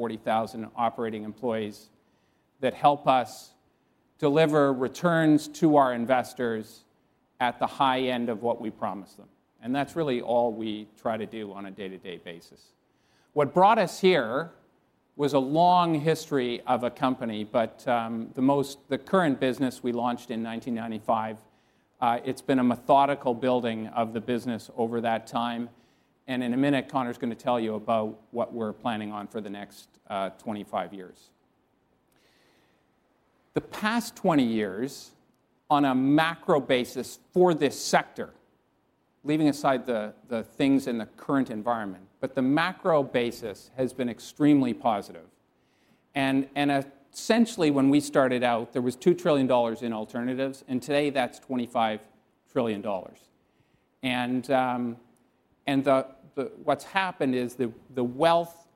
Forty thousand operating employees that help us deliver returns to our investors at the high end of what we promise them, and that's really all we try to do on a day-to-day basis. What brought us here was a long history of a company, but the most the current business we launched in 1995. It's been a methodical building of the business over that time, and in a minute, Connor's gonna tell you about what we're planning on for the next 25 years. The past twenty years, on a macro basis for this sector, leaving aside the things in the current environment, but the macro basis has been extremely positive. Essentially, when we started out, there was $2 trillion in alternatives, and today that's $25 trillion. And what's happened is the wealth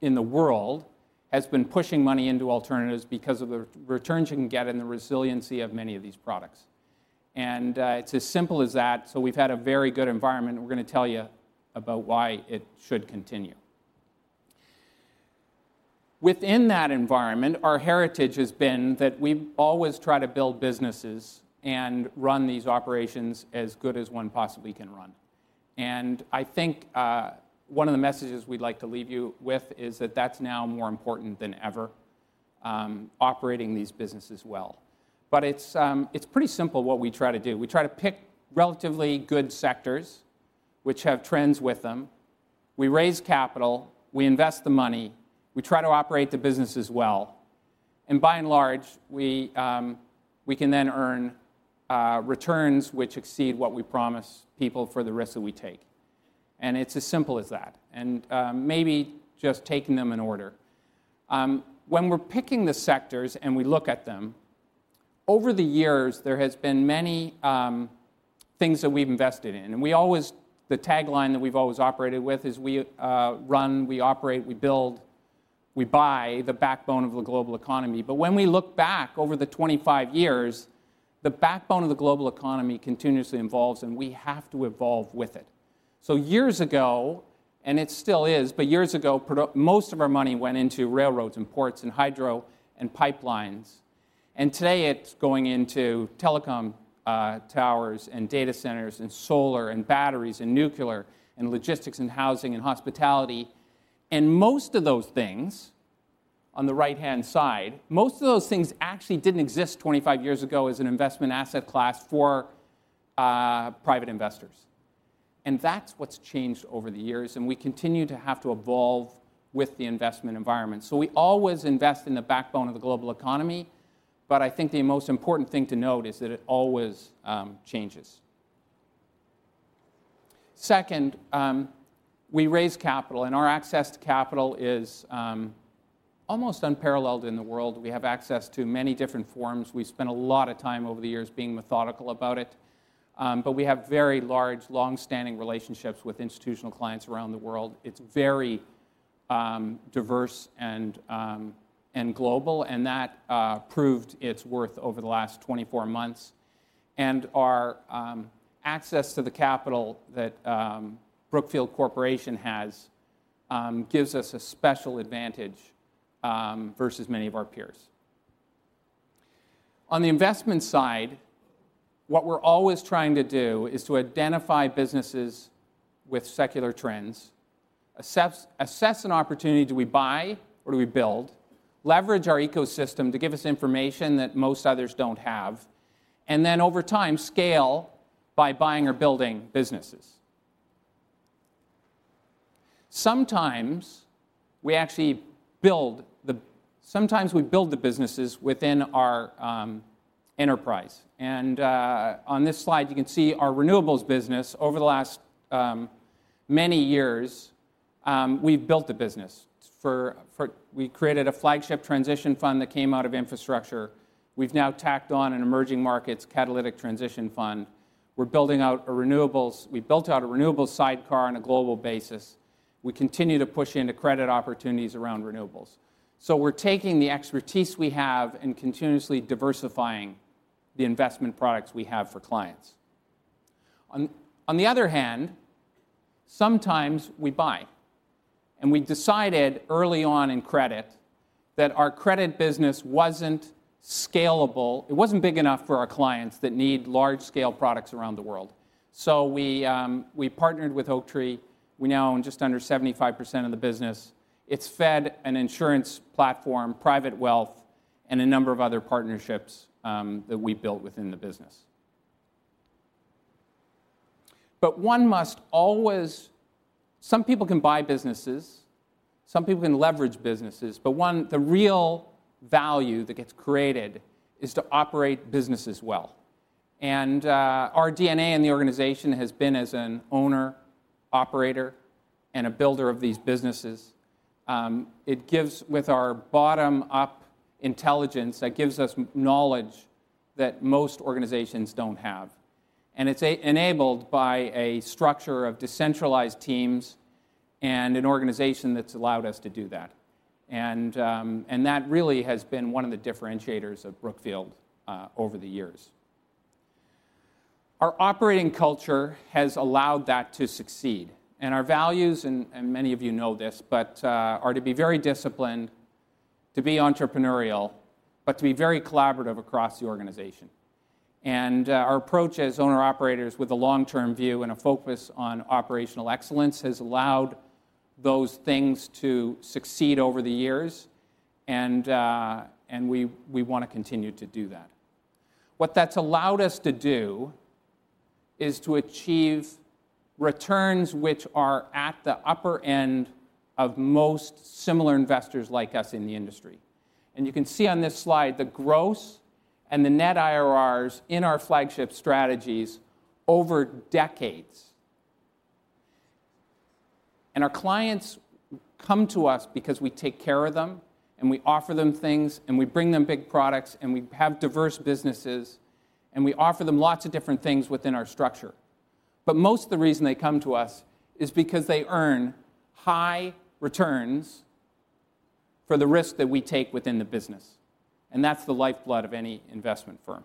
in the world has been pushing money into alternatives because of the returns you can get and the resiliency of many of these products. And it's as simple as that, so we've had a very good environment, and we're gonna tell you about why it should continue. Within that environment, our heritage has been that we always try to build businesses and run these operations as good as one possibly can run. And I think one of the messages we'd like to leave you with is that that's now more important than ever, operating these businesses well. But it's pretty simple what we try to do. We try to pick relatively good sectors which have trends with them. We raise capital, we invest the money, we try to operate the businesses well, and by and large, we can then earn returns which exceed what we promise people for the risk that we take. And it's as simple as that. And maybe just taking them in order. When we're picking the sectors and we look at them, over the years, there has been many things that we've invested in, and we always, the tagline that we've always operated with is, "We run, we operate, we build, we buy the backbone of the global economy." But when we look back over the 25 years, the backbone of the global economy continuously evolves, and we have to evolve with it. So years ago, and it still is, but years ago, most of our money went into railroads and ports and hydro and pipelines, and today it's going into telecom, towers and data centers and solar and batteries and nuclear and logistics and housing and hospitality. And most of those things, on the right-hand side, most of those things actually didn't exist 25 years ago as an investment asset class for private investors, and that's what's changed over the years, and we continue to have to evolve with the investment environment. So we always invest in the backbone of the global economy, but I think the most important thing to note is that it always changes. Second, we raise capital, and our access to capital is almost unparalleled in the world. We have access to many different forms. We've spent a lot of time over the years being methodical about it, but we have very large, long-standing relationships with institutional clients around the world. It's very diverse and global, and that proved its worth over the last 24 months, and our access to the capital that Brookfield Corporation has gives us a special advantage versus many of our peers. On the investment side, what we're always trying to do is to identify businesses with secular trends, assess an opportunity, do we buy or do we build? Leverage our ecosystem to give us information that most others don't have, and then over time, scale by buying or building businesses. Sometimes we build the businesses within our enterprise. On this slide, you can see our renewables business over the last many years. We've built a business. We created a flagship transition fund that came out of infrastructure. We've now tacked on an emerging markets catalytic transition fund. We've built out a renewables sidecar on a global basis. We continue to push into credit opportunities around renewables. So we're taking the expertise we have and continuously diversifying the investment products we have for clients. On the other hand, sometimes we buy, and we decided early on in credit that our credit business wasn't scalable. It wasn't big enough for our clients that need large-scale products around the world. So we partnered with Oaktree. We now own just under 75% of the business. It's fed an insurance platform, private wealth, and a number of other partnerships that we've built within the business. But one must always. Some people can buy businesses, some people can leverage businesses, but one, the real value that gets created is to operate businesses well, and our DNA in the organization has been as an owner, operator, and a builder of these businesses. It gives, with our bottom-up intelligence, that gives us knowledge that most organizations don't have, and it's enabled by a structure of decentralized teams and an organization that's allowed us to do that. That really has been one of the differentiators of Brookfield over the years. Our operating culture has allowed that to succeed, and our values, and many of you know this, but are to be very disciplined, to be entrepreneurial, but to be very collaborative across the organization, and our approach as owner-operators with a long-term view and a focus on operational excellence has allowed those things to succeed over the years, and we want to continue to do that. What that's allowed us to do is to achieve returns which are at the upper end of most similar investors like us in the industry, and you can see on this slide the gross and the net IRRs in our flagship strategies over decades. Our clients come to us because we take care of them, and we offer them things, and we bring them big products, and we have diverse businesses, and we offer them lots of different things within our structure. But most of the reason they come to us is because they earn high returns for the risk that we take within the business, and that's the lifeblood of any investment firm.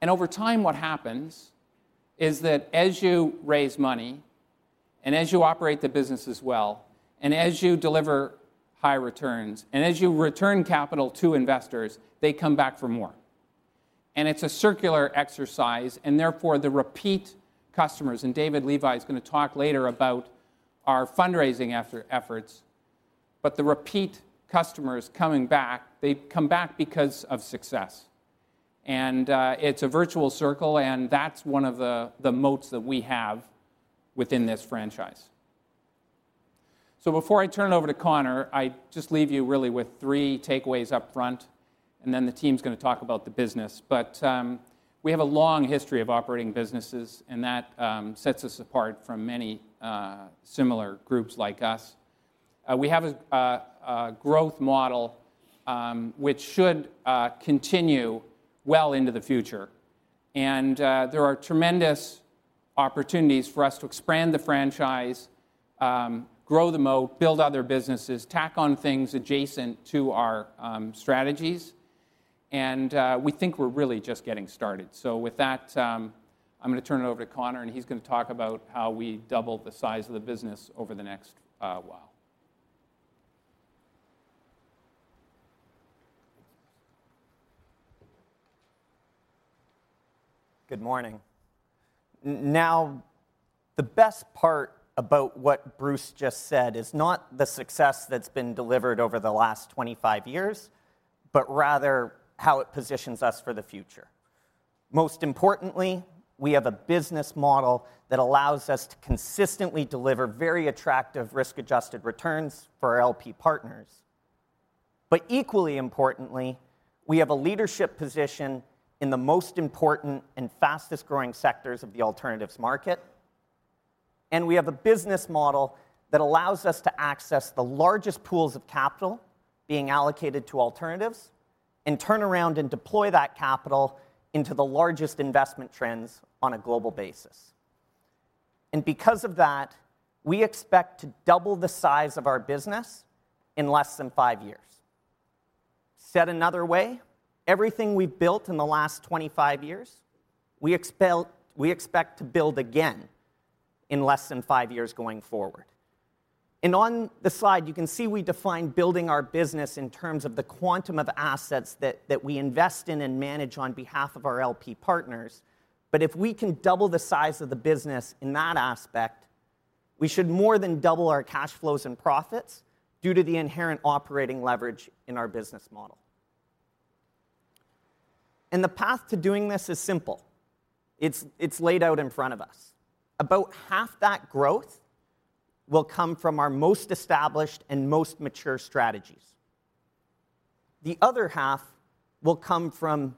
And over time, what happens is that as you raise money, and as you operate the business as well, and as you deliver high returns, and as you return capital to investors, they come back for more. And it's a circular exercise, and therefore, the repeat customers, and David Levi is gonna talk later about our fundraising efforts, but the repeat customers coming back, they come back because of success. It's a virtuous circle, and that's one of the moats that we have within this franchise. So before I turn it over to Connor, I just leave you really with three takeaways up front, and then the team's gonna talk about the business. But we have a long history of operating businesses, and that sets us apart from many similar groups like us. We have a growth model, which should continue well into the future, and there are tremendous opportunities for us to expand the franchise, grow the moat, build other businesses, tack on things adjacent to our strategies, and we think we're really just getting started. With that, I'm gonna turn it over to Connor, and he's gonna talk about how we double the size of the business over the next while. Good morning. Now, the best part about what Bruce just said is not the success that's been delivered over the last 25 years, but rather how it positions us for the future. Most importantly, we have a business model that allows us to consistently deliver very attractive risk-adjusted returns for our LP partners. But equally importantly, we have a leadership position in the most important and fastest-growing sectors of the alternatives market, and we have a business model that allows us to access the largest pools of capital being allocated to alternatives, and turn around and deploy that capital into the largest investment trends on a global basis. And because of that, we expect to double the size of our business in less than five years. Said another way, everything we've built in the last 25 years, we expect to build again in less than five years going forward. And on the slide, you can see we define building our business in terms of the quantum of assets that we invest in and manage on behalf of our LP partners, but if we can double the size of the business in that aspect, we should more than double our cash flows and profits due to the inherent operating leverage in our business model. And the path to doing this is simple. It's laid out in front of us. About half that growth will come from our most established and most mature strategies. The other half will come from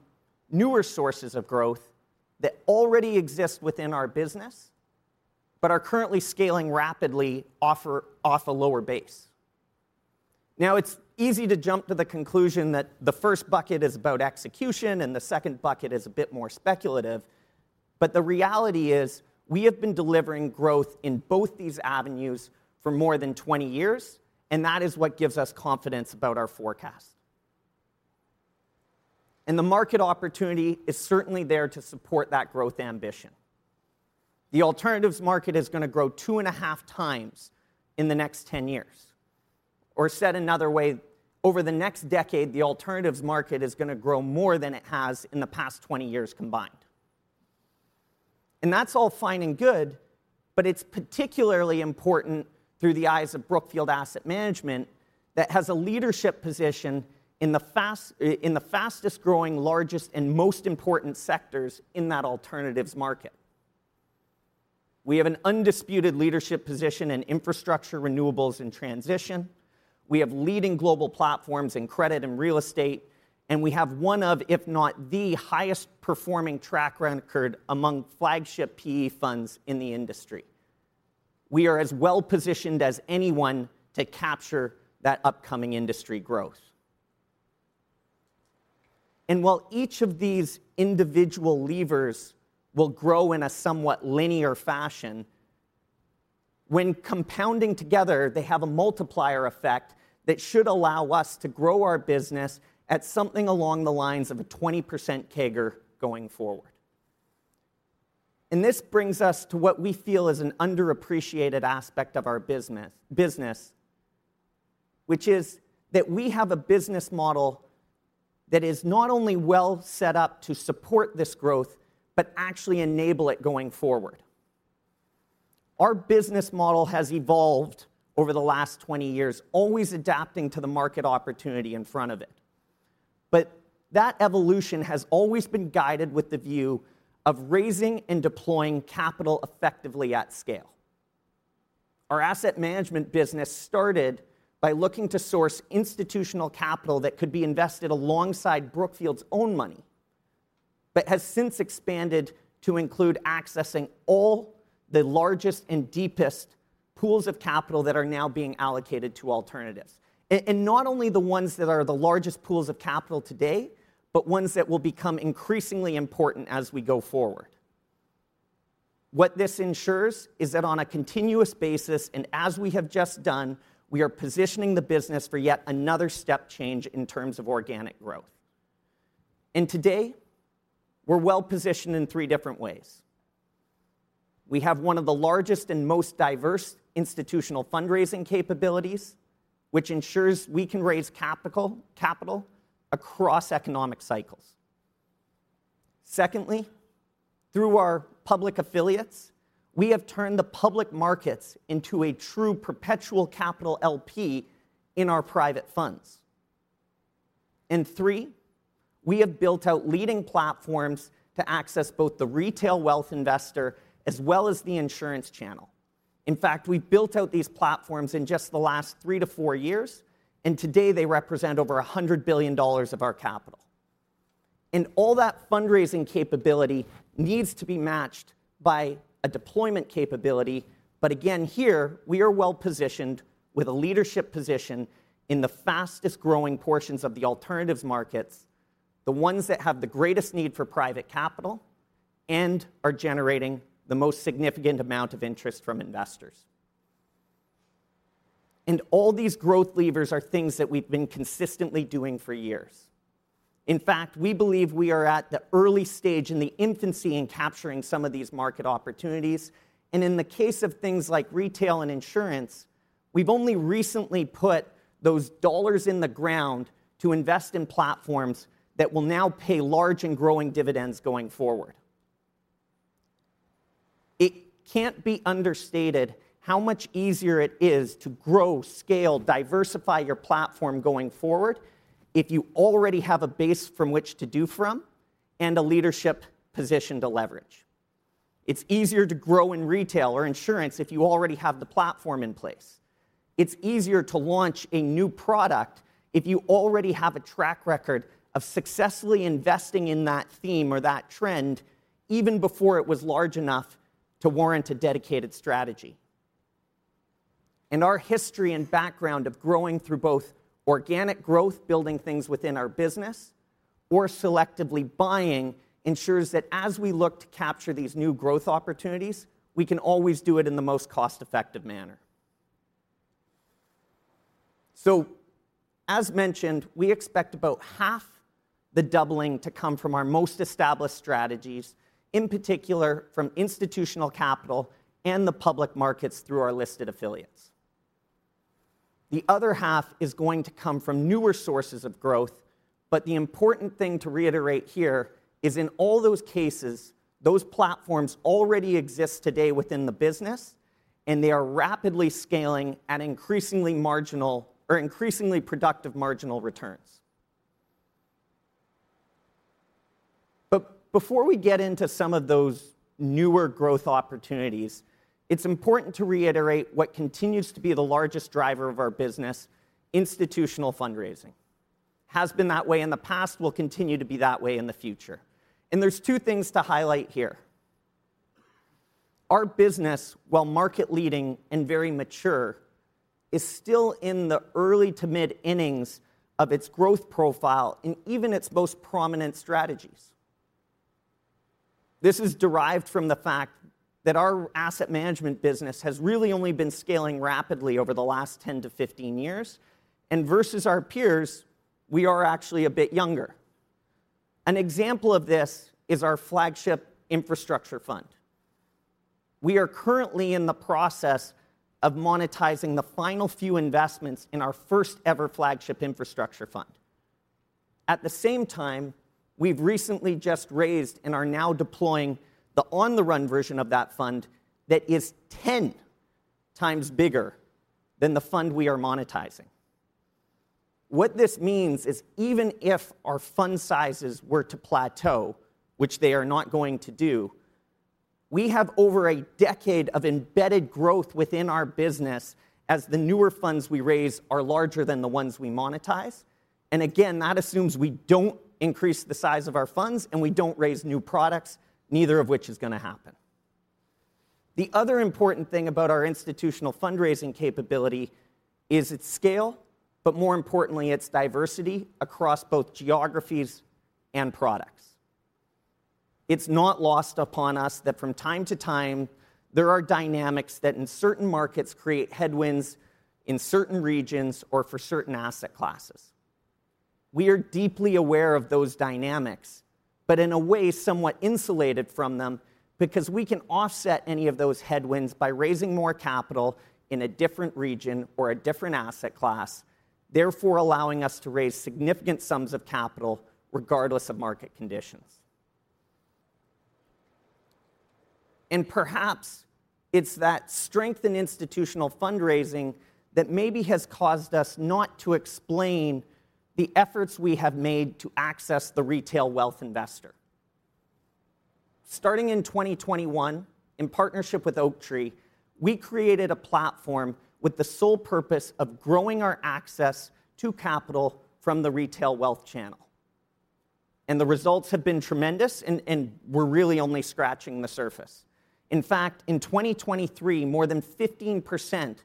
newer sources of growth that already exist within our business but are currently scaling rapidly off a lower base. Now, it's easy to jump to the conclusion that the first bucket is about execution and the second bucket is a bit more speculative, but the reality is, we have been delivering growth in both these avenues for more than 20 years, and that is what gives us confidence about our forecast. And the market opportunity is certainly there to support that growth ambition. The alternatives market is gonna grow two and a half times in the next 10 years, or said another way, over the next decade, the alternatives market is gonna grow more than it has in the past 20 years combined. And that's all fine and good, but it's particularly important through the eyes of Brookfield Asset Management that has a leadership position in the fast, in the fastest-growing, largest, and most important sectors in that alternatives market. We have an undisputed leadership position in infrastructure, renewables, and transition. We have leading global platforms in credit and real estate, and we have one of, if not the, highest performing track record among flagship PE funds in the industry. We are as well-positioned as anyone to capture that upcoming industry growth. While each of these individual levers will grow in a somewhat linear fashion, when compounding together, they have a multiplier effect that should allow us to grow our business at something along the lines of a 20% CAGR going forward. This brings us to what we feel is an underappreciated aspect of our business, which is that we have a business model that is not only well set up to support this growth, but actually enable it going forward. Our business model has evolved over the last twenty years, always adapting to the market opportunity in front of it. But that evolution has always been guided with the view of raising and deploying capital effectively at scale. Our asset management business started by looking to source institutional capital that could be invested alongside Brookfield's own money, but has since expanded to include accessing all the largest and deepest pools of capital that are now being allocated to alternatives, and not only the ones that are the largest pools of capital today, but ones that will become increasingly important as we go forward. What this ensures is that on a continuous basis, and as we have just done, we are positioning the business for yet another step change in terms of organic growth, and today, we're well-positioned in three different ways. We have one of the largest and most diverse institutional fundraising capabilities, which ensures we can raise capital across economic cycles. Secondly, through our public affiliates, we have turned the public markets into a true perpetual capital LP in our private funds. And three, we have built out leading platforms to access both the retail wealth investor as well as the insurance channel. In fact, we've built out these platforms in just the last three to four years, and today they represent over $100 billion of our capital. And all that fundraising capability needs to be matched by a deployment capability, but again, here we are well-positioned with a leadership position in the fastest-growing portions of the alternatives markets, the ones that have the greatest need for private capital and are generating the most significant amount of interest from investors. All these growth levers are things that we've been consistently doing for years. In fact, we believe we are at the early stage in the infancy of capturing some of these market opportunities, and in the case of things like retail and insurance, we've only recently put those dollars in the ground to invest in platforms that will now pay large and growing dividends going forward. It can't be understated how much easier it is to grow, scale, diversify your platform going forward if you already have a base from which to grow from and a leadership position to leverage. It's easier to grow in retail or insurance if you already have the platform in place. It's easier to launch a new product if you already have a track record of successfully investing in that theme or that trend, even before it was large enough to warrant a dedicated strategy. And our history and background of growing through both organic growth, building things within our business, or selectively buying, ensures that as we look to capture these new growth opportunities, we can always do it in the most cost-effective manner. So, as mentioned, we expect about half the doubling to come from our most established strategies, in particular from institutional capital and the public markets through our listed affiliates. The other half is going to come from newer sources of growth, but the important thing to reiterate here is in all those cases, those platforms already exist today within the business, and they are rapidly scaling at increasingly productive marginal returns. But before we get into some of those newer growth opportunities, it's important to reiterate what continues to be the largest driver of our business, institutional fundraising. Has been that way in the past, will continue to be that way in the future, and there's two things to highlight here. Our business, while market leading and very mature, is still in the early to mid-innings of its growth profile in even its most prominent strategies. This is derived from the fact that our asset management business has really only been scaling rapidly over the last 10 years to 15 years, and versus our peers, we are actually a bit younger. An example of this is our flagship infrastructure fund. We are currently in the process of monetizing the final few investments in our first-ever flagship infrastructure fund. At the same time, we've recently just raised and are now deploying the on-the-run version of that fund that is ten times bigger than the fund we are monetizing. What this means is, even if our fund sizes were to plateau, which they are not going to do, we have over a decade of embedded growth within our business, as the newer funds we raise are larger than the ones we monetize. And again, that assumes we don't increase the size of our funds, and we don't raise new products, neither of which is gonna happen. The other important thing about our institutional fundraising capability is its scale, but more importantly, its diversity across both geographies and products... It's not lost upon us that from time to time, there are dynamics that in certain markets create headwinds in certain regions or for certain asset classes. We are deeply aware of those dynamics, but in a way, somewhat insulated from them, because we can offset any of those headwinds by raising more capital in a different region or a different asset class, therefore, allowing us to raise significant sums of capital regardless of market conditions. And perhaps it's that strength in institutional fundraising that maybe has caused us not to explain the efforts we have made to access the retail wealth investor. Starting in 2021, in partnership with Oaktree, we created a platform with the sole purpose of growing our access to capital from the retail wealth channel, and the results have been tremendous, and we're really only scratching the surface. In fact, in 2023, more than 15%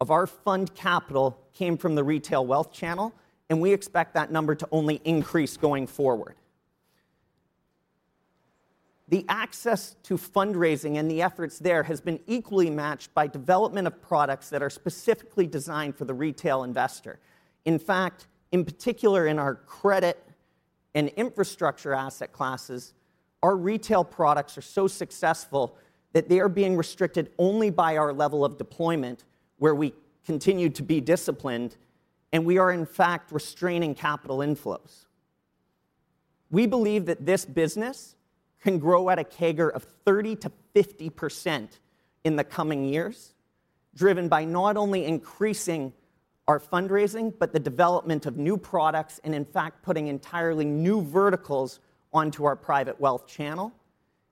of our fund capital came from the retail wealth channel, and we expect that number to only increase going forward. The access to fundraising and the efforts there has been equally matched by development of products that are specifically designed for the retail investor. In fact, in particular, in our credit and infrastructure asset classes, our retail products are so successful that they are being restricted only by our level of deployment, where we continue to be disciplined, and we are, in fact, restraining capital inflows. We believe that this business can grow at a CAGR of 30%-50% in the coming years, driven by not only increasing our fundraising, but the development of new products, and in fact, putting entirely new verticals onto our private wealth channel,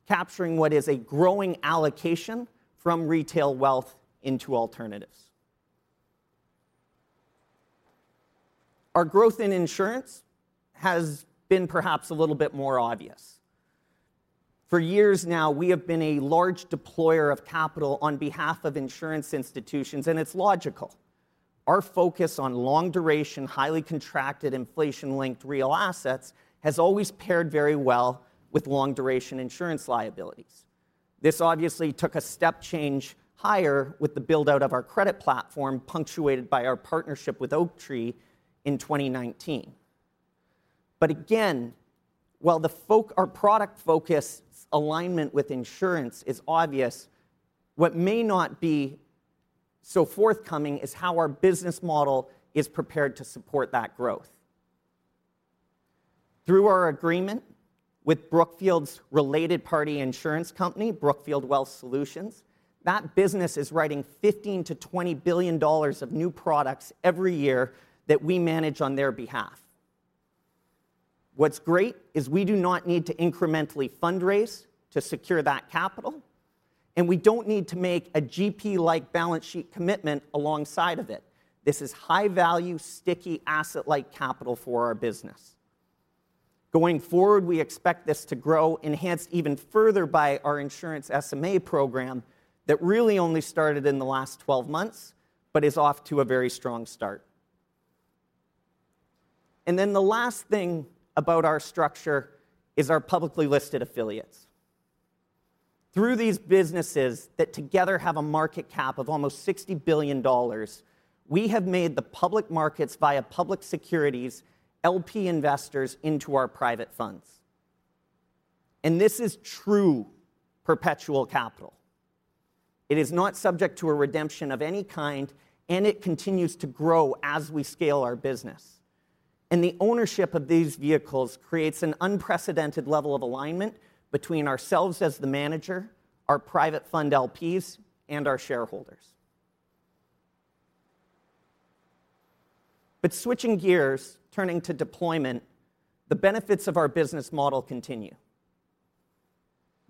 capturing what is a growing allocation from retail wealth into alternatives. Our growth in insurance has been perhaps a little bit more obvious. For years now, we have been a large deployer of capital on behalf of insurance institutions, and it's logical. Our focus on long-duration, highly contracted, inflation-linked real assets has always paired very well with long-duration insurance liabilities. This obviously took a step change higher with the build-out of our credit platform, punctuated by our partnership with Oaktree in 2019. But again, while our product focus alignment with insurance is obvious, what may not be so forthcoming is how our business model is prepared to support that growth. Through our agreement with Brookfield's related party insurance company, Brookfield Wealth Solutions, that business is writing $15 billion-$20 billion of new products every year that we manage on their behalf. What's great is we do not need to incrementally fundraise to secure that capital, and we don't need to make a GP-like balance sheet commitment alongside of it. This is high-value, sticky, asset-like capital for our business. Going forward, we expect this to grow, enhanced even further by our insurance SMA program that really only started in the last 12 months, but is off to a very strong start. And then the last thing about our structure is our publicly listed affiliates. Through these businesses that together have a market cap of almost $60 billion, we have made the public markets via public securities, LP investors into our private funds, and this is true perpetual capital. It is not subject to a redemption of any kind, and it continues to grow as we scale our business. And the ownership of these vehicles creates an unprecedented level of alignment between ourselves as the manager, our private fund LPs, and our shareholders. But switching gears, turning to deployment, the benefits of our business model continue.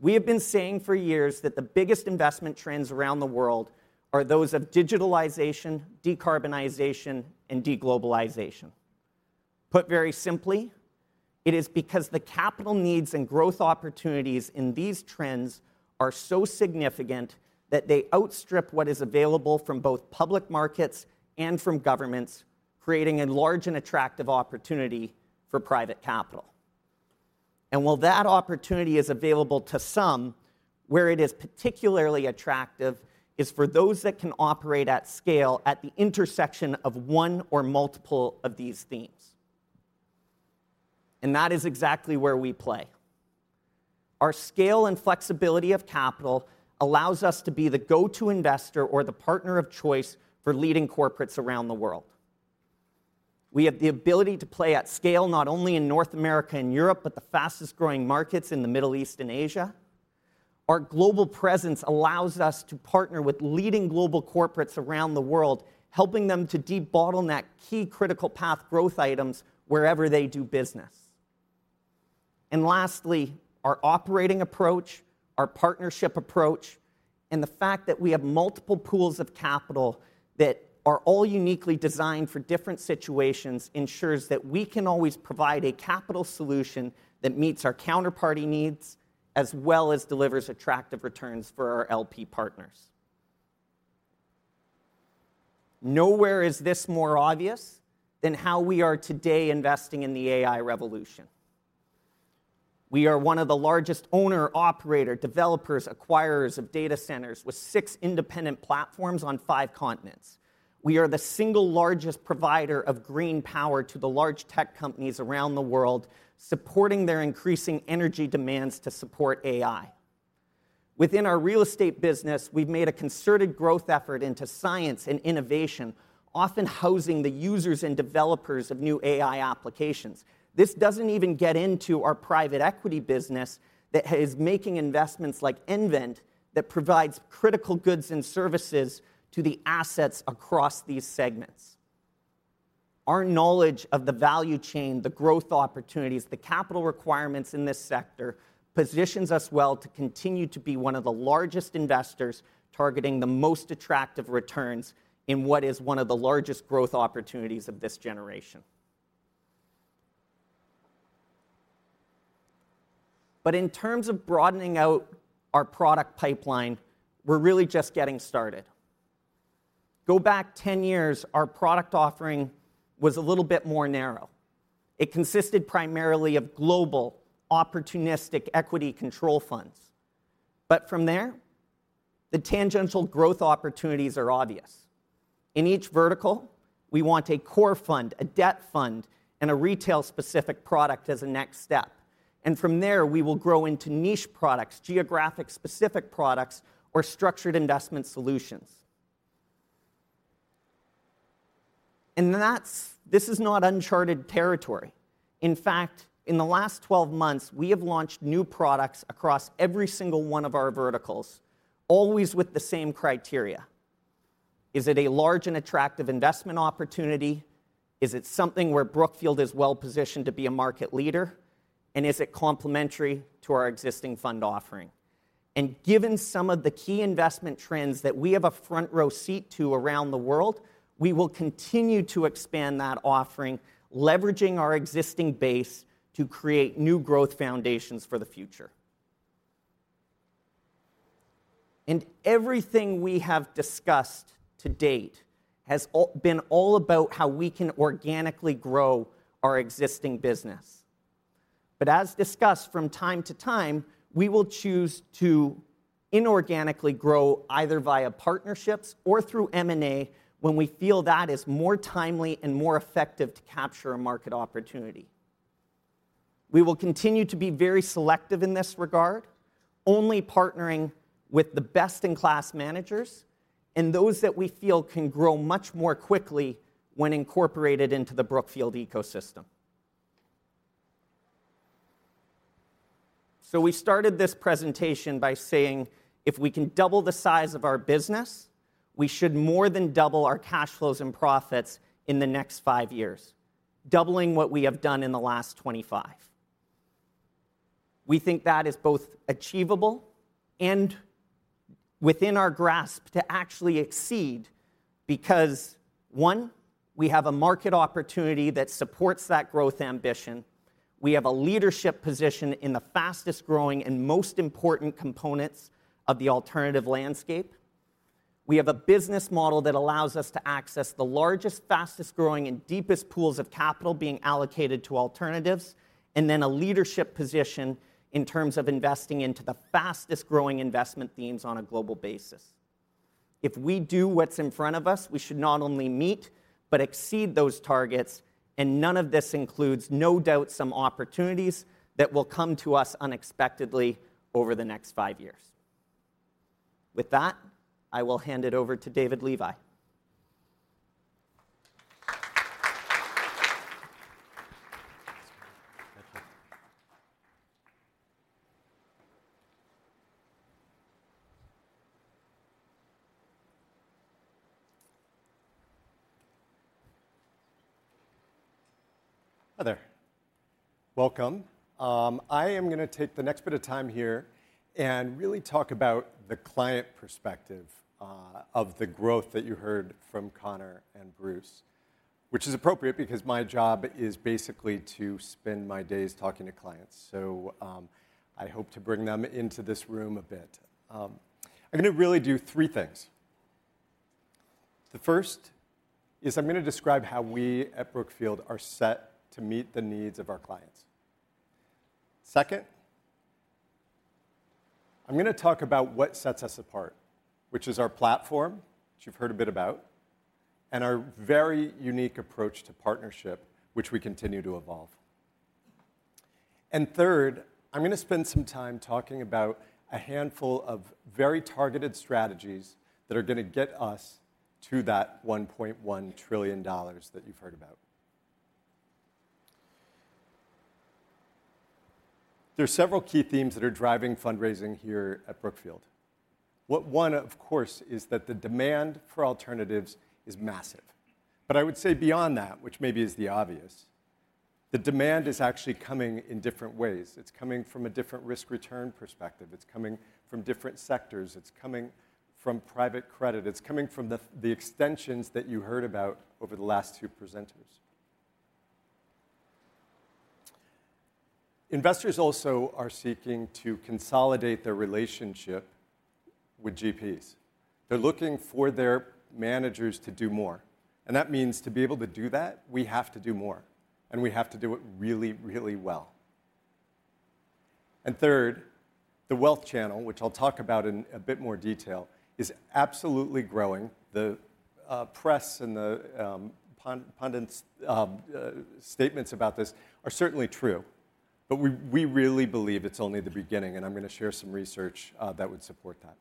We have been saying for years that the biggest investment trends around the world are those of digitalization, decarbonization, and deglobalization. Put very simply, it is because the capital needs and growth opportunities in these trends are so significant that they outstrip what is available from both public markets and from governments, creating a large and attractive opportunity for private capital. And while that opportunity is available to some, where it is particularly attractive is for those that can operate at scale at the intersection of one or multiple of these themes, and that is exactly where we play. Our scale and flexibility of capital allows us to be the go-to investor or the partner of choice for leading corporates around the world. We have the ability to play at scale, not only in North America and Europe, but the fastest-growing markets in the Middle East and Asia. Our global presence allows us to partner with leading global corporates around the world, helping them to debottleneck key critical path growth items wherever they do business. And lastly, our operating approach, our partnership approach, and the fact that we have multiple pools of capital that are all uniquely designed for different situations ensures that we can always provide a capital solution that meets our counterparty needs, as well as delivers attractive returns for our LP partners. Nowhere is this more obvious than how we are today investing in the AI revolution. We are one of the largest owner, operator, developers, acquirers of data centers with six independent platforms on five continents. We are the single largest provider of green power to the large tech companies around the world, supporting their increasing energy demands to support AI. Within our real estate business, we've made a concerted growth effort into science and innovation, often housing the users and developers of new AI applications. This doesn't even get into our private equity business that is making investments like nVent, that provides critical goods and services to the assets across these segments. Our knowledge of the value chain, the growth opportunities, the capital requirements in this sector, positions us well to continue to be one of the largest investors targeting the most attractive returns in what is one of the largest growth opportunities of this generation. But in terms of broadening out our product pipeline, we're really just getting started. Go back 10 years, our product offering was a little bit more narrow. It consisted primarily of global opportunistic equity control funds, but from there, the tangential growth opportunities are obvious. In each vertical, we want a core fund, a debt fund, and a retail-specific product as a next step, and from there, we will grow into niche products, geographic-specific products, or structured investment solutions. And that's-- this is not uncharted territory. In fact, in the last twelve months, we have launched new products across every single one of our verticals, always with the same criteria: Is it a large and attractive investment opportunity? Is it something where Brookfield is well-positioned to be a market leader? And is it complementary to our existing fund offering? And given some of the key investment trends that we have a front-row seat to around the world, we will continue to expand that offering, leveraging our existing base to create new growth foundations for the future. Everything we have discussed to date has been all about how we can organically grow our existing business. But as discussed, from time to time, we will choose to inorganically grow either via partnerships or through M&A when we feel that is more timely and more effective to capture a market opportunity. We will continue to be very selective in this regard, only partnering with the best-in-class managers and those that we feel can grow much more quickly when incorporated into the Brookfield ecosystem. We started this presentation by saying, if we can double the size of our business, we should more than double our cash flows and profits in the next five years, doubling what we have done in the last twenty-five. We think that is both achievable and within our grasp to actually exceed, because, one, we have a market opportunity that supports that growth ambition. We have a leadership position in the fastest-growing and most important components of the alternative landscape. We have a business model that allows us to access the largest, fastest-growing, and deepest pools of capital being allocated to alternatives, and then a leadership position in terms of investing into the fastest-growing investment themes on a global basis. If we do what's in front of us, we should not only meet but exceed those targets, and none of this includes no doubt some opportunities that will come to us unexpectedly over the next five years. With that, I will hand it over to David Levi. Hi there. Welcome. I am gonna take the next bit of time here and really talk about the client perspective, of the growth that you heard from Connor and Bruce, which is appropriate because my job is basically to spend my days talking to clients, so, I hope to bring them into this room a bit. I'm gonna really do three things. The first is I'm gonna describe how we at Brookfield are set to meet the needs of our clients. Second, I'm gonna talk about what sets us apart, which is our platform, which you've heard a bit about, and our very unique approach to partnership, which we continue to evolve. And third, I'm gonna spend some time talking about a handful of very targeted strategies that are gonna get us to that $1.1 trillion that you've heard about. There are several key themes that are driving fundraising here at Brookfield. One, of course, is that the demand for alternatives is massive, but I would say beyond that, which maybe is the obvious, the demand is actually coming in different ways. It's coming from a different risk-return perspective. It's coming from different sectors. It's coming from private credit. It's coming from the extensions that you heard about over the last two presenters. Investors also are seeking to consolidate their relationship with GPs. They're looking for their managers to do more, and that means to be able to do that, we have to do more, and we have to do it really, really well. Third, the wealth channel, which I'll talk about in a bit more detail, is absolutely growing. The press and the pundits' statements about this are certainly true, but we really believe it's only the beginning, and I'm gonna share some research that would support that.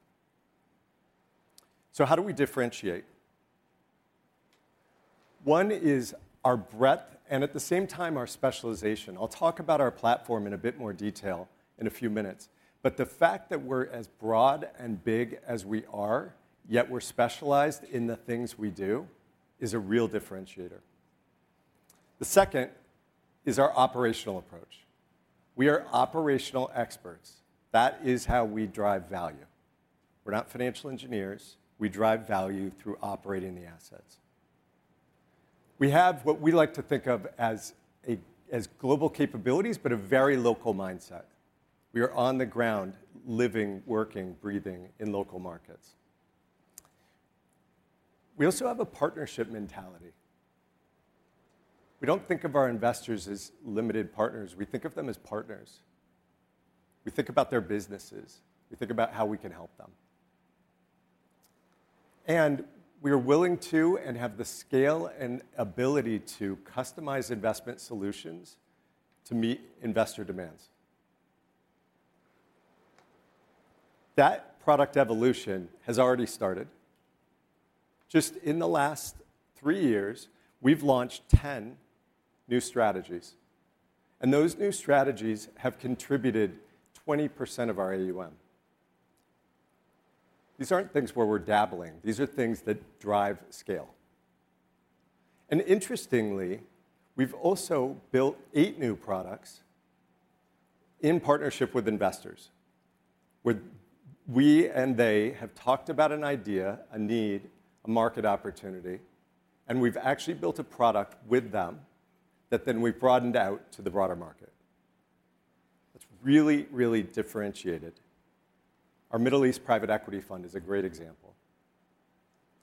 So how do we differentiate? One is our breadth, and at the same time, our specialization. I'll talk about our platform in a bit more detail in a few minutes. But the fact that we're as broad and big as we are, yet we're specialized in the things we do, is a real differentiator. The second is our operational approach. We are operational experts. That is how we drive value. We're not financial engineers; we drive value through operating the assets. We have what we like to think of as global capabilities, but a very local mindset. We are on the ground, living, working, breathing in local markets. We also have a partnership mentality. We don't think of our investors as limited partners. We think of them as partners. We think about their businesses. We think about how we can help them. And we are willing to, and have the scale and ability to, customize investment solutions to meet investor demands. That product evolution has already started. Just in the last three years, we've launched 10 new strategies, and those new strategies have contributed 20% of our AUM. These aren't things where we're dabbling. These are things that drive scale. And interestingly, we've also built 8 new products in partnership with investors, where we and they have talked about an idea, a need, a market opportunity, and we've actually built a product with them that then we've broadened out to the broader market. That's really, really differentiated. Our Middle East private equity fund is a great example.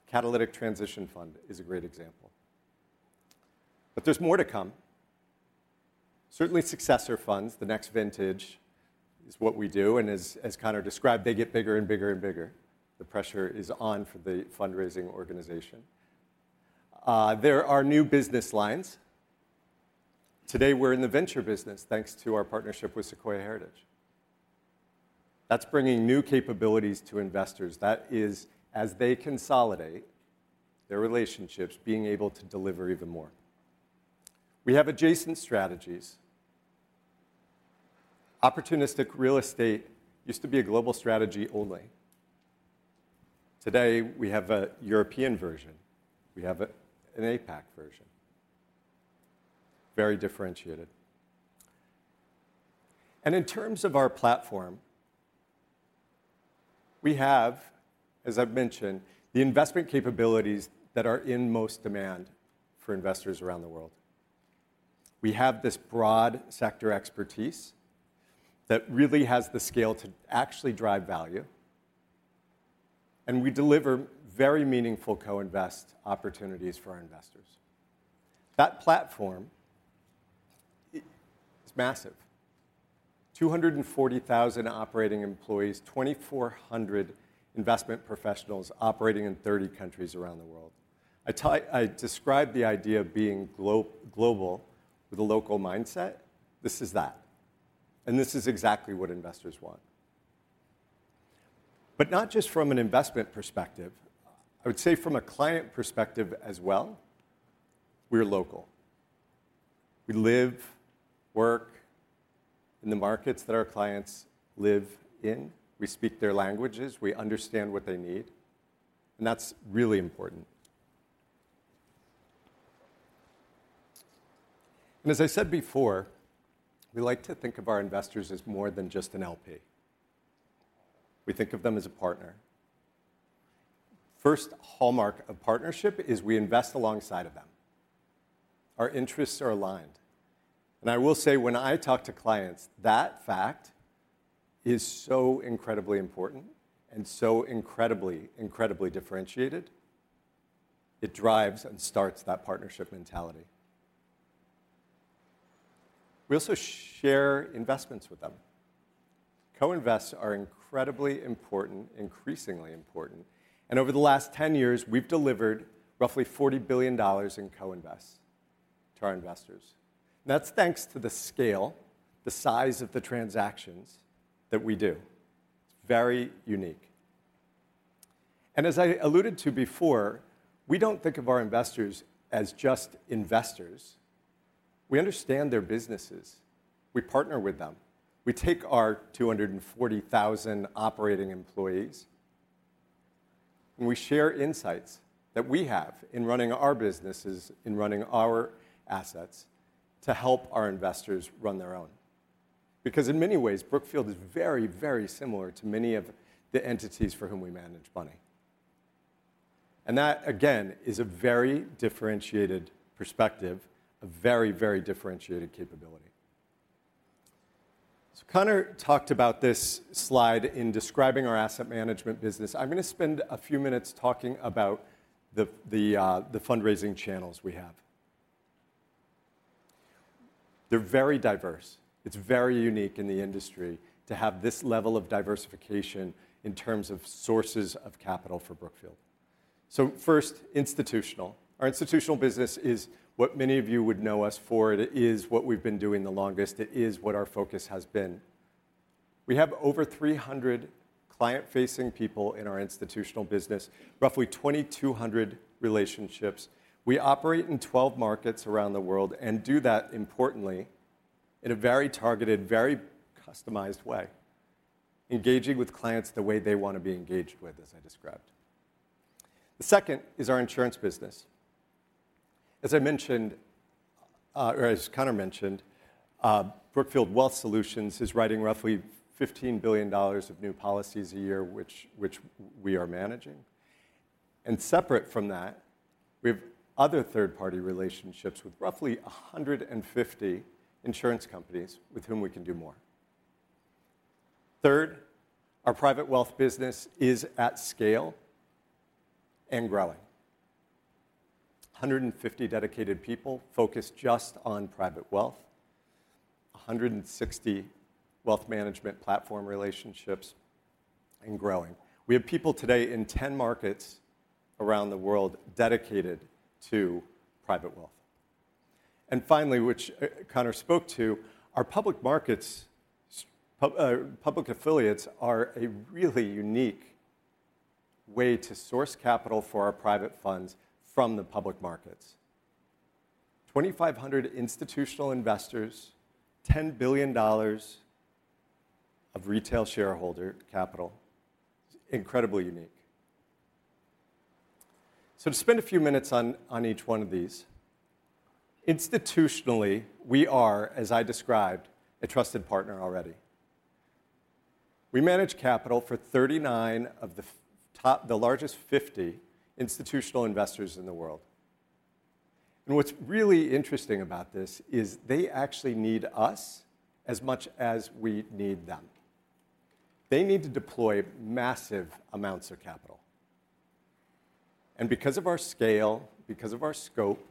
Catalytic Transition Fund is a great example. But there's more to come. Certainly, successor funds, the next vintage, is what we do, and as Connor described, they get bigger and bigger and bigger. The pressure is on for the fundraising organization. There are new business lines. Today, we're in the venture business, thanks to our partnership with Sequoia Heritage. That's bringing new capabilities to investors. That is, as they consolidate their relationships, being able to deliver even more. We have adjacent strategies. Opportunistic real estate used to be a global strategy only. Today, we have a European version, we have an APAC version. Very differentiated. And in terms of our platform, we have, as I've mentioned, the investment capabilities that are in most demand for investors around the world. We have this broad sector expertise that really has the scale to actually drive value, and we deliver very meaningful co-invest opportunities for our investors. That platform, it is massive. 240,000 operating employees, 2,400 investment professionals operating in 30 countries around the world. I described the idea of being global with a local mindset. This is that, and this is exactly what investors want. But not just from an investment perspective, I would say from a client perspective as well, we're local. We live, work in the markets that our clients live in. We speak their languages, we understand what they need, and that's really important. And as I said before, we like to think of our investors as more than just an LP. We think of them as a partner. First hallmark of partnership is we invest alongside of them. Our interests are aligned, and I will say, when I talk to clients, that fact is so incredibly important and so incredibly, incredibly differentiated. It drives and starts that partnership mentality. We also share investments with them. Co-invests are incredibly important, increasingly important, and over the last 10 years, we've delivered roughly $40 billion in co-invest to our investors. That's thanks to the scale, the size of the transactions that we do. It's very unique, and as I alluded to before, we don't think of our investors as just investors. We understand their businesses. We partner with them. We take our 240,000 operating employees, and we share insights that we have in running our businesses, in running our assets, to help our investors run their own. Because in many ways, Brookfield is very, very similar to many of the entities for whom we manage money. And that, again, is a very differentiated perspective, a very, very differentiated capability. So Connor talked about this slide in describing our asset management business. I'm gonna spend a few minutes talking about the fundraising channels we have. They're very diverse. It's very unique in the industry to have this level of diversification in terms of sources of capital for Brookfield. So first, institutional. Our institutional business is what many of you would know us for. It is what we've been doing the longest. It is what our focus has been. We have over three hundred client-facing people in our institutional business, roughly 2,200 relationships. We operate in 12 markets around the world, and do that, importantly, in a very targeted, very customized way, engaging with clients the way they want to be engaged with, as I described. The second is our insurance business. As I mentioned, or as Connor mentioned, Brookfield Wealth Solutions is writing roughly $15 billion of new policies a year, which we are managing. And separate from that, we have other third-party relationships with roughly 150 insurance companies with whom we can do more. Third, our private wealth business is at scale and growing. 150 dedicated people focused just on private wealth, 160 wealth management platform relationships and growing. We have people today in 10 markets around the world dedicated to private wealth. And finally, which Connor spoke to, our public markets, public affiliates are a really unique way to source capital for our private funds from the public markets. 2,500 institutional investors, $10 billion of retail shareholder capital, incredibly unique. So to spend a few minutes on each one of these, institutionally, we are, as I described, a trusted partner already. We manage capital for 39 of the largest 50 institutional investors in the world. And what's really interesting about this is they actually need us as much as we need them. They need to deploy massive amounts of capital. And because of our scale, because of our scope,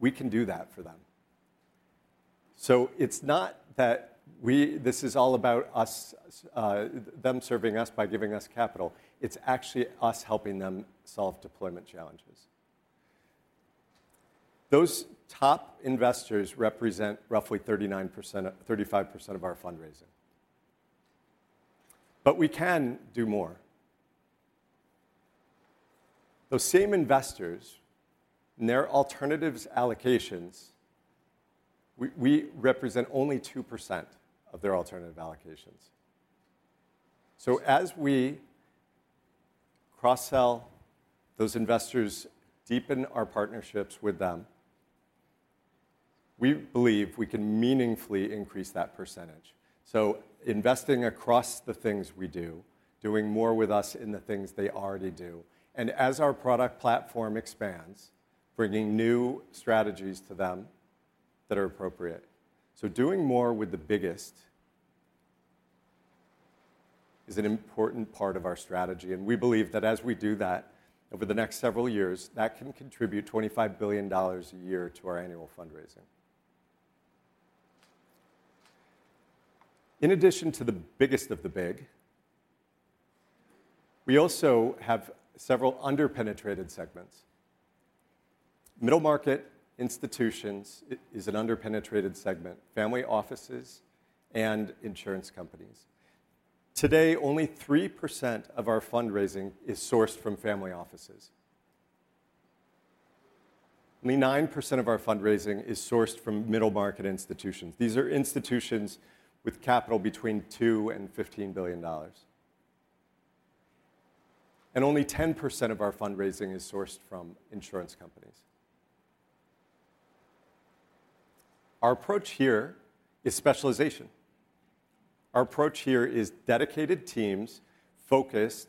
we can do that for them. So it's not that this is all about us, them serving us by giving us capital, it's actually us helping them solve deployment challenges. Those top investors represent roughly 39%, uh, 35% of our fundraising. But we can do more. Those same investors, in their alternatives allocations, we represent only 2% of their alternative allocations. So as we cross-sell those investors, deepen our partnerships with them, we believe we can meaningfully increase that percentage. So investing across the things we do, doing more with us in the things they already do, and as our product platform expands, bringing new strategies to them that are appropriate. So doing more with the biggest is an important part of our strategy, and we believe that as we do that, over the next several years, that can contribute $25 billion a year to our annual fundraising. In addition to the biggest of the big, we also have several underpenetrated segments. Middle market institutions is an underpenetrated segment, family offices, and insurance companies. Today, only 3% of our fundraising is sourced from family offices. Only 9% of our fundraising is sourced from middle-market institutions. These are institutions with capital between $2 billion and $15 billion. And only 10% of our fundraising is sourced from insurance companies. Our approach here is specialization. Our approach here is dedicated teams focused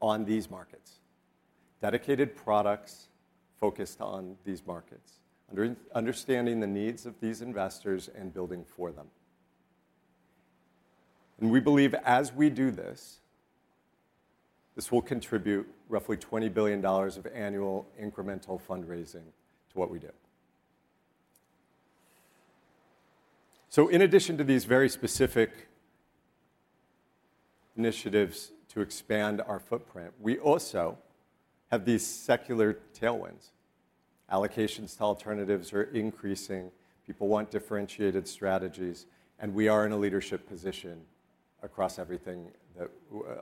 on these markets, dedicated products focused on these markets, understanding the needs of these investors and building for them. And we believe as we do this, this will contribute roughly $20 billion of annual incremental fundraising to what we do. So in addition to these very specific initiatives to expand our footprint, we also have these secular tailwinds. Allocations to alternatives are increasing, people want differentiated strategies, and we are in a leadership position across everything that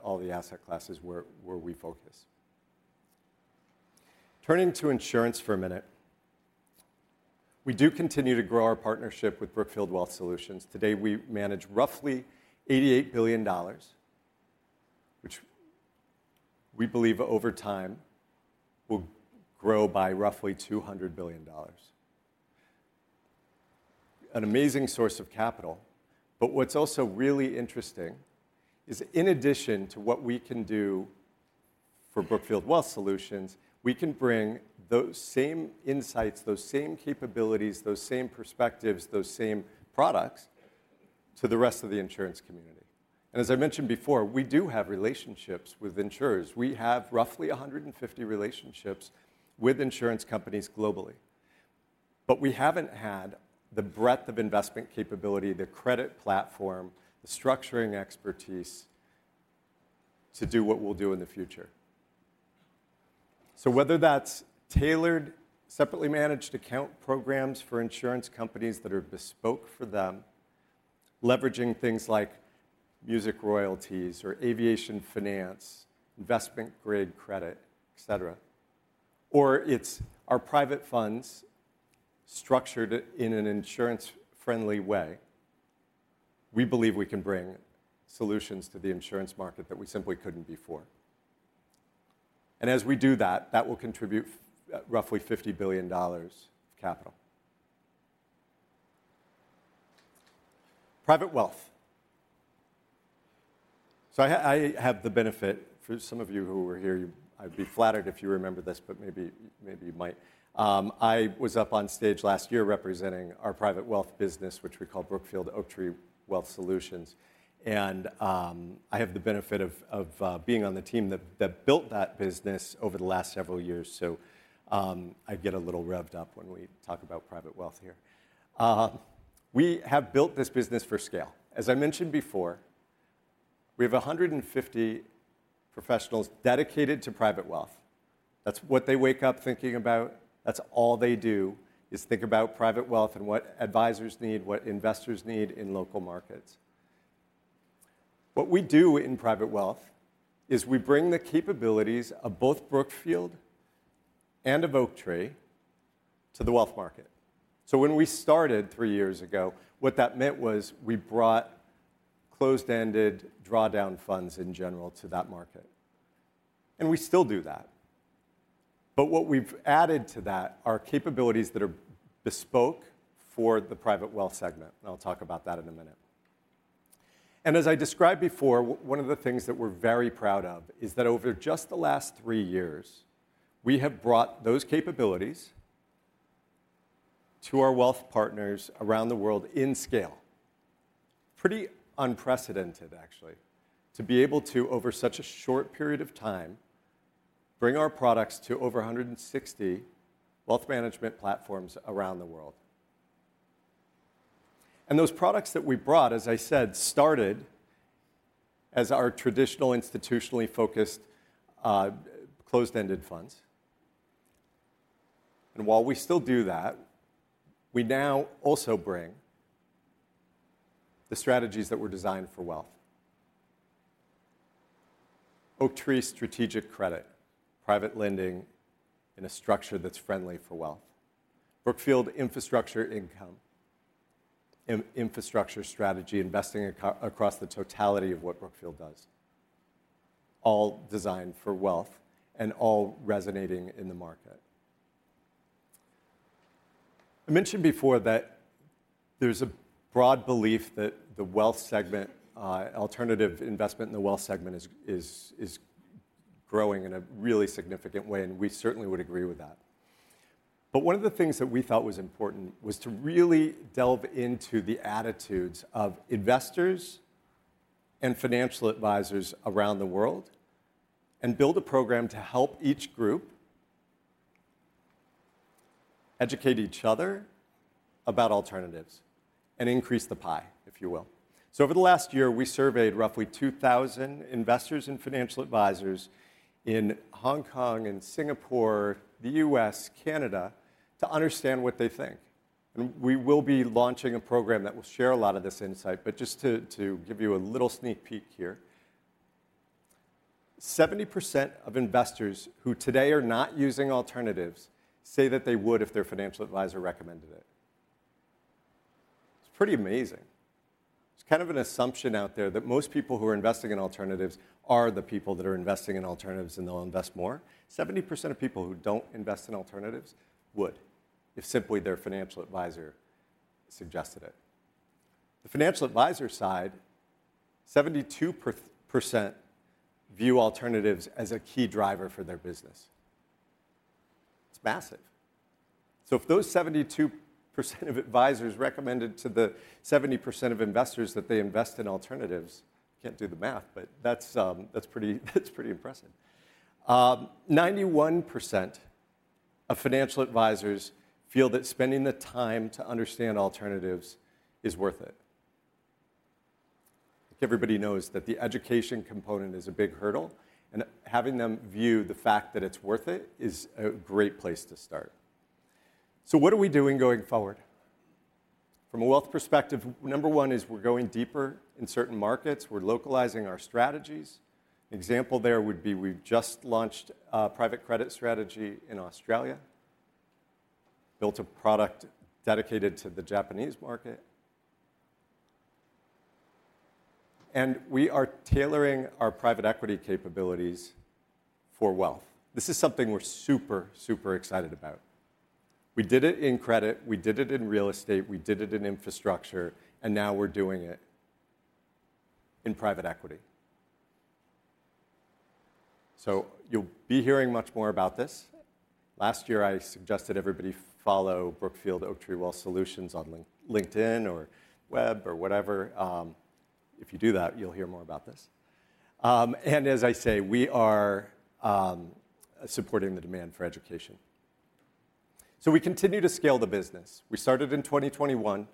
all the asset classes where we focus. Turning to insurance for a minute, we do continue to grow our partnership with Brookfield Wealth Solutions. Today, we manage roughly $88 billion, which we believe over time will grow by roughly $200 billion, an amazing source of capital, but what's also really interesting is in addition to what we can do for Brookfield Wealth Solutions, we can bring those same insights, those same capabilities, those same perspectives, those same products, to the rest of the insurance community, and as I mentioned before, we do have relationships with insurers. We have roughly 150 relationships with insurance companies globally, but we haven't had the breadth of investment capability, the credit platform, the structuring expertise, to do what we'll do in the future. So whether that's tailored, separately managed account programs for insurance companies that are bespoke for them, leveraging things like music royalties or aviation finance, investment-grade credit, et cetera, or it's our private funds structured in an insurance-friendly way, we believe we can bring solutions to the insurance market that we simply couldn't before. And as we do that, that will contribute roughly $50 billion capital. Private wealth. I have the benefit, for some of you who were here, I'd be flattered if you remember this, but maybe you might. I was up on stage last year representing our private wealth business, which we call Brookfield Oaktree Wealth Solutions. I have the benefit of being on the team that built that business over the last several years, so I get a little revved up when we talk about private wealth here. We have built this business for scale. As I mentioned before, we have 150 professionals dedicated to private wealth. That's what they wake up thinking about. That's all they do, is think about private wealth and what advisors need, what investors need in local markets. What we do in private wealth is we bring the capabilities of both Brookfield and of Oaktree to the wealth market. When we started three years ago, what that meant was we brought closed-ended, drawdown funds in general to that market, and we still do that. But what we've added to that are capabilities that are bespoke for the private wealth segment, and I'll talk about that in a minute. And as I described before, one of the things that we're very proud of is that over just the last three years, we have brought those capabilities to our wealth partners around the world in scale. Pretty unprecedented, actually, to be able to, over such a short period of time, bring our products to over one hundred and sixty wealth management platforms around the world. And those products that we brought, as I said, started as our traditional, institutionally focused, closed-ended funds. And while we still do that, we now also bring the strategies that were designed for wealth. Oaktree Strategic Credit, private lending in a structure that's friendly for wealth. Brookfield Infrastructure Income, infrastructure strategy, investing across the totality of what Brookfield does, all designed for wealth and all resonating in the market. I mentioned before that there's a broad belief that the wealth segment, alternative investment in the wealth segment is growing in a really significant way, and we certainly would agree with that. But one of the things that we thought was important was to really delve into the attitudes of investors and financial advisors around the world, and build a program to help each group educate each other about alternatives and increase the pie, if you will. Over the last year, we surveyed roughly 2,000 investors and financial advisors in Hong Kong and Singapore, the US, Canada, to understand what they think. We will be launching a program that will share a lot of this insight, but just to give you a little sneak peek here, 70% of investors who today are not using alternatives say that they would if their financial advisor recommended it. It's pretty amazing. It's kind of an assumption out there that most people who are investing in alternatives are the people that are investing in alternatives, and they'll invest more. 70% of people who don't invest in alternatives would, if simply their financial advisor suggested it. The financial advisor side, 72% view alternatives as a key driver for their business. It's massive. So if those 72% of advisors recommended to the 70% of investors that they invest in alternatives, can't do the math, but that's pretty, that's pretty impressive. 91% of financial advisors feel that spending the time to understand alternatives is worth it. Everybody knows that the education component is a big hurdle, and having them view the fact that it's worth it is a great place to start. So what are we doing going forward? From a wealth perspective, number one is we're going deeper in certain markets. We're localizing our strategies. Example there would be, we've just launched a private credit strategy in Australia, built a product dedicated to the Japanese market, and we are tailoring our private equity capabilities for wealth. This is something we're super, super excited about. We did it in credit, we did it in real estate, we did it in infrastructure, and now we're doing it in private equity. So you'll be hearing much more about this. Last year, I suggested everybody follow Brookfield Oaktree Wealth Solutions on LinkedIn or web or whatever. If you do that, you'll hear more about this. And as I say, we are supporting the demand for education. We continue to scale the business. We started in 2021.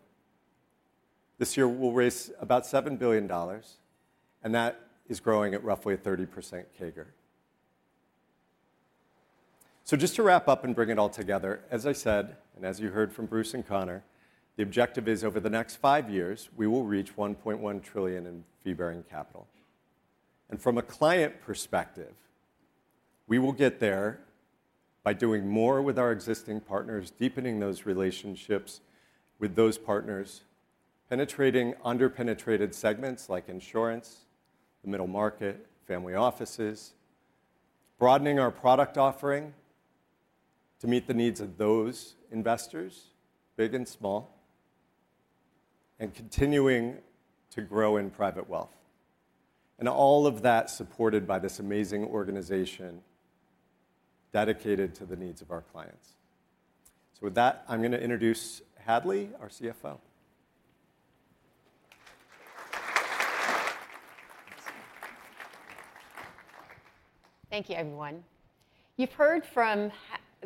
This year, we'll raise about $7 billion, and that is growing at roughly 30% CAGR. Just to wrap up and bring it all together, as I said, and as you heard from Bruce and Connor, the objective is, over the next five years, we will reach $1.1 trillion in fee-bearing capital. And from a client perspective, we will get there by doing more with our existing partners, deepening those relationships with those partners, penetrating under-penetrated segments like insurance, the middle market, family offices, broadening our product offering to meet the needs of those investors, big and small, and continuing to grow in private wealth. And all of that supported by this amazing organization dedicated to the needs of our clients. So with that, I'm going to introduce Hadley, our CFO. Thank you, everyone. You've heard from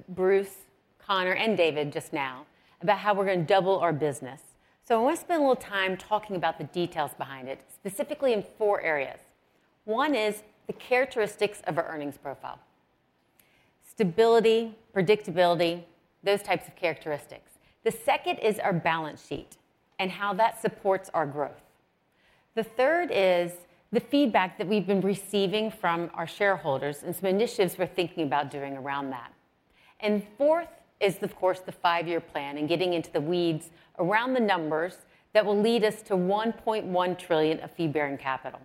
Bruce, Connor, and David just now about how we're going to double our business. So I want to spend a little time talking about the details behind it, specifically in four areas. One is the characteristics of our earnings profile: stability, predictability, those types of characteristics. The second is our balance sheet and how that supports our growth. The third is the feedback that we've been receiving from our shareholders and some initiatives we're thinking about doing around that. And fourth is, of course, the five-year plan and getting into the weeds around the numbers that will lead us to one point one trillion of fee-bearing capital.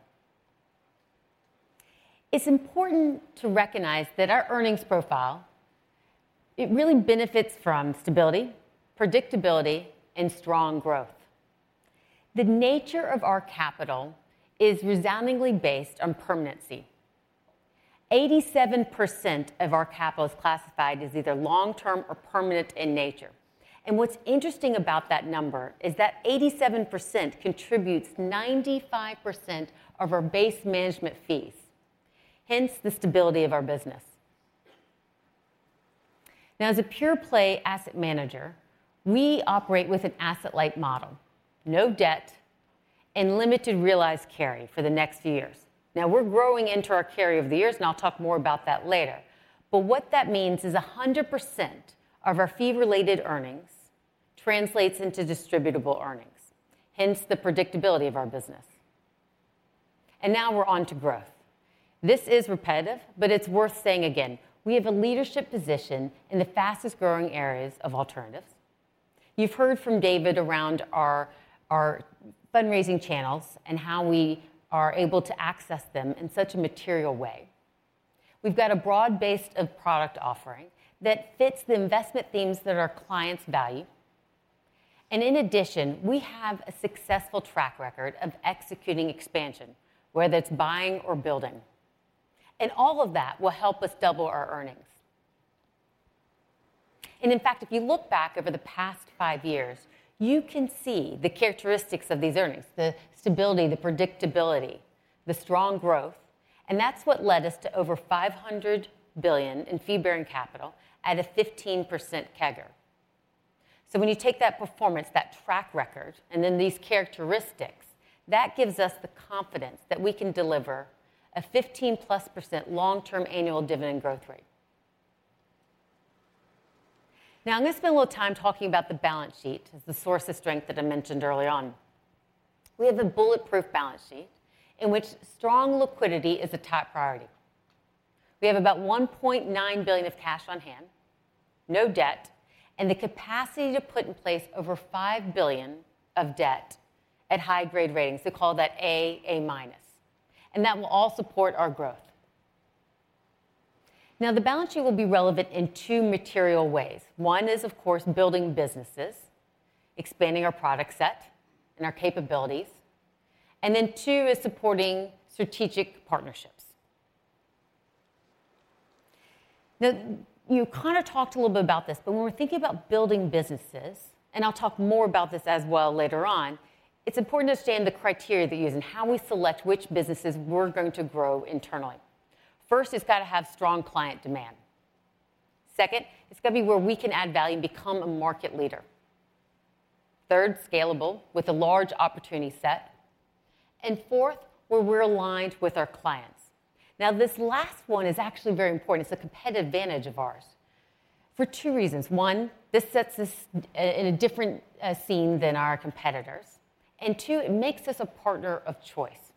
It's important to recognize that our earnings profile, it really benefits from stability, predictability, and strong growth. The nature of our capital is resoundingly based on permanency. 87% of our capital is classified as either long-term or permanent in nature. And what's interesting about that number is that 87% contributes 95% of our base management fees, hence the stability of our business. Now, as a pure play asset manager, we operate with an asset-light model, no debt, and limited realized carry for the next years. Now, we're growing into our carry over the years, and I'll talk more about that later. But what that means is 100% of our fee-related earnings translates into distributable earnings, hence the predictability of our business. And now we're on to growth. This is repetitive, but it's worth saying again, we have a leadership position in the fastest-growing areas of alternatives. You've heard from David around our fundraising channels and how we are able to access them in such a material way. We've got a broad base of product offering that fits the investment themes that our clients value, and in addition, we have a successful track record of executing expansion, whether it's buying or building, and all of that will help us double our earnings, and in fact, if you look back over the past five years, you can see the characteristics of these earnings, the stability, the predictability, the strong growth, and that's what led us to over $500 billion in fee-bearing capital at a 15% CAGR, so when you take that performance, that track record, and then these characteristics, that gives us the confidence that we can deliver a 15%+ long-term annual dividend growth rate. Now, I'm going to spend a little time talking about the balance sheet as the source of strength that I mentioned early on. We have a bulletproof balance sheet in which strong liquidity is a top priority. We have about $1.9 billion of cash on hand, no debt, and the capacity to put in place over $5 billion of debt at high grade ratings, so call that A, A minus, and that will all support our growth. Now, the balance sheet will be relevant in two material ways. One is, of course, building businesses, expanding our product set and our capabilities, and then two is supporting strategic partnerships. Now, you kind of talked a little bit about this, but when we're thinking about building businesses, and I'll talk more about this as well later on, it's important to understand the criteria that we use and how we select which businesses we're going to grow internally. First, it's got to have strong client demand. Second, it's got to be where we can add value and become a market leader. Third, scalable with a large opportunity set. And fourth, where we're aligned with our clients. Now, this last one is actually very important. It's a competitive advantage of ours for two reasons: one, this sets us in a different scheme than our competitors, and two, it makes us a partner of choice.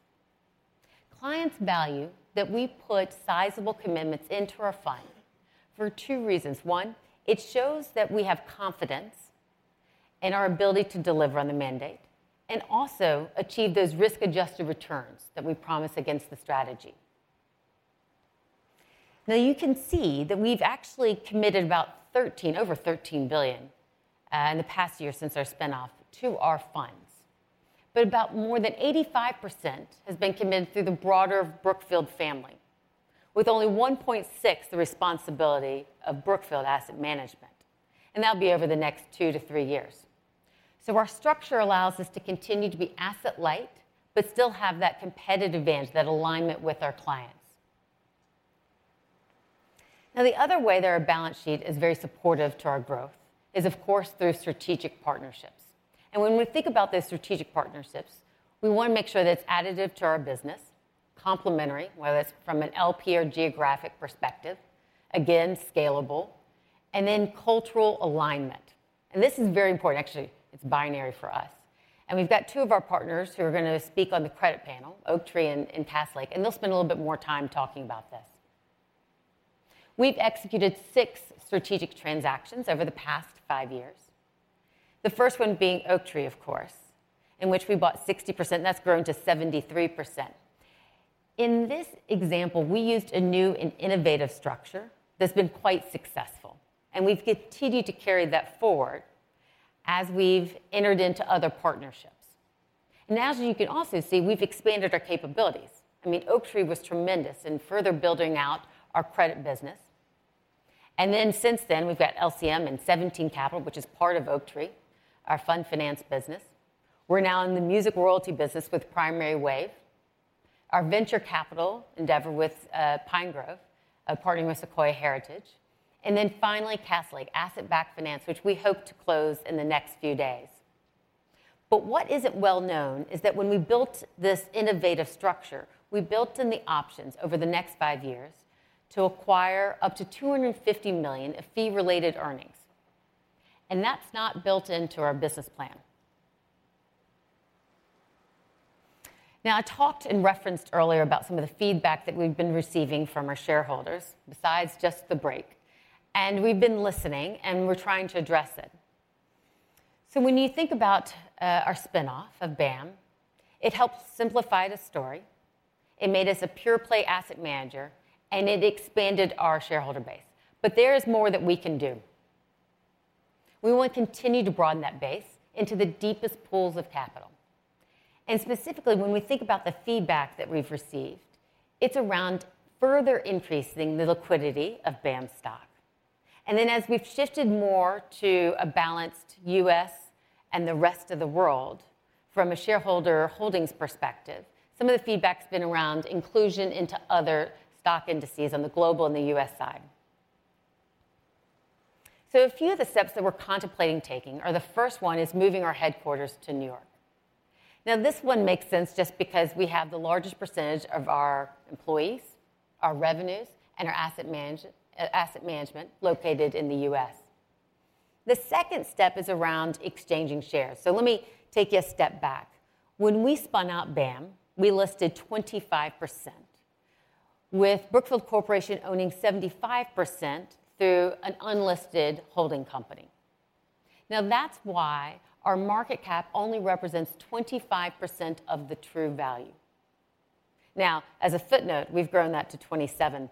Clients value that we put sizable commitments into our fund for two reasons. One, it shows that we have confidence in our ability to deliver on the mandate, and also achieve those risk-adjusted returns that we promise against the strategy. Now, you can see that we've actually committed about $13 billion, over $13 billion, in the past year since our spin-off to our funds. But about more than 85% has been committed through the broader Brookfield family, with only 1.6 the responsibility of Brookfield Asset Management, and that'll be over the next 2 years-3 years. So our structure allows us to continue to be asset light, but still have that competitive advantage, that alignment with our clients. Now, the other way that our balance sheet is very supportive to our growth is, of course, through strategic partnerships. And when we think about those strategic partnerships, we wanna make sure that it's additive to our business, complementary, whether that's from an LP or geographic perspective, again, scalable, and then cultural alignment. And this is very important. Actually, it's binary for us. And we've got two of our partners who are gonna speak on the credit panel, Oaktree and Castlelake, and they'll spend a little bit more time talking about this. We've executed six strategic transactions over the past five years. The first one being Oaktree, of course, in which we bought 60%, and that's grown to 73%. In this example, we used a new and innovative structure that's been quite successful, and we've continued to carry that forward as we've entered into other partnerships, and as you can also see, we've expanded our capabilities. I mean, Oaktree was tremendous in further building out our credit business, and then since then, we've got LCM and 17Capital, which is part of Oaktree, our fund finance business. We're now in the music royalty business with Primary Wave, our venture capital endeavor with Pinegrove partnering with Sequoia Heritage, and then finally, Castlelake Asset-Backed Finance, which we hope to close in the next few days. But what isn't well known is that when we built this innovative structure, we built in the options over the next five years to acquire up to two hundred and fifty million of fee-related earnings, and that's not built into our business plan. Now, I talked and referenced earlier about some of the feedback that we've been receiving from our shareholders, besides just the break, and we've been listening, and we're trying to address it. So when you think about our spin-off of BAM, it helped simplify the story, it made us a pure-play asset manager, and it expanded our shareholder base. But there is more that we can do. We want to continue to broaden that base into the deepest pools of capital. And specifically, when we think about the feedback that we've received, it's around further increasing the liquidity of BAM stock. Then, as we've shifted more to a balanced U.S. and the rest of the world, from a shareholder holdings perspective, some of the feedback's been around inclusion into other stock indices on the global and the U.S. side. A few of the steps that we're contemplating taking are, the first one is moving our headquarters to New York. This one makes sense just because we have the largest percentage of our employees, our revenues, and our asset management located in the U.S. The second step is around exchanging shares. Let me take you a step back. When we spun out BAM, we listed 25%, with Brookfield Corporation owning 75% through an unlisted holding company. That's why our market cap only represents 25% of the true value. As a footnote, we've grown that to 27%.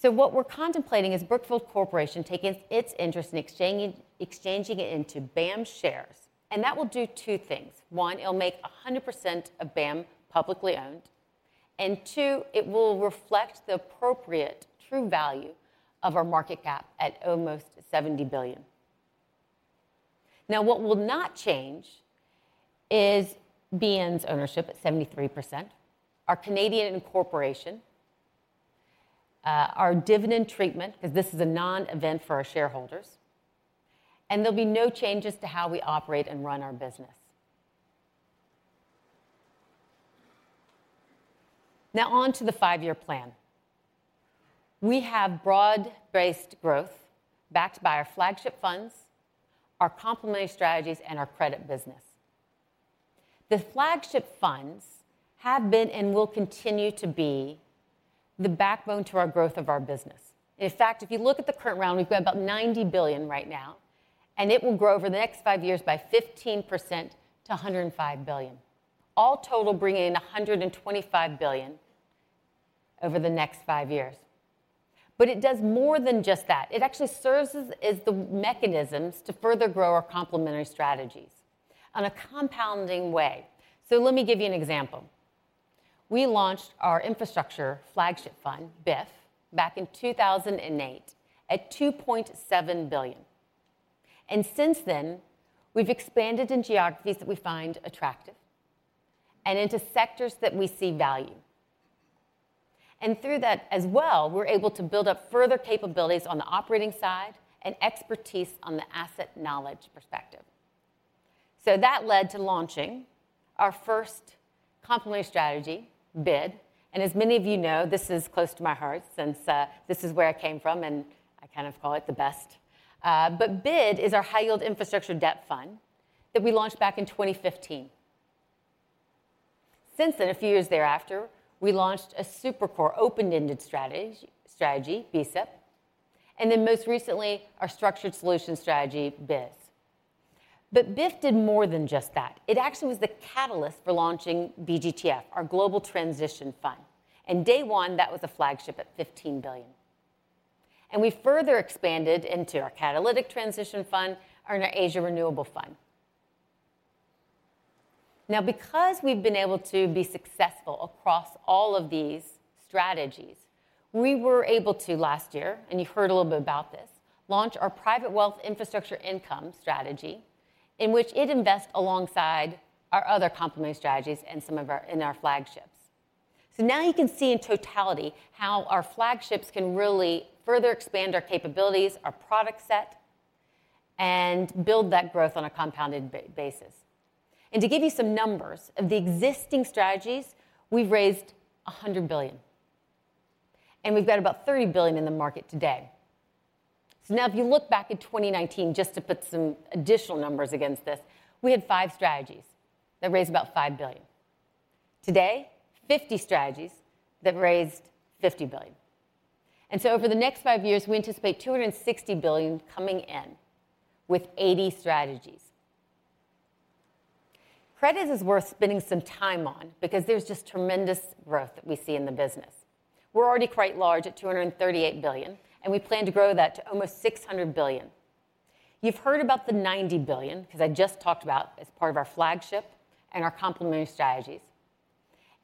So what we're contemplating is Brookfield Corporation taking its interest and exchanging it into BAM shares, and that will do two things: One, it'll make 100% of BAM publicly owned, and two, it will reflect the appropriate true value of our market cap at almost $70 billion. Now, what will not change is BN's ownership at 73%, our Canadian incorporation, our dividend treatment, 'cause this is a non-event for our shareholders, and there'll be no changes to how we operate and run our business. Now, on to the five-year plan. We have broad-based growth backed by our flagship funds, our complementary strategies, and our credit business. The flagship funds have been and will continue to be the backbone to our growth of our business. In fact, if you look at the current round, we've got about $90 billion right now, and it will grow over the next five years by 15% to $105 billion. All total, bringing in $125 billion over the next five years. But it does more than just that. It actually serves as, as the mechanisms to further grow our complementary strategies on a compounding way. So let me give you an example. We launched our infrastructure flagship fund, BIF, back in 2008 at $2.7 billion, and since then, we've expanded in geographies that we find attractive and into sectors that we see value, and through that as well, we're able to build up further capabilities on the operating side and expertise on the asset knowledge perspective. So that led to launching our first complementary strategy, BID. And as many of you know, this is close to my heart since this is where I came from, and I kind of call it the best. But BID is our high-yield infrastructure debt fund that we launched back in 2015. Since then, a few years thereafter, we launched a super core, open-ended strategy, BSIP, and then most recently, our structured solution strategy, BISS. But BISS did more than just that. It actually was the catalyst for launching BGTF, our Global Transition Fund, and day one, that was a flagship at $15 billion. And we further expanded into our Catalytic Transition Fund and our Asia Renewable Fund. Now, because we've been able to be successful across all of these strategies, we were able to, last year, and you heard a little bit about this, launch our Private Wealth Infrastructure Income strategy, in which it invests alongside our other complementary strategies and some of our, in our flagships. So now you can see in totality how our flagships can really further expand our capabilities, our product set, and build that growth on a compounded basis. And to give you some numbers, of the existing strategies, we've raised $100 billion, and we've got about $30 billion in the market today. So now, if you look back at 2019, just to put some additional numbers against this, we had five strategies that raised about $5 billion. Today, 50 strategies that raised $50 billion. And so over the next five years, we anticipate $260 billion coming in with 80 strategies. Credit is worth spending some time on because there's just tremendous growth that we see in the business. We're already quite large at $238 billion, and we plan to grow that to almost $600 billion. You've heard about the $90 billion because I just talked about as part of our flagship and our complementary strategies.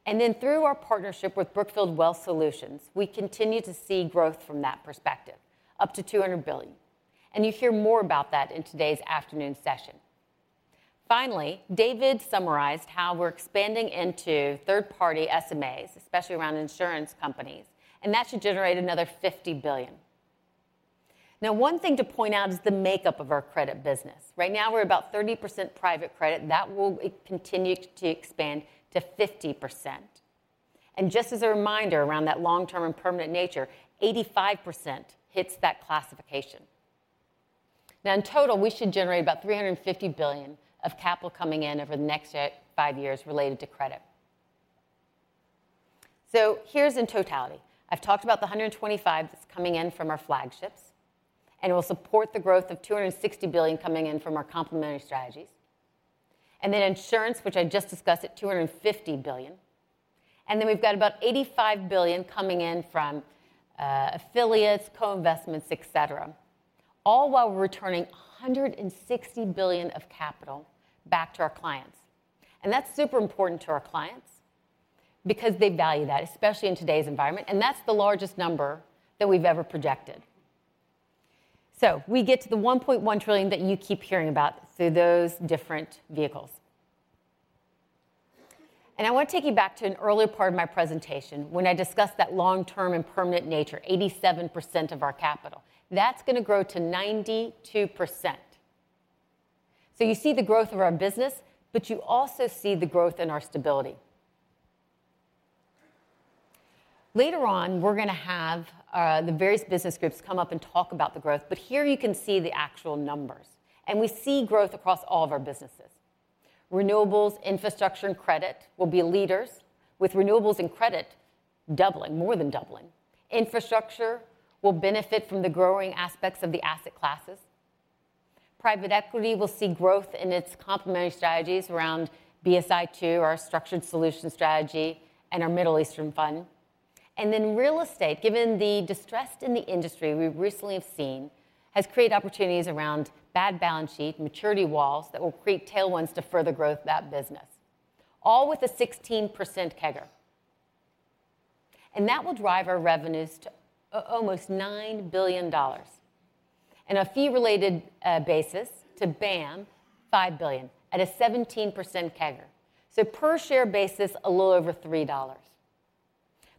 And then through our partnership with Brookfield Wealth Solutions, we continue to see growth from that perspective, up to $200 billion, and you hear more about that in today's afternoon session. Finally, David summarized how we're expanding into third-party SMAs, especially around insurance companies, and that should generate another $50 billion. Now, one thing to point out is the makeup of our credit business. Right now, we're about 30% private credit, and that will continue to expand to 50%. And just as a reminder, around that long-term and permanent nature, 85% hits that classification. Now, in total, we should generate about $350 billion of capital coming in over the next five years related to credit. So here's in totality. I've talked about the $125 that's coming in from our flagships, and it will support the growth of $260 billion coming in from our complementary strategies, and then insurance, which I just discussed, at $250 billion, and then we've got about $85 billion coming in from affiliates, co-investments, et cetera, all while returning $160 billion of capital back to our clients. That's super important to our clients because they value that, especially in today's environment, and that's the largest number that we've ever projected. So we get to the $1.1 trillion that you keep hearing about through those different vehicles. I want to take you back to an earlier part of my presentation when I discussed that long-term and permanent nature, 87% of our capital. That's going to grow to 92%. So you see the growth of our business, but you also see the growth in our stability. Later on, we're going to have the various business groups come up and talk about the growth, but here you can see the actual numbers, and we see growth across all of our businesses. Renewables, infrastructure, and credit will be leaders, with renewables and credit doubling, more than doubling. Infrastructure will benefit from the growing aspects of the asset classes. Private equity will see growth in its complementary strategies around BISS, our structured solution strategy, and our Middle Eastern fund, and then real estate, given the distress in the industry we recently have seen, has created opportunities around bad balance sheet, maturity walls that will create tailwinds to further growth of that business, all with a 16% CAGR, and that will drive our revenues to almost $9 billion and a fee-related basis to BAM, $5 billion at a 17% CAGR, so per share basis, a little over $3,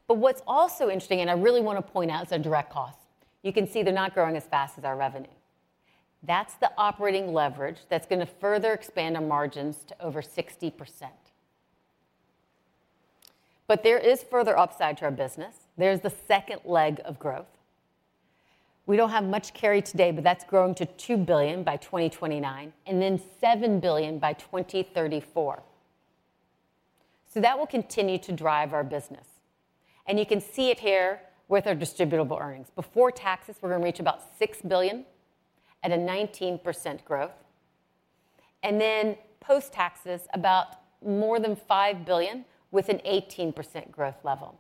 but what's also interesting, and I really want to point out, is our direct costs. You can see they're not growing as fast as our revenue. That's the operating leverage that's going to further expand our margins to over 60%. But there is further upside to our business. There's the second leg of growth. We don't have much carry today, but that's growing to $2 billion by 2029 and then $7 billion by 2034. So that will continue to drive our business, and you can see it here with our distributable earnings. Before taxes, we're going to reach about $6 billion at a 19% growth, and then post-taxes, about more than $5 billion with an 18% growth level.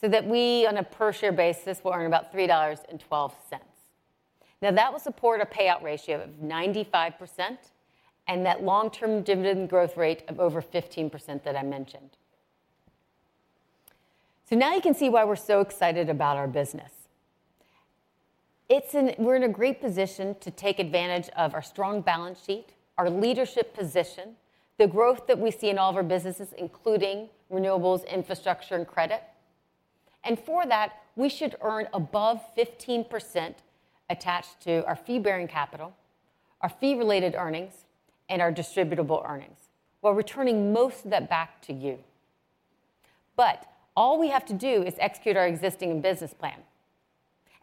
So that we, on a per-share basis, will earn about $3.12. Now, that will support a payout ratio of 95% and that long-term dividend growth rate of over 15% that I mentioned. So now you can see why we're so excited about our business. We're in a great position to take advantage of our strong balance sheet, our leadership position, the growth that we see in all of our businesses, including renewables, infrastructure, and credit. And for that, we should earn above 15% attached to our fee-bearing capital, our fee-related earnings, and our distributable earnings, while returning most of that back to you. But all we have to do is execute our existing business plan.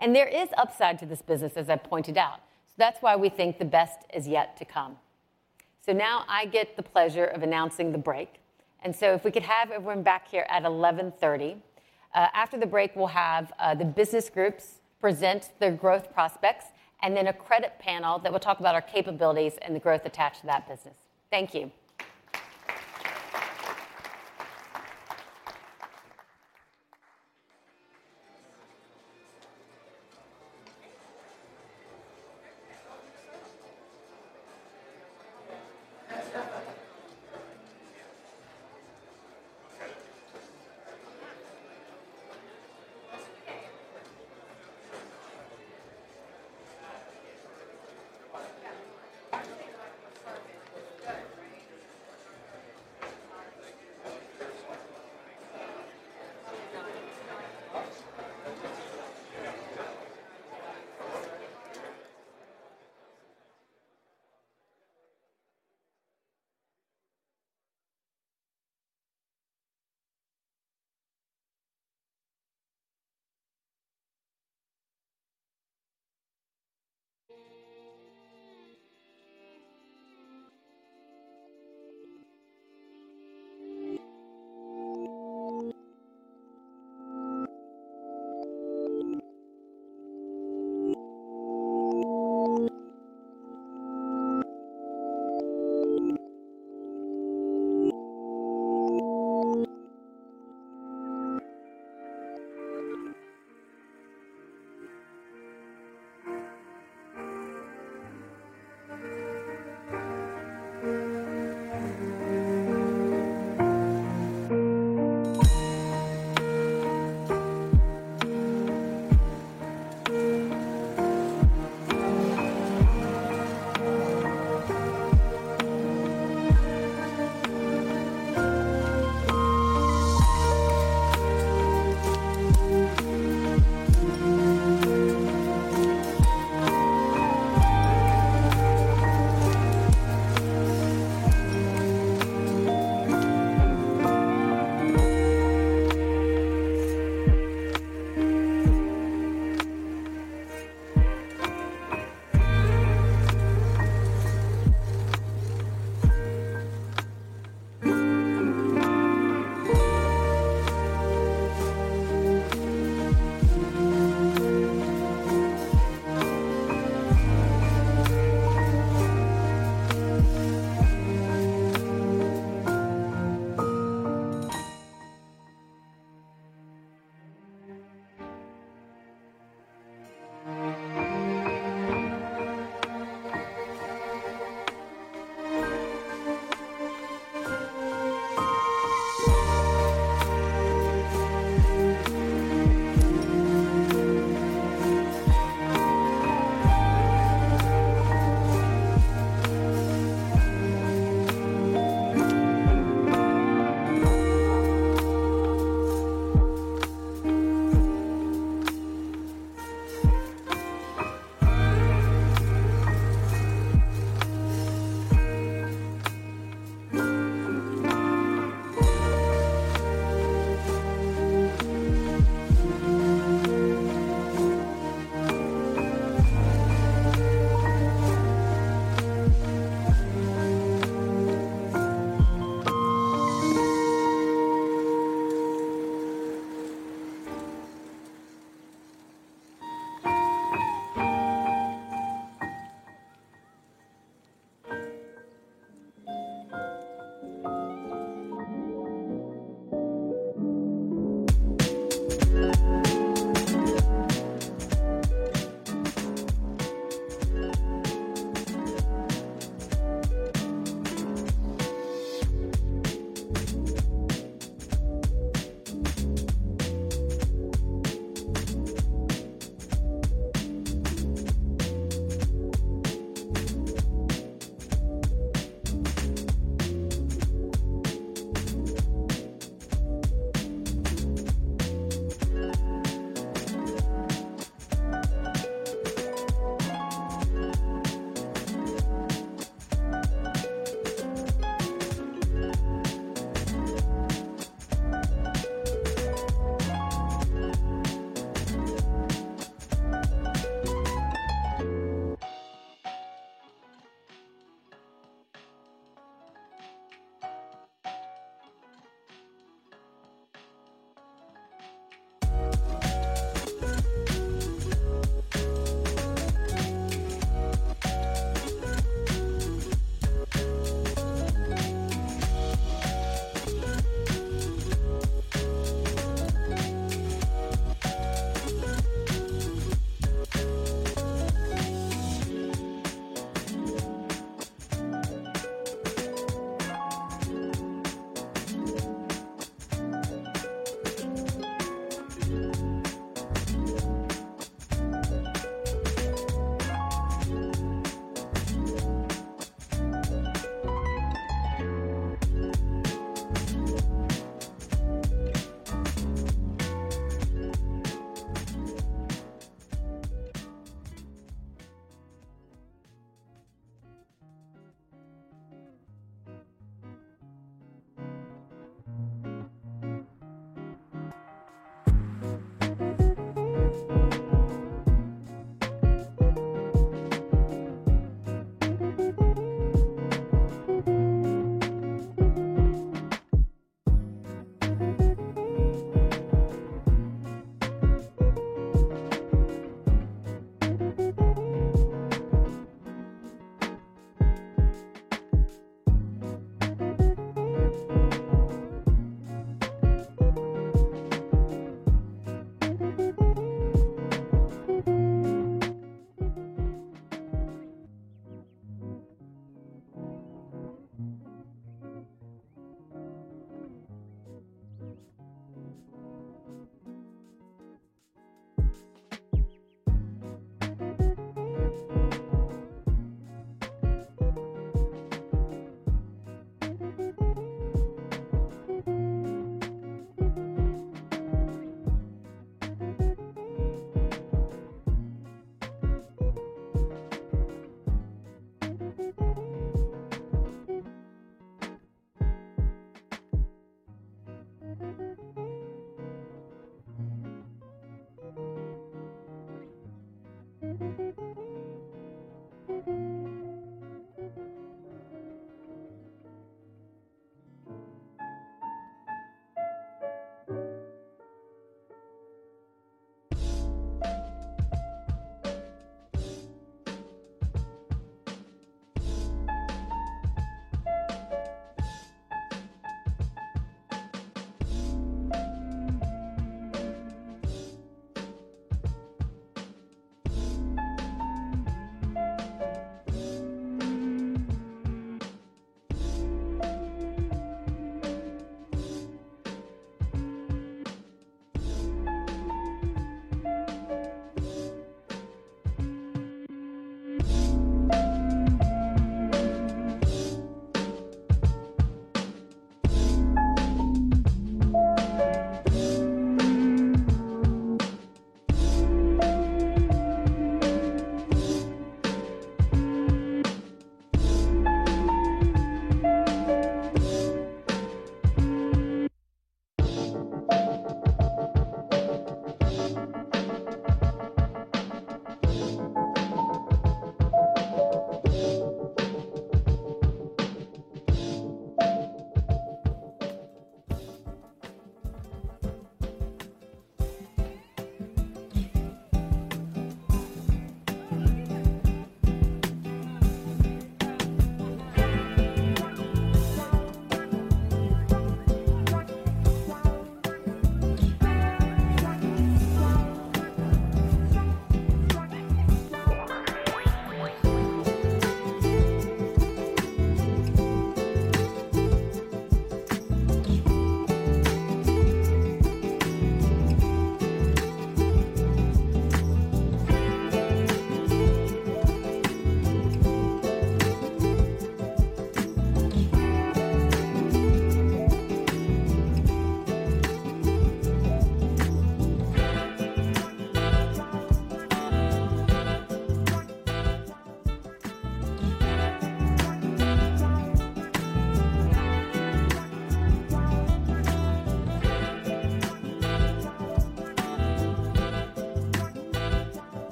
And there is upside to this business, as I've pointed out. So that's why we think the best is yet to come. So now I get the pleasure of announcing the break, and so if we could have everyone back here at 11:30 A.M. After the break, we'll have the business groups present their growth prospects, and then a credit panel that will talk about our capabilities and the growth attached to that business. Thank you.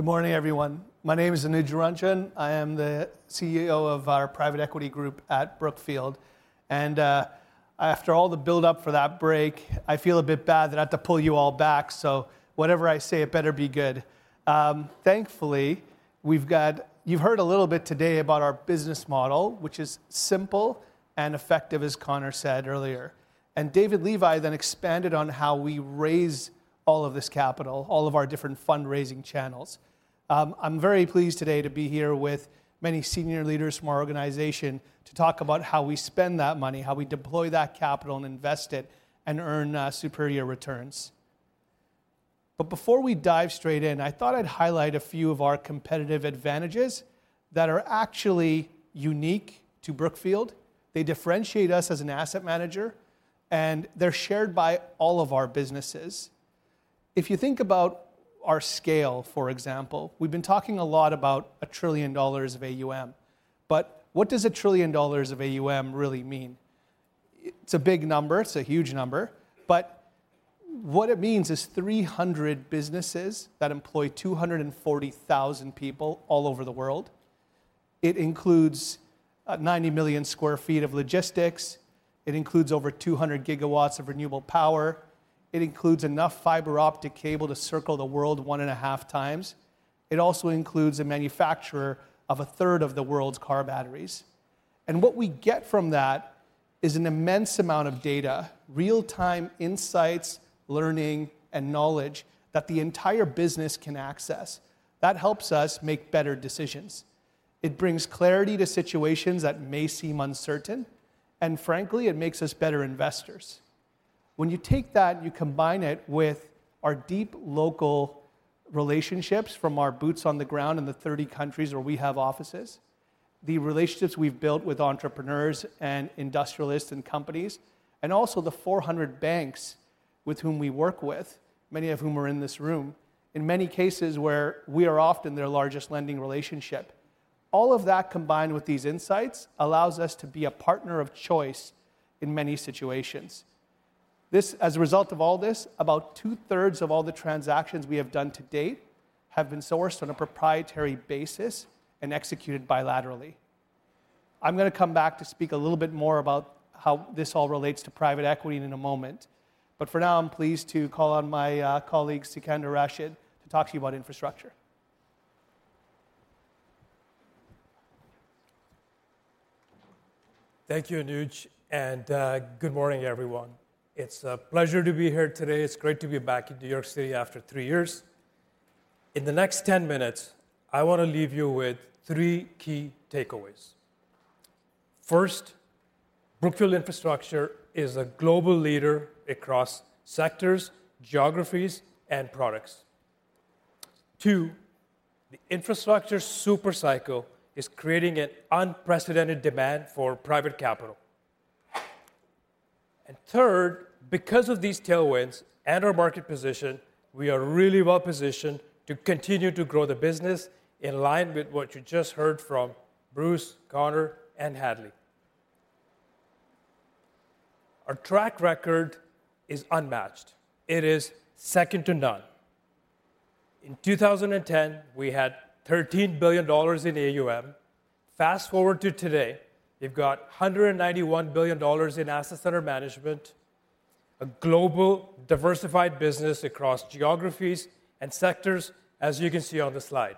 Good morning, everyone. My name is Anuj Ranjan. I am the CEO of our private equity group at Brookfield, and after all the build-up for that break, I feel a bit bad that I have to pull you all back, so whatever I say, it better be good. Thankfully, we've got... You've heard a little bit today about our business model, which is simple and effective, as Connor said earlier. And David Levi then expanded on how we raise all of this capital, all of our different fundraising channels. I'm very pleased today to be here with many senior leaders from our organization to talk about how we spend that money, how we deploy that capital, and invest it and earn superior returns. But before we dive straight in, I thought I'd highlight a few of our competitive advantages that are actually unique to Brookfield. They differentiate us as an asset manager, and they're shared by all of our businesses. If you think about our scale, for example, we've been talking a lot about $1 trillion of AUM, but what does $1 trillion of AUM really mean? It's a big number. It's a huge number, but what it means is 300 businesses that employ 240,000 people all over the world. It includes 90 million sq ft of logistics. It includes over 200 GW of renewable power. It includes enough fiber optic cable to circle the world one and a half times. It also includes a manufacturer of a third of the world's car batteries. What we get from that is an immense amount of data, real-time insights, learning, and knowledge that the entire business can access. That helps us make better decisions. It brings clarity to situations that may seem uncertain, and frankly, it makes us better investors. When you take that and you combine it with our deep local relationships from our boots on the ground in the thirty countries where we have offices, the relationships we've built with entrepreneurs and industrialists and companies, and also the four hundred banks with whom we work with, many of whom are in this room, in many cases, where we are often their largest lending relationship. All of that, combined with these insights, allows us to be a partner of choice in many situations. As a result of all this, about two-thirds of all the transactions we have done to date have been sourced on a proprietary basis and executed bilaterally. I'm gonna come back to speak a little bit more about how this all relates to private equity in a moment, but for now, I'm pleased to call on my colleague, Sikander Rashid, to talk to you about infrastructure. Thank you, Anuj, and good morning, everyone. It's a pleasure to be here today. It's great to be back in New York City after three years. In the next ten minutes, I wanna leave you with three key takeaways. First, Brookfield Infrastructure is a global leader across sectors, geographies, and products. Two, the infrastructure super cycle is creating an unprecedented demand for private capital. And third, because of these tailwinds and our market position, we are really well positioned to continue to grow the business in line with what you just heard from Bruce, Connor, and Hadley. Our track record is unmatched. It is second to none. In 2010, we had $13 billion in AUM. Fast-forward to today, we've got $191 billion in assets under management, a global diversified business across geographies and sectors, as you can see on the slide.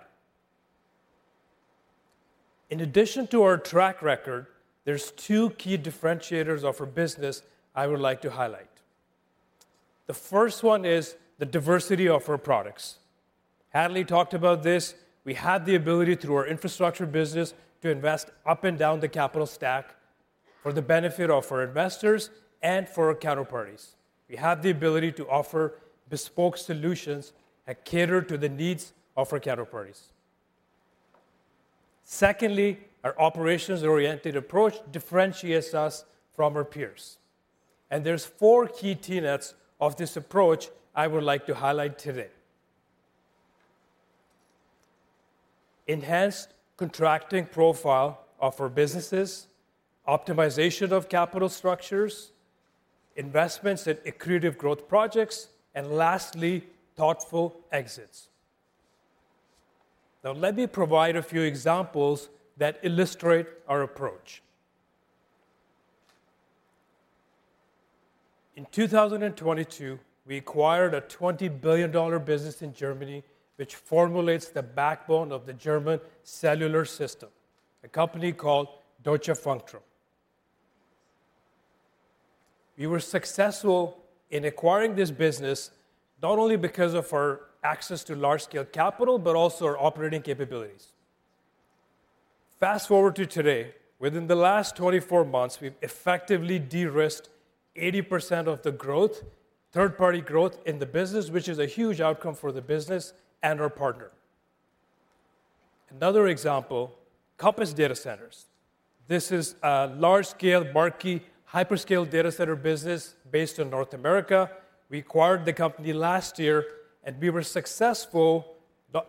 In addition to our track record, there's two key differentiators of our business I would like to highlight. The first one is the diversity of our products. Hadley talked about this. We have the ability, through our infrastructure business, to invest up and down the capital stack for the benefit of our investors and for our counterparties. We have the ability to offer bespoke solutions that cater to the needs of our counterparties. Secondly, our operations-oriented approach differentiates us from our peers, and there's four key tenets of this approach I would like to highlight today: enhanced contracting profile of our businesses, optimization of capital structures, investments in accretive growth projects, and lastly, thoughtful exits. Now, let me provide a few examples that illustrate our approach. In 2022, we acquired a $20 billion business in Germany, which forms the backbone of the German cellular system, a company called Deutsche Funkturm. We were successful in acquiring this business, not only because of our access to large-scale capital, but also our operating capabilities. Fast forward to today, within the last 24 months, we've effectively de-risked 80% of the growth, third-party growth in the business, which is a huge outcome for the business and our partner. Another example, Compass Datacenters. This is a large-scale, marquee, hyperscale data center business based in North America. We acquired the company last year, and we were successful,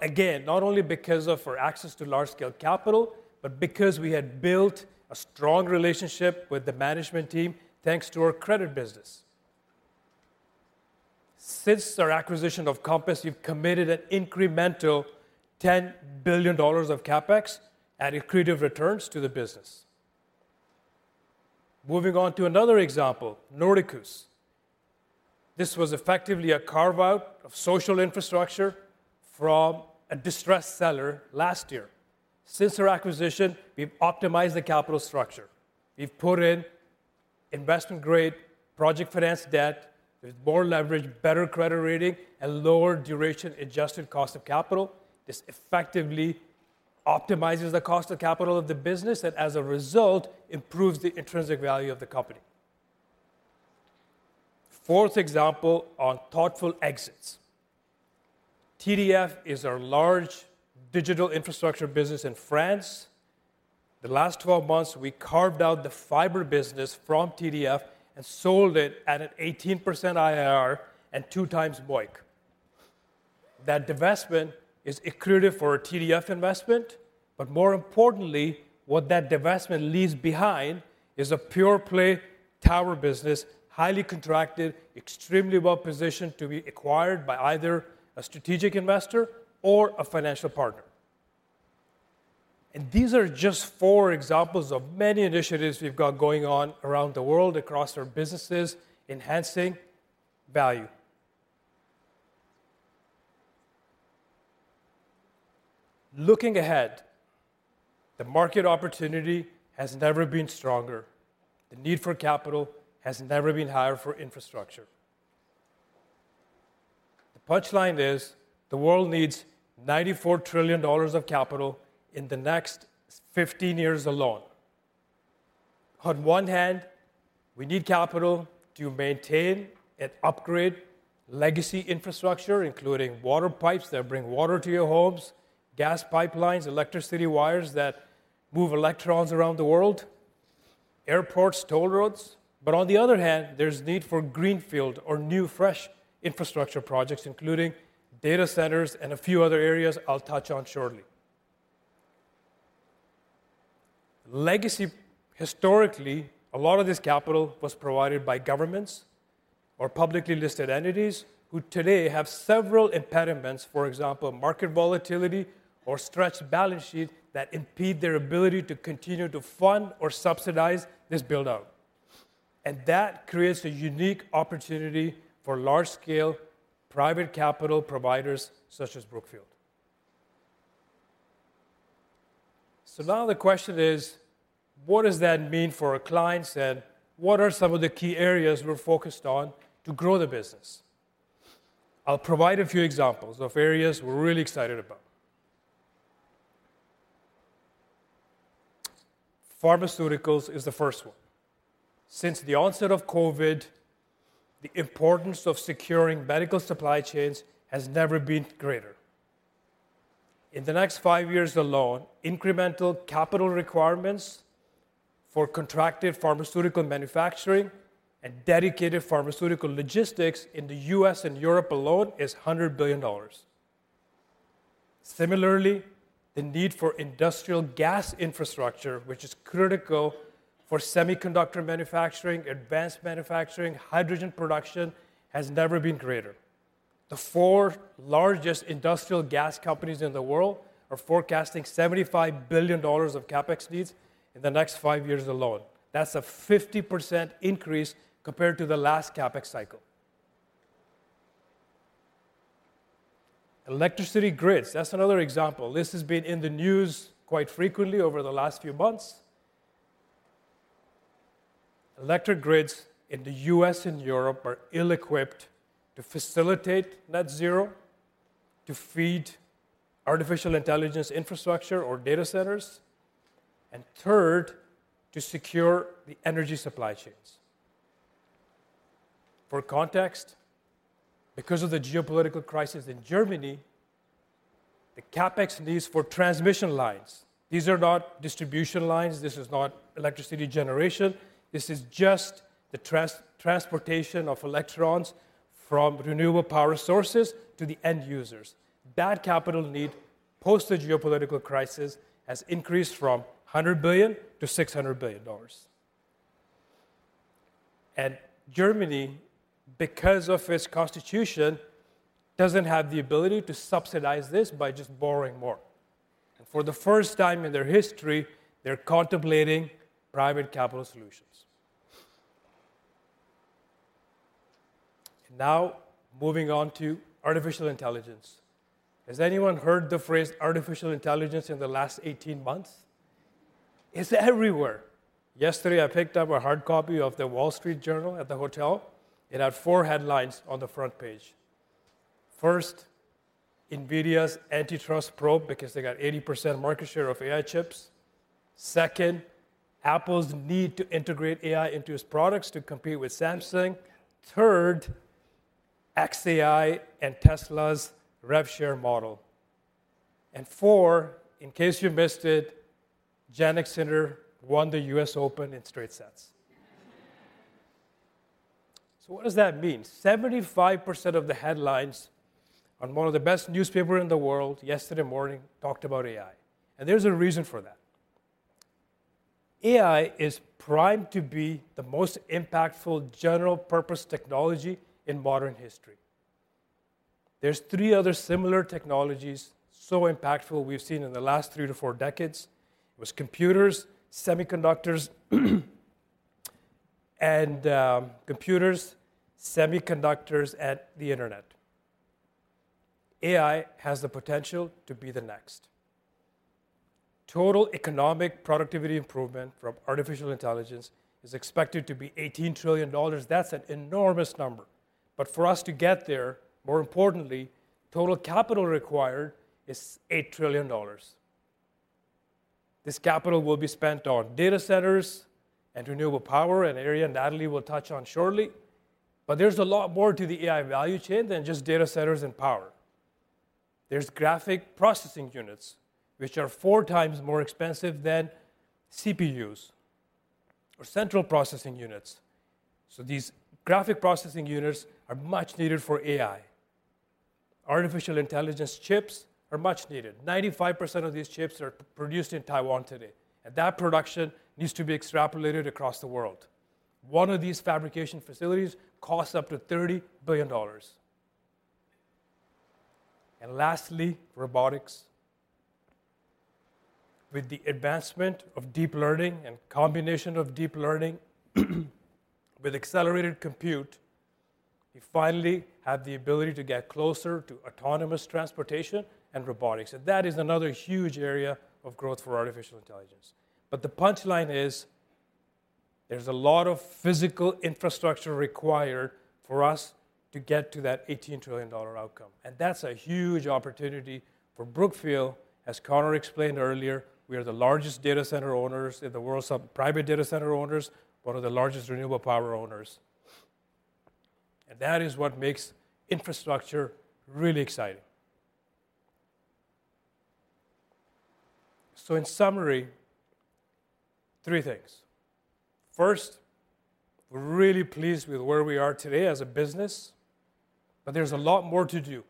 again, not only because of our access to large-scale capital, but because we had built a strong relationship with the management team, thanks to our credit business. Since our acquisition of Compass, we've committed an incremental $10 billion of CapEx at accretive returns to the business. Moving on to another example, Nordicus. This was effectively a carve-out of social infrastructure from a distressed seller last year. Since our acquisition, we've optimized the capital structure. We've put in investment-grade project finance debt. There's more leverage, better credit rating, and lower duration adjusted cost of capital. This effectively optimizes the cost of capital of the business, and as a result, improves the intrinsic value of the company. Fourth example on thoughtful exits. TDF is our large digital infrastructure business in France. The last 12 months, we carved out the fiber business from TDF and sold it at an 18% IRR and two times MOIC. That divestment is accretive for our TDF investment, but more importantly, what that divestment leaves behind is a pure-play tower business, highly contracted, extremely well-positioned to be acquired by either a strategic investor or a financial partner. And these are just four examples of many initiatives we've got going on around the world, across our businesses, enhancing value. Looking ahead, the market opportunity has never been stronger. The need for capital has never been higher for infrastructure. The punchline is the world needs $94 trillion of capital in the next 15 years alone. On one hand, we need capital to maintain and upgrade legacy infrastructure, including water pipes that bring water to your homes, gas pipelines, electricity wires that move electrons around the world, airports, toll roads. But on the other hand, there's need for greenfield or new, fresh infrastructure projects, including data centers and a few other areas I'll touch on shortly. Legacy, historically, a lot of this capital was provided by governments or publicly listed entities who today have several impediments, for example, market volatility or stretched balance sheet, that impede their ability to continue to fund or subsidize this build-out. And that creates a unique opportunity for large-scale private capital providers such as Brookfield. So now the question is: What does that mean for our clients, and what are some of the key areas we're focused on to grow the business? I'll provide a few examples of areas we're really excited about. Pharmaceuticals is the first one. Since the onset of COVID, the importance of securing medical supply chains has never been greater. In the next five years alone, incremental capital requirements for contracted pharmaceutical manufacturing and dedicated pharmaceutical logistics in the U.S. and Europe alone is $100 billion. Similarly, the need for industrial gas infrastructure, which is critical for semiconductor manufacturing, advanced manufacturing, hydrogen production, has never been greater. The four largest industrial gas companies in the world are forecasting $75 billion of CapEx needs in the next five years alone. That's a 50% increase compared to the last CapEx cycle. Electricity grids, that's another example. This has been in the news quite frequently over the last few months. Electric grids in the U.S. and Europe are ill-equipped to facilitate net zero, to feed artificial intelligence infrastructure or data centers, and third, to secure the energy supply chains. For context, because of the geopolitical crisis in Germany, the CapEx needs for transmission lines, these are not distribution lines, this is not electricity generation, this is just the transportation of electrons from renewable power sources to the end users. That capital need, post the geopolitical crisis, has increased from $100 billion to $600 billion. And Germany, because of its constitution, doesn't have the ability to subsidize this by just borrowing more. And for the first time in their history, they're contemplating private capital solutions. Now, moving on to artificial intelligence. Has anyone heard the phrase artificial intelligence in the last 18 months? It's everywhere! Yesterday, I picked up a hard copy of The Wall Street Journal at the hotel. It had 4 headlines on the front page. First, NVIDIA's antitrust probe because they got 80% market share of AI chips. Second, Apple's need to integrate AI into its products to compete with Samsung. Third, xAI and Tesla's rev share model. And four, in case you missed it, Jannik Sinner won the U.S. Open in straight sets. So what does that mean? 75% of the headlines on one of the best newspaper in the world yesterday morning talked about AI, and there's a reason for that. AI is primed to be the most impactful general-purpose technology in modern history. There's three other similar technologies so impactful we've seen in the last three to four decades. It was computers, semiconductors, and the internet. AI has the potential to be the next. Total economic productivity improvement from artificial intelligence is expected to be $18 trillion. That's an enormous number. But for us to get there, more importantly, total capital required is $8 trillion. This capital will be spent on data centers and renewable power, an area Natalie will touch on shortly. But there's a lot more to the AI value chain than just data centers and power. There's graphics processing units, which are four times more expensive than CPUs or central processing units, so these graphics processing units are much needed for AI. Artificial intelligence chips are much needed. 95% of these chips are produced in Taiwan today, and that production needs to be extrapolated across the world. One of these fabrication facilities costs up to $30 billion. And lastly, robotics. With the advancement of deep learning and combination of deep learning, with accelerated compute, we finally have the ability to get closer to autonomous transportation and robotics, and that is another huge area of growth for artificial intelligence. But the punchline is, there's a lot of physical infrastructure required for us to get to that $18 trillion outcome, and that's a huge opportunity for Brookfield. As Connor explained earlier, we are the largest private data center owners in the world, one of the largest renewable power owners. And that is what makes infrastructure really exciting. So in summary, three things. First, we're really pleased with where we are today as a business, but there's a lot more to do.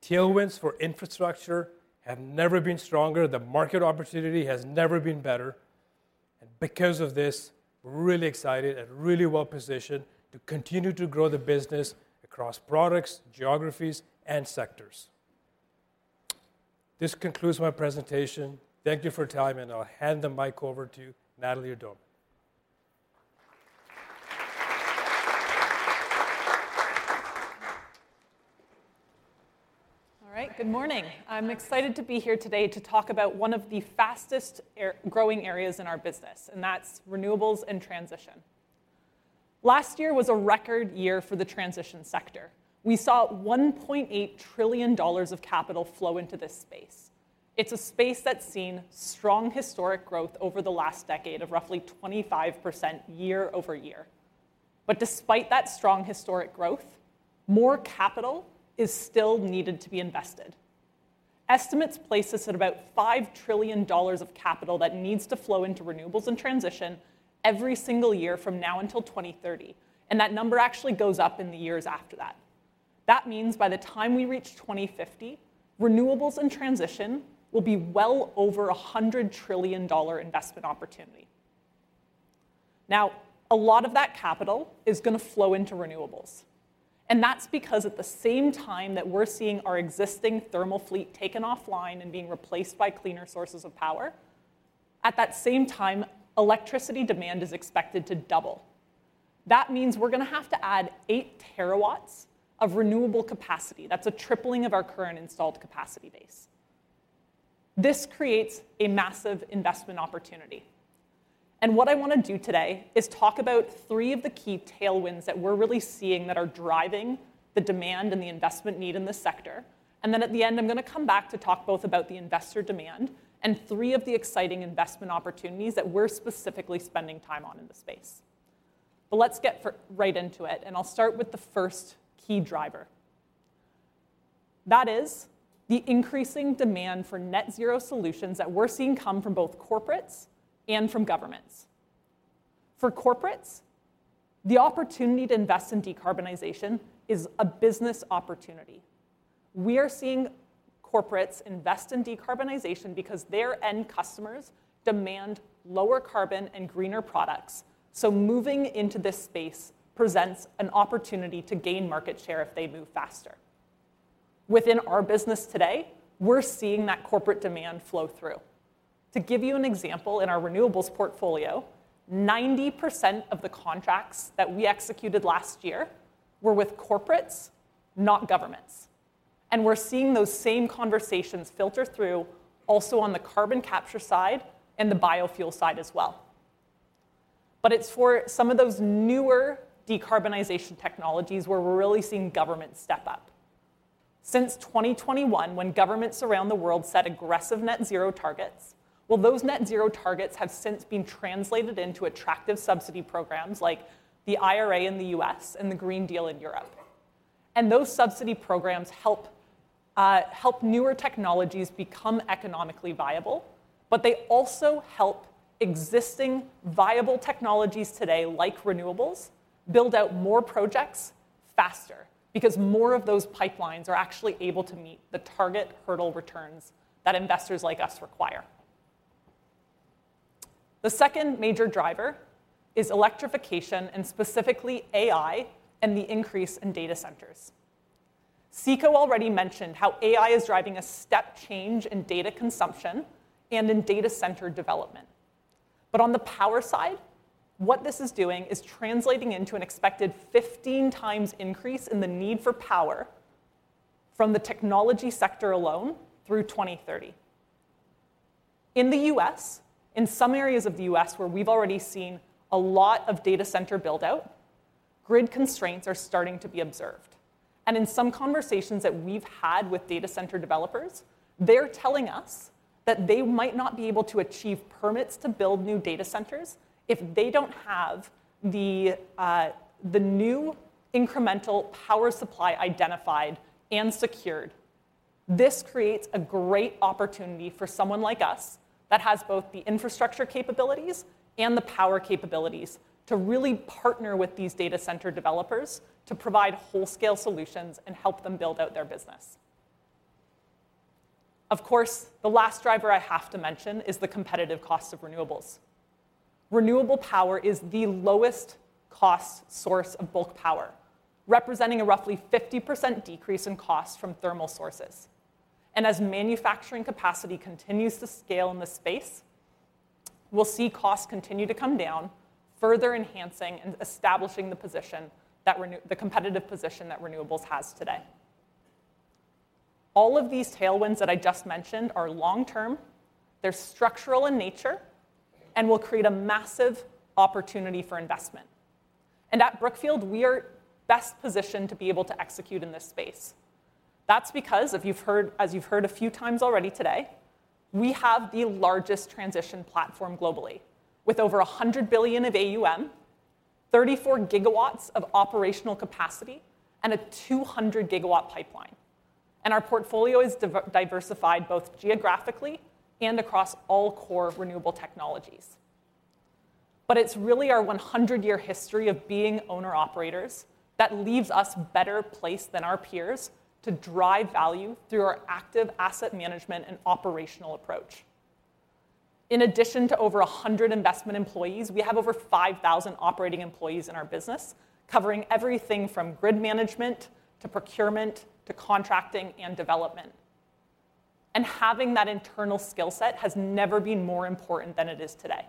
Tailwinds for infrastructure have never been stronger. The market opportunity has never been better. And because of this, we're really excited and really well positioned to continue to grow the business across products, geographies, and sectors. This concludes my presentation. Thank you for your time, and I'll hand the mic over to Natalie Adomait. All right. Good morning. I'm excited to be here today to talk about one of the fastest growing areas in our business, and that's renewables and transition. Last year was a record year for the transition sector. We saw $1.8 trillion of capital flow into this space. It's a space that's seen strong historic growth over the last decade of roughly 25% year over year. But despite that strong historic growth, more capital is still needed to be invested. Estimates place this at about $5 trillion of capital that needs to flow into renewables and transition every single year from now until 2030, and that number actually goes up in the years after that. That means by the time we reach 2050, renewables and transition will be well over a $100 trillion investment opportunity. Now, a lot of that capital is gonna flow into renewables, and that's because at the same time that we're seeing our existing thermal fleet taken offline and being replaced by cleaner sources of power, at that same time, electricity demand is expected to double. That means we're gonna have to add eight terawatts of renewable capacity. That's a tripling of our current installed capacity base. This creates a massive investment opportunity. And what I wanna do today is talk about three of the key tailwinds that we're really seeing that are driving the demand and the investment need in this sector. And then at the end, I'm gonna come back to talk both about the investor demand and three of the exciting investment opportunities that we're specifically spending time on in the space. But let's get right into it, and I'll start with the first key driver. That is the increasing demand for net zero solutions that we're seeing come from both corporates and from governments. For corporates, the opportunity to invest in decarbonization is a business opportunity. We are seeing corporates invest in decarbonization because their end customers demand lower carbon and greener products, so moving into this space presents an opportunity to gain market share if they move faster. Within our business today, we're seeing that corporate demand flow through. To give you an example, in our renewables portfolio, 90% of the contracts that we executed last year were with corporates, not governments, and we're seeing those same conversations filter through also on the carbon capture side and the biofuel side as well. But it's for some of those newer decarbonization technologies where we're really seeing government step up. Since twenty twenty-one, when governments around the world set aggressive net zero targets, well, those net zero targets have since been translated into attractive subsidy programs like the IRA in the U.S. and the Green Deal in Europe. And those subsidy programs help, help newer technologies become economically viable, but they also help existing viable technologies today, like renewables, build out more projects faster because more of those pipelines are actually able to meet the target hurdle returns that investors like us require. The second major driver is electrification, and specifically AI, and the increase in data centers. Cyrus already mentioned how AI is driving a step change in data consumption and in data center development. But on the power side, what this is doing is translating into an expected 15 times increase in the need for power from the technology sector alone through twenty thirty. In the U.S., in some areas of the U.S. where we've already seen a lot of data center build-out, grid constraints are starting to be observed. And in some conversations that we've had with data center developers, they're telling us that they might not be able to achieve permits to build new data centers if they don't have the new incremental power supply identified and secured. This creates a great opportunity for someone like us, that has both the infrastructure capabilities and the power capabilities, to really partner with these data center developers to provide whole-scale solutions and help them build out their business. Of course, the last driver I have to mention is the competitive cost of renewables. Renewable power is the lowest cost source of bulk power, representing a roughly 50% decrease in cost from thermal sources. As manufacturing capacity continues to scale in this space, we'll see costs continue to come down, further enhancing and establishing the position that renewables has today. All of these tailwinds that I just mentioned are long-term, they're structural in nature, and will create a massive opportunity for investment. At Brookfield, we are best positioned to be able to execute in this space. That's because if you've heard as you've heard a few times already today, we have the largest transition platform globally, with over a $100 billion of AUM, 34 GW of operational capacity, and a 200 GW pipeline. Our portfolio is diversified both geographically and across all core renewable technologies. It's really our 100-year history of being owner-operators that leaves us better placed than our peers to drive value through our active asset management and operational approach. In addition to over 100 investment employees, we have over 5,000 operating employees in our business, covering everything from grid management to procurement to contracting and development. Having that internal skill set has never been more important than it is today.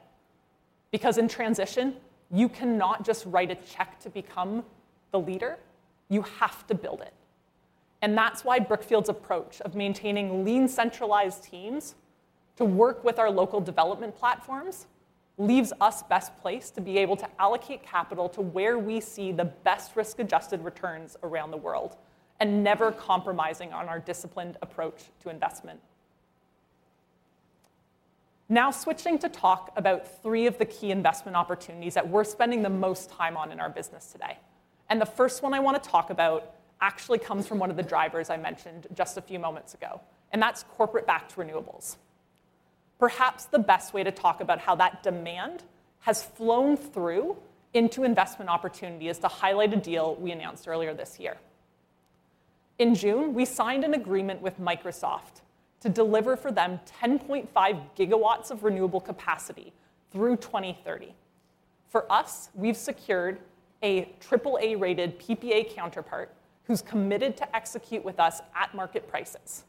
Because in transition, you cannot just write a check to become the leader, you have to build it. That's why Brookfield's approach of maintaining lean, centralized teams to work with our local development platforms leaves us best placed to be able to allocate capital to where we see the best risk-adjusted returns around the world, and never compromising on our disciplined approach to investment. Now, switching to talk about three of the key investment opportunities that we're spending the most time on in our business today. The first one I want to talk about actually comes from one of the drivers I mentioned just a few moments ago, and that's corporate-backed renewables. Perhaps the best way to talk about how that demand has flown through into investment opportunity is to highlight a deal we announced earlier this year. In June, we signed an agreement with Microsoft to deliver for them 10.5 GW of renewable capacity through 2030. For us, we've secured a triple-A rated PPA counterpart who's committed to execute with us at market prices.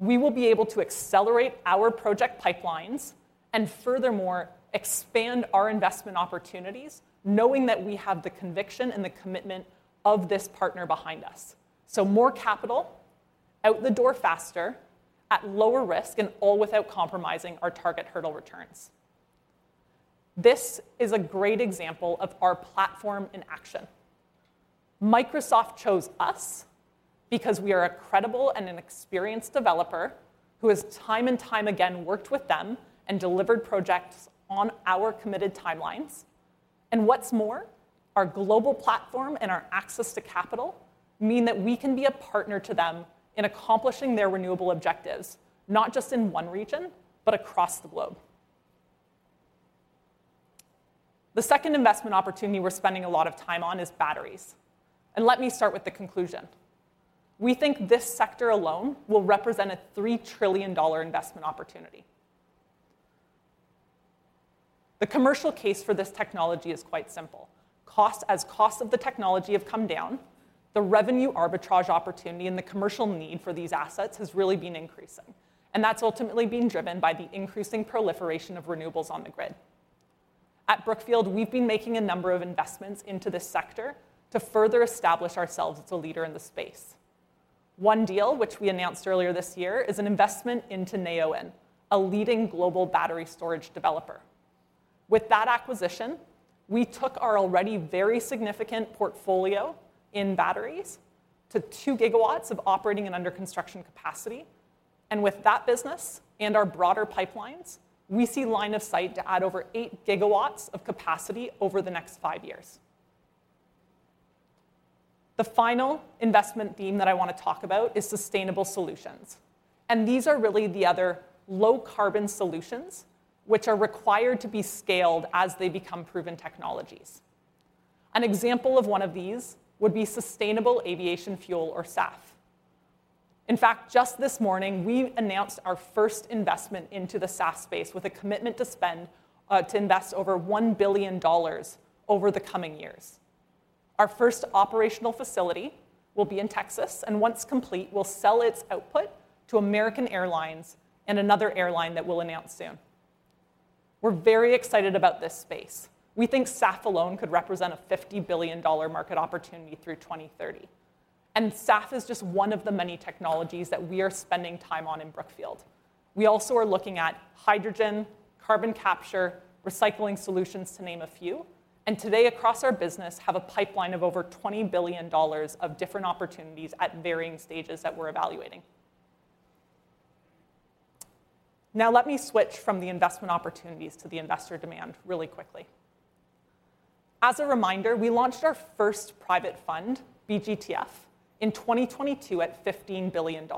We will be able to accelerate our project pipelines, and furthermore, expand our investment opportunities, knowing that we have the conviction and the commitment of this partner behind us. So more capital out the door faster, at lower risk, and all without compromising our target hurdle returns. This is a great example of our platform in action. Microsoft chose us because we are a credible and an experienced developer who has, time and time again, worked with them and delivered projects on our committed timelines, and what's more, our global platform and our access to capital mean that we can be a partner to them in accomplishing their renewable objectives, not just in one region, but across the globe. The second investment opportunity we're spending a lot of time on is batteries, and let me start with the conclusion. We think this sector alone will represent a $3 trillion investment opportunity. The commercial case for this technology is quite simple. Costs, as the costs of the technology have come down, the revenue arbitrage opportunity and the commercial need for these assets has really been increasing, and that's ultimately being driven by the increasing proliferation of renewables on the grid. At Brookfield, we've been making a number of investments into this sector to further establish ourselves as a leader in the space. One deal, which we announced earlier this year, is an investment into Neoen, a leading global battery storage developer. With that acquisition, we took our already very significant portfolio in batteries to two gigawatts of operating and under construction capacity, and with that business and our broader pipelines, we see line of sight to add over eight gigawatts of capacity over the next five years. The final investment theme that I wanna talk about is sustainable solutions, and these are really the other low-carbon solutions, which are required to be scaled as they become proven technologies. An example of one of these would be sustainable aviation fuel, or SAF. In fact, just this morning, we announced our first investment into the SAF space with a commitment to spend to invest over $1 billion over the coming years. Our first operational facility will be in Texas, and once complete, will sell its output to American Airlines and another airline that we'll announce soon. We're very excited about this space. We think SAF alone could represent a $50 billion market opportunity through 2030. And SAF is just one of the many technologies that we are spending time on in Brookfield. We also are looking at hydrogen, carbon capture, recycling solutions, to name a few, and today, across our business, have a pipeline of over $20 billion of different opportunities at varying stages that we're evaluating. Now, let me switch from the investment opportunities to the investor demand really quickly. As a reminder, we launched our first private fund, BGTF, in 2022 at $15 billion.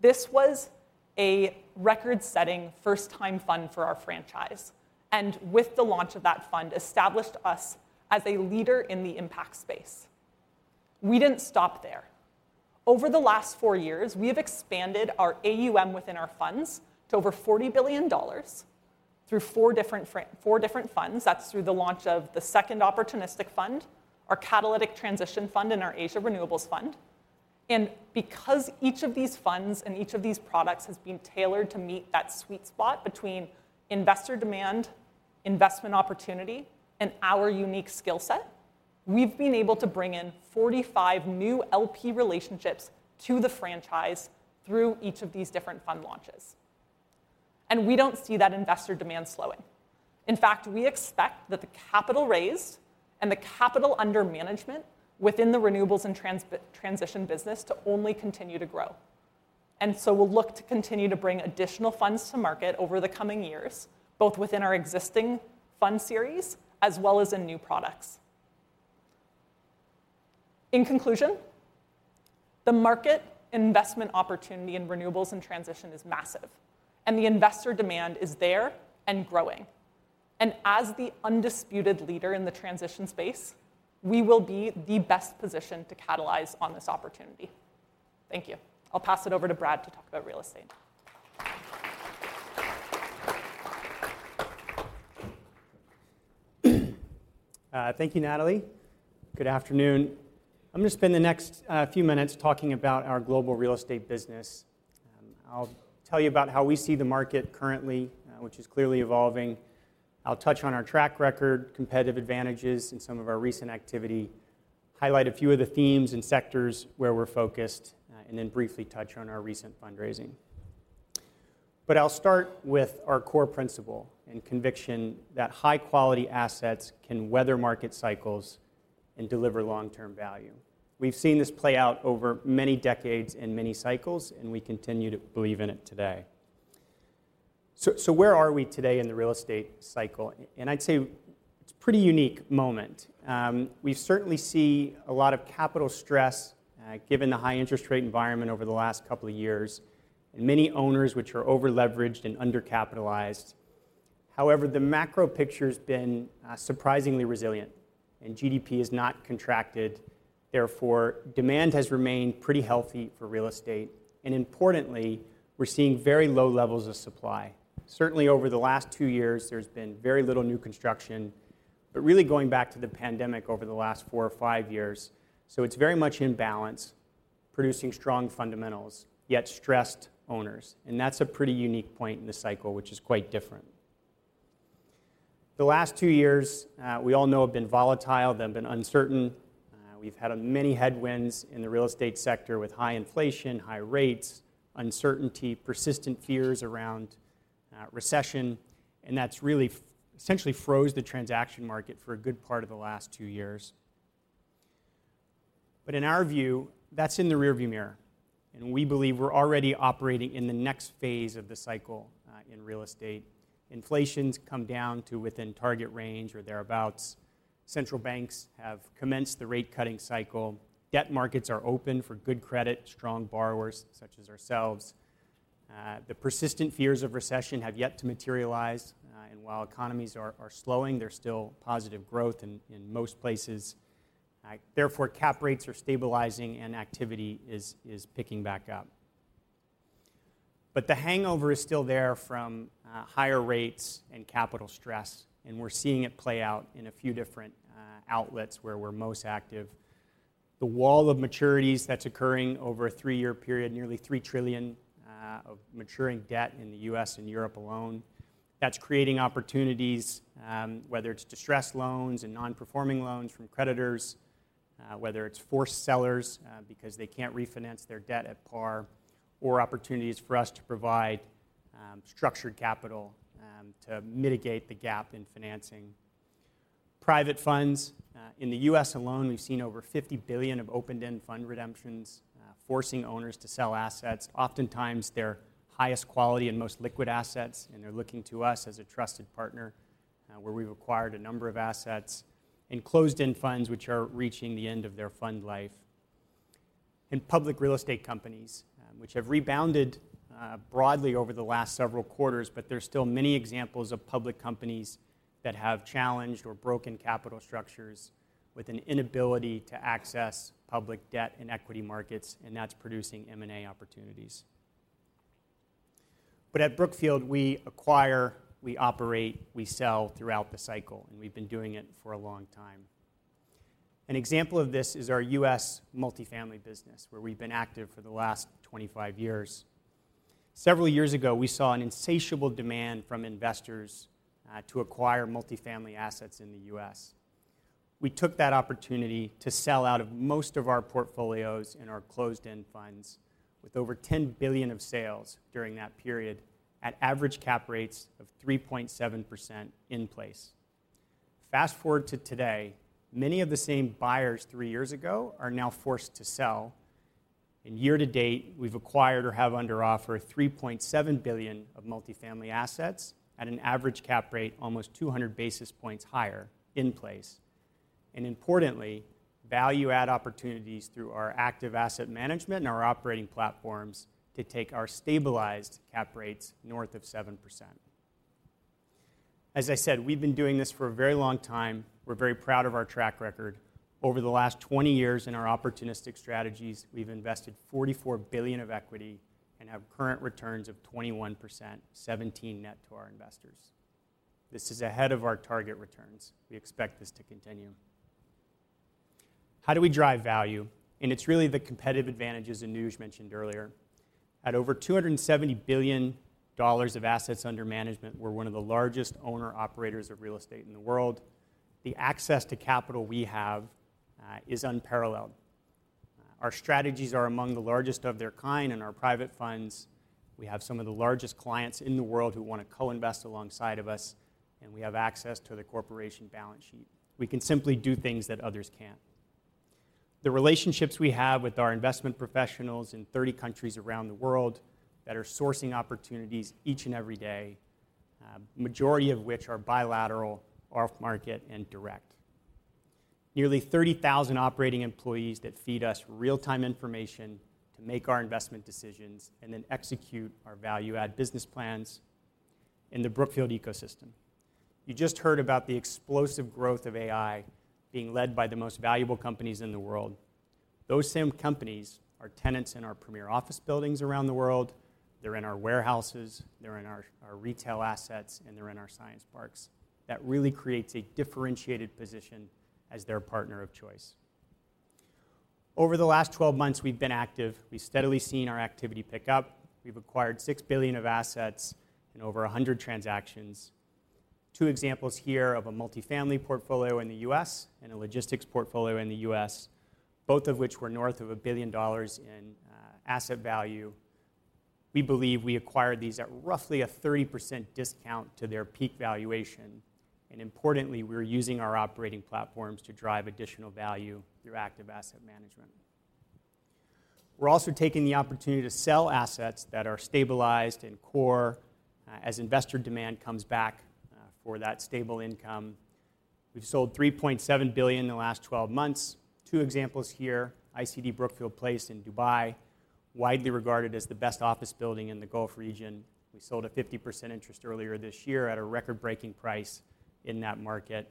This was a record-setting, first-time fund for our franchise, and with the launch of that fund, established us as a leader in the impact space. We didn't stop there. Over the last four years, we have expanded our AUM within our funds to over $40 billion through four different funds. That's through the launch of the second opportunistic fund, our Catalytic Transition Fund, and our Asia Renewable Fund. And because each of these funds and each of these products has been tailored to meet that sweet spot between investor demand, investment opportunity, and our unique skill set, we've been able to bring in 45 new LP relationships to the franchise through each of these different fund launches. And we don't see that investor demand slowing. In fact, we expect that the capital raised and the capital under management within the renewables and transition business to only continue to grow. And so we'll look to continue to bring additional funds to market over the coming years, both within our existing fund series as well as in new products. In conclusion, the market investment opportunity in renewables and transition is massive, and the investor demand is there and growing, and as the undisputed leader in the transition space, we will be the best positioned to capitalize on this opportunity. Thank you. I'll pass it over to Brian to talk about real estate. Thank you, Natalie. Good afternoon. I'm gonna spend the next few minutes talking about our global real estate business. I'll tell you about how we see the market currently, which is clearly evolving. I'll touch on our track record, competitive advantages and some of our recent activity, highlight a few of the themes and sectors where we're focused, and then briefly touch on our recent fundraising. But I'll start with our core principle and conviction that high-quality assets can weather market cycles and deliver long-term value. We've seen this play out over many decades and many cycles, and we continue to believe in it today. Where are we today in the real estate cycle? And I'd say it's a pretty unique moment. We certainly see a lot of capital stress, given the high interest rate environment over the last couple of years, and many owners which are over-leveraged and undercapitalized. However, the macro picture's been, surprisingly resilient, and GDP has not contracted. Therefore, demand has remained pretty healthy for real estate, and importantly, we're seeing very low levels of supply. Certainly, over the last two years, there's been very little new construction, but really going back to the pandemic over the last 4 years or 5 years, so it's very much in balance, producing strong fundamentals, yet stressed owners, and that's a pretty unique point in the cycle, which is quite different. The last 2 years, we all know have been volatile, they've been uncertain. We've had many headwinds in the real estate sector with high inflation, high rates, uncertainty, persistent fears around recession, and that's really essentially froze the transaction market for a good part of the last two years. But in our view, that's in the rearview mirror, and we believe we're already operating in the next phase of the cycle in real estate. Inflation's come down to within target range or thereabouts. Central banks have commenced the rate-cutting cycle. Debt markets are open for good credit, strong borrowers, such as ourselves. The persistent fears of recession have yet to materialize, and while economies are slowing, there's still positive growth in most places. Therefore, cap rates are stabilizing, and activity is picking back up. But the hangover is still there from higher rates and capital stress, and we're seeing it play out in a few different outlets where we're most active. The wall of maturities that's occurring over a three-year period, nearly 3 trillion of maturing debt in the U.S. and Europe alone. That's creating opportunities, whether it's distressed loans and non-performing loans from creditors, whether it's forced sellers because they can't refinance their debt at par, or opportunities for us to provide structured capital to mitigate the gap in financing. Private funds. In the U.S. alone, we've seen over 50 billion of open-end fund redemptions, forcing owners to sell assets, oftentimes their highest quality and most liquid assets, and they're looking to us as a trusted partner, where we've acquired a number of assets. Closed-end funds, which are reaching the end of their fund life. In public real estate companies, which have rebounded broadly over the last several quarters, but there's still many examples of public companies that have challenged or broken capital structures with an inability to access public debt and equity markets, and that's producing M&A opportunities. But at Brookfield, we acquire, we operate, we sell throughout the cycle, and we've been doing it for a long time. An example of this is our U.S. multifamily business, where we've been active for the last 25 years. Several years ago, we saw an insatiable demand from investors to acquire multifamily assets in the U.S. We took that opportunity to sell out of most of our portfolios and our closed-end funds, with over $10 billion of sales during that period, at average cap rates of 3.7% in place. Fast-forward to today, many of the same buyers three years ago are now forced to sell, and year to date, we've acquired or have under offer $3.7 billion of multifamily assets at an average cap rate almost 200 basis points higher in place, and importantly, value-add opportunities through our active asset management and our operating platforms to take our stabilized cap rates north of 7%. As I said, we've been doing this for a very long time. We're very proud of our track record. Over the last 20 years in our opportunistic strategies, we've invested $44 billion of equity and have current returns of 21%, 17% net to our investors. This is ahead of our target returns. We expect this to continue. How do we drive value? It's really the competitive advantages Anuj mentioned earlier. At over $270 billion of assets under management, we're one of the largest owner-operators of real estate in the world. The access to capital we have is unparalleled. Our strategies are among the largest of their kind. In our private funds, we have some of the largest clients in the world who wanna co-invest alongside of us, and we have access to the corporation balance sheet. We can simply do things that others can't. The relationships we have with our investment professionals in thirty countries around the world that are sourcing opportunities each and every day, majority of which are bilateral, off-market, and direct. Nearly 30,000 operating employees that feed us real-time information to make our investment decisions and then execute our value add business plans in the Brookfield ecosystem. You just heard about the explosive growth of AI being led by the most valuable companies in the world. Those same companies are tenants in our premier office buildings around the world. They're in our warehouses, they're in our retail assets, and they're in our science parks. That really creates a differentiated position as their partner of choice. Over the last twelve months, we've been active. We've steadily seen our activity pick up. We've acquired $6 billion of assets in over 100 transactions. Two examples here of a multifamily portfolio in the U.S. and a logistics portfolio in the U.S., both of which were north of $1 billion in asset value. We believe we acquired these at roughly 30% discount to their peak valuation, and importantly, we're using our operating platforms to drive additional value through active asset management. We're also taking the opportunity to sell assets that are stabilized and core, as investor demand comes back, for that stable income. We've sold $3.7 billion in the last twelve months. Two examples here: ICD Brookfield Place in Dubai, widely regarded as the best office building in the Gulf region. We sold a 50% interest earlier this year at a record-breaking price in that market.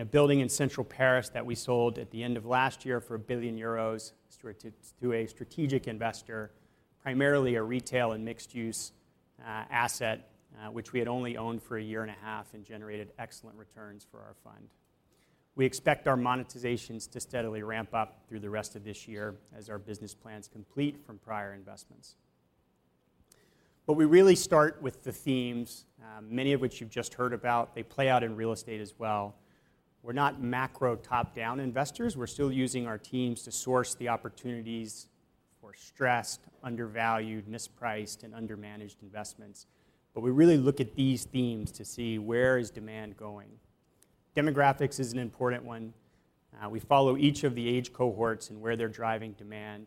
A building in central Paris that we sold at the end of last year for 1 billion euros to a strategic investor, primarily a retail and mixed-use asset, which we had only owned for a year and a half and generated excellent returns for our fund. We expect our monetizations to steadily ramp up through the rest of this year as our business plans complete from prior investments. We really start with the themes, many of which you've just heard about. They play out in real estate as well. We're not macro top-down investors. We're still using our teams to source the opportunities for stressed, undervalued, mispriced, and undermanaged investments. We really look at these themes to see where is demand going. Demographics is an important one. We follow each of the age cohorts and where they're driving demand.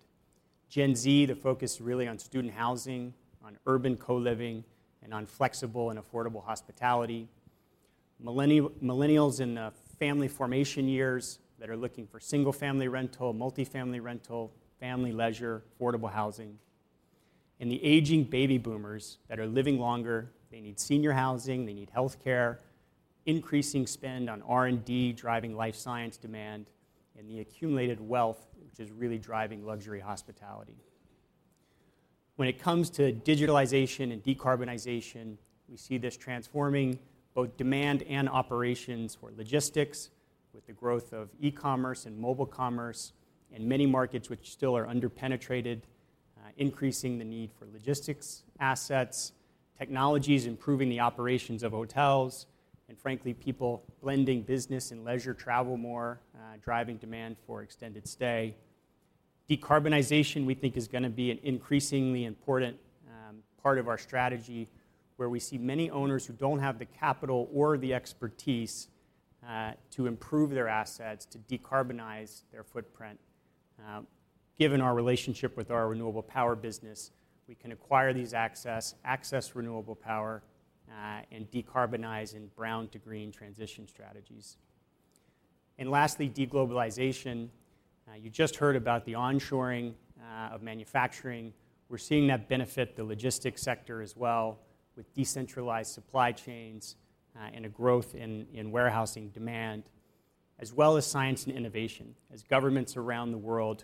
Gen Z, the focus really on student housing, on urban co-living, and on flexible and affordable hospitality. Millennials in the family formation years that are looking for single-family rental, multifamily rental, family leisure, affordable housing, and the aging baby boomers that are living longer, they need senior housing, they need healthcare, increasing spend on R&D, driving life science demand, and the accumulated wealth, which is really driving luxury hospitality. When it comes to digitalization and decarbonization, we see this transforming both demand and operations for logistics, with the growth of e-commerce and mobile commerce in many markets which still are under-penetrated, increasing the need for logistics assets, technologies improving the operations of hotels, and frankly, people blending business and leisure travel more, driving demand for extended stay. Decarbonization, we think, is going to be an increasingly important part of our strategy, where we see many owners who don't have the capital or the expertise to improve their assets to decarbonize their footprint. Given our relationship with our renewable power business, we can acquire these assets to access renewable power and decarbonize in brown-to-green transition strategies. Lastly, deglobalization. You just heard about the onshoring of manufacturing. We're seeing that benefit the logistics sector as well, with decentralized supply chains and a growth in warehousing demand, as well as science and innovation, as governments around the world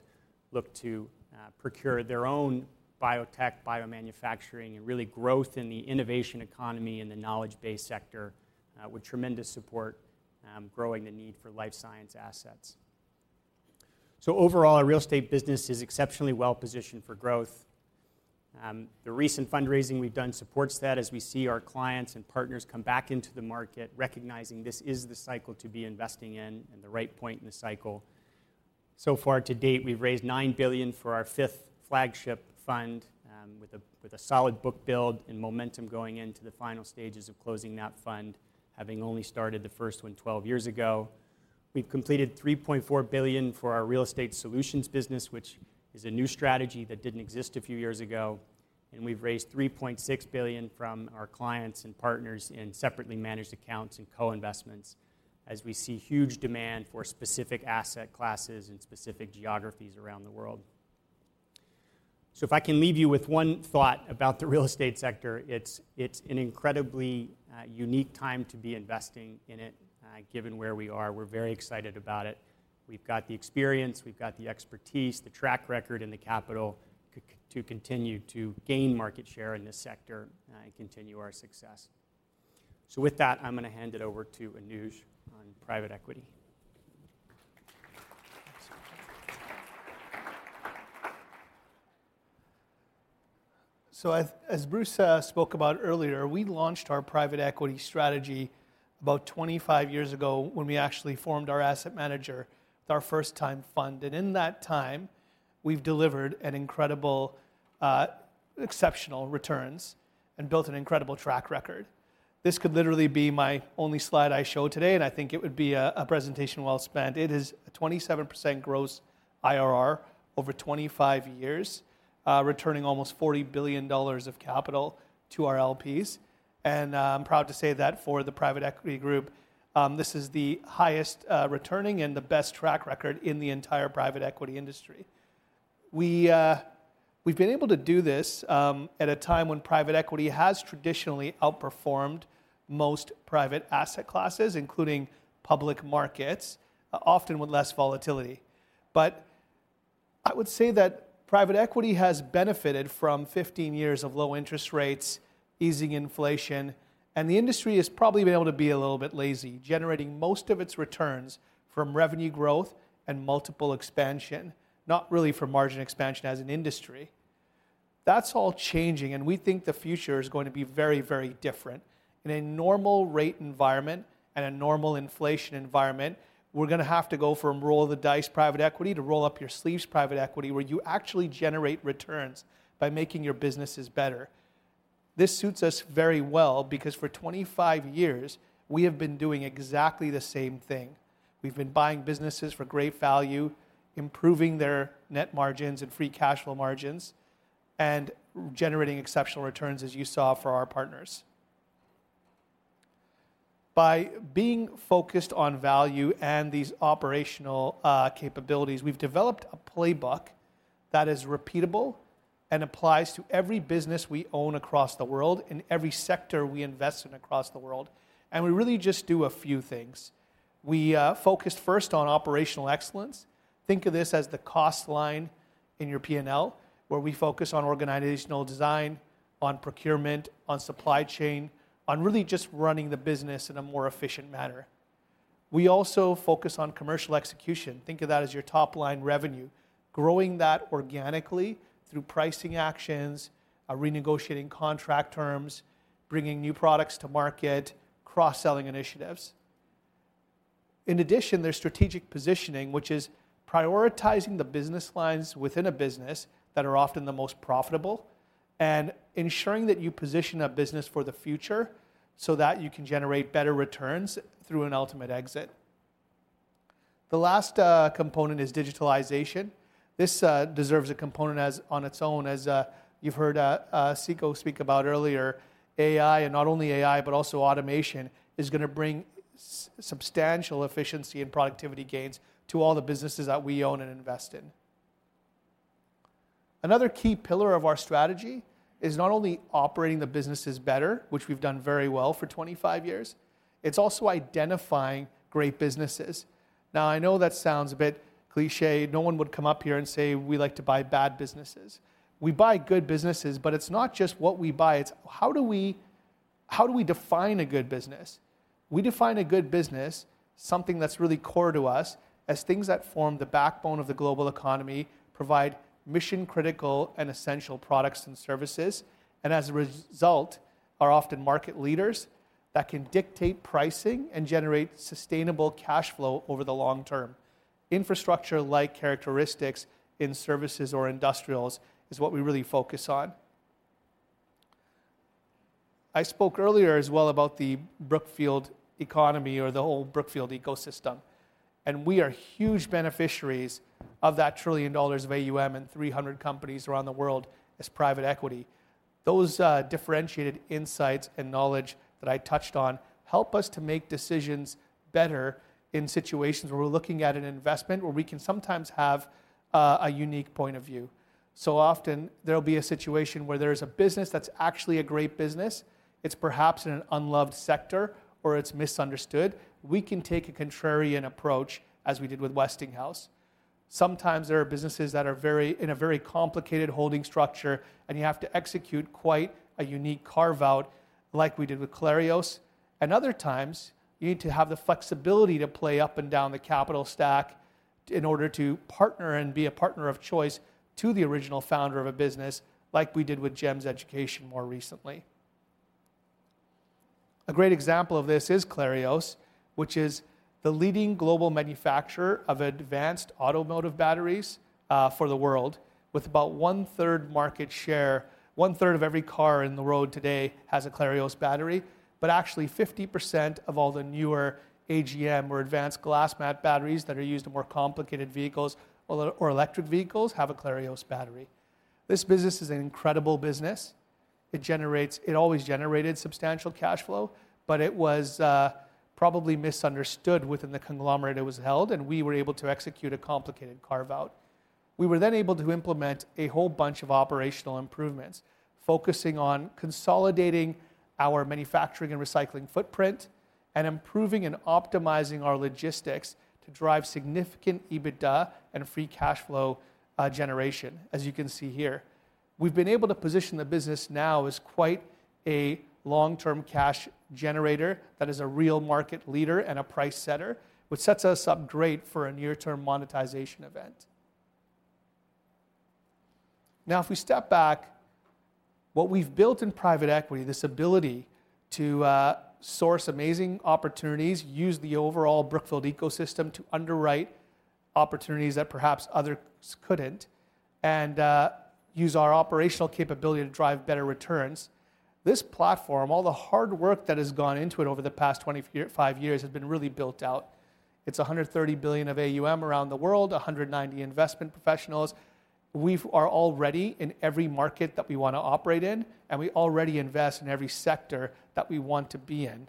look to procure their own biotech, biomanufacturing, and really growth in the innovation economy and the knowledge-based sector, with tremendous support growing the need for life science assets. Overall, our real estate business is exceptionally well positioned for growth. The recent fundraising we've done supports that as we see our clients and partners come back into the market, recognizing this is the cycle to be investing in and the right point in the cycle. So far to date, we've raised $9 billion for our fifth flagship fund, with a solid book build and momentum going into the final stages of closing that fund, having only started the first one twelve years ago. We've completed $3.4 billion for our Real Estate Solutions business, which is a new strategy that didn't exist a few years ago, and we've raised $3.6 billion from our clients and partners in separately managed accounts and co-investments, as we see huge demand for specific asset classes and specific geographies around the world. So if I can leave you with one thought about the real estate sector, it's an incredibly unique time to be investing in it, given where we are. We're very excited about it. We've got the experience, we've got the expertise, the track record, and the capital to continue to gain market share in this sector, and continue our success. So with that, I'm going to hand it over to Anuj on private equity. So as Bruce spoke about earlier, we launched our private equity strategy about 25 years ago when we actually formed our asset manager with our first-time fund. And in that time, we've delivered an incredible, exceptional returns and built an incredible track record. This could literally be my only slide I show today, and I think it would be a presentation well spent. It is a 27% gross IRR over 25 years, returning almost $40 billion of capital to our LPs. And, I'm proud to say that for the private equity group, this is the highest returning and the best track record in the entire private equity industry. We, we've been able to do this, at a time when private equity has traditionally outperformed most private asset classes, including public markets, often with less volatility. But I would say that private equity has benefited from 15 years of low interest rates, easing inflation, and the industry has probably been able to be a little bit lazy, generating most of its returns from revenue growth and multiple expansion, not really from margin expansion as an industry. That's all changing, and we think the future is going to be very, very different. In a normal rate environment and a normal inflation environment, we're going to have to go from roll-of-the-dice private equity to roll-up-your-sleeves private equity, where you actually generate returns by making your businesses better. This suits us very well because for 25 years, we have been doing exactly the same thing. We've been buying businesses for great value, improving their net margins and free cash flow margins, and generating exceptional returns, as you saw, for our partners. By being focused on value and these operational capabilities, we've developed a playbook that is repeatable and applies to every business we own across the world, in every sector we invest in across the world, and we really just do a few things. We focus first on operational excellence. Think of this as the cost line in your P&L, where we focus on organizational design, on procurement, on supply chain, on really just running the business in a more efficient manner. We also focus on commercial execution. Think of that as your top-line revenue, growing that organically through pricing actions, renegotiating contract terms, bringing new products to market, cross-selling initiatives. In addition, there's strategic positioning, which is prioritizing the business lines within a business that are often the most profitable and ensuring that you position that business for the future so that you can generate better returns through an ultimate exit. The last component is digitalization. This deserves a component on its own. As you've heard, Cyrus speak about earlier, AI, and not only AI, but also automation, is going to bring substantial efficiency and productivity gains to all the businesses that we own and invest in. Another key pillar of our strategy is not only operating the business better, which we've done very well for 25 years, it's also identifying great businesses. Now, I know that sounds a bit cliché. No one would come up here and say, "We like to buy bad businesses." We buy good businesses, but it's not just what we buy, it's how do we define a good business? We define a good business, something that's really core to us, as things that form the backbone of the global economy, provide mission-critical and essential products and services, and as a result, are often market leaders that can dictate pricing and generate sustainable cash flow over the long term. Infrastructure-like characteristics in services or industrials is what we really focus on. I spoke earlier as well about the Brookfield economy or the whole Brookfield ecosystem, and we are huge beneficiaries of that $1 trillion of AUM and 300 companies around the world as private equity. Those, differentiated insights and knowledge that I touched on help us to make decisions better in situations where we're looking at an investment, where we can sometimes have a unique point of view. So often, there'll be a situation where there's a business that's actually a great business. It's perhaps in an unloved sector, or it's misunderstood. We can take a contrarian approach, as we did with Westinghouse. Sometimes there are businesses that are very... in a very complicated holding structure, and you have to execute quite a unique carve-out, like we did with Clarios. And other times, you need to have the flexibility to play up and down the capital stack in order to partner and be a partner of choice to the original founder of a business, like we did with GEMS Education more recently. A great example of this is Clarios, which is the leading global manufacturer of advanced automotive batteries for the world, with about one-third market share. One-third of every car on the road today has a Clarios battery, but actually, 50% of all the newer AGM or advanced glass mat batteries that are used in more complicated vehicles or electric vehicles have a Clarios battery. This business is an incredible business. It generates. It always generated substantial cash flow, but it was probably misunderstood within the conglomerate it was held, and we were able to execute a complicated carve-out. We were then able to implement a whole bunch of operational improvements, focusing on consolidating our manufacturing and recycling footprint and improving and optimizing our logistics to drive significant EBITDA and free cash flow generation, as you can see here. We've been able to position the business now as quite a long-term cash generator that is a real market leader and a price setter, which sets us up great for a near-term monetization event. Now, if we step back, what we've built in private equity, this ability to source amazing opportunities, use the overall Brookfield ecosystem to underwrite opportunities that perhaps others couldn't, and use our operational capability to drive better returns. This platform, all the hard work that has gone into it over the past 25 years, has been really built out. It's 130 billion of AUM around the world, 190 investment professionals. We are already in every market that we want to operate in, and we already invest in every sector that we want to be in.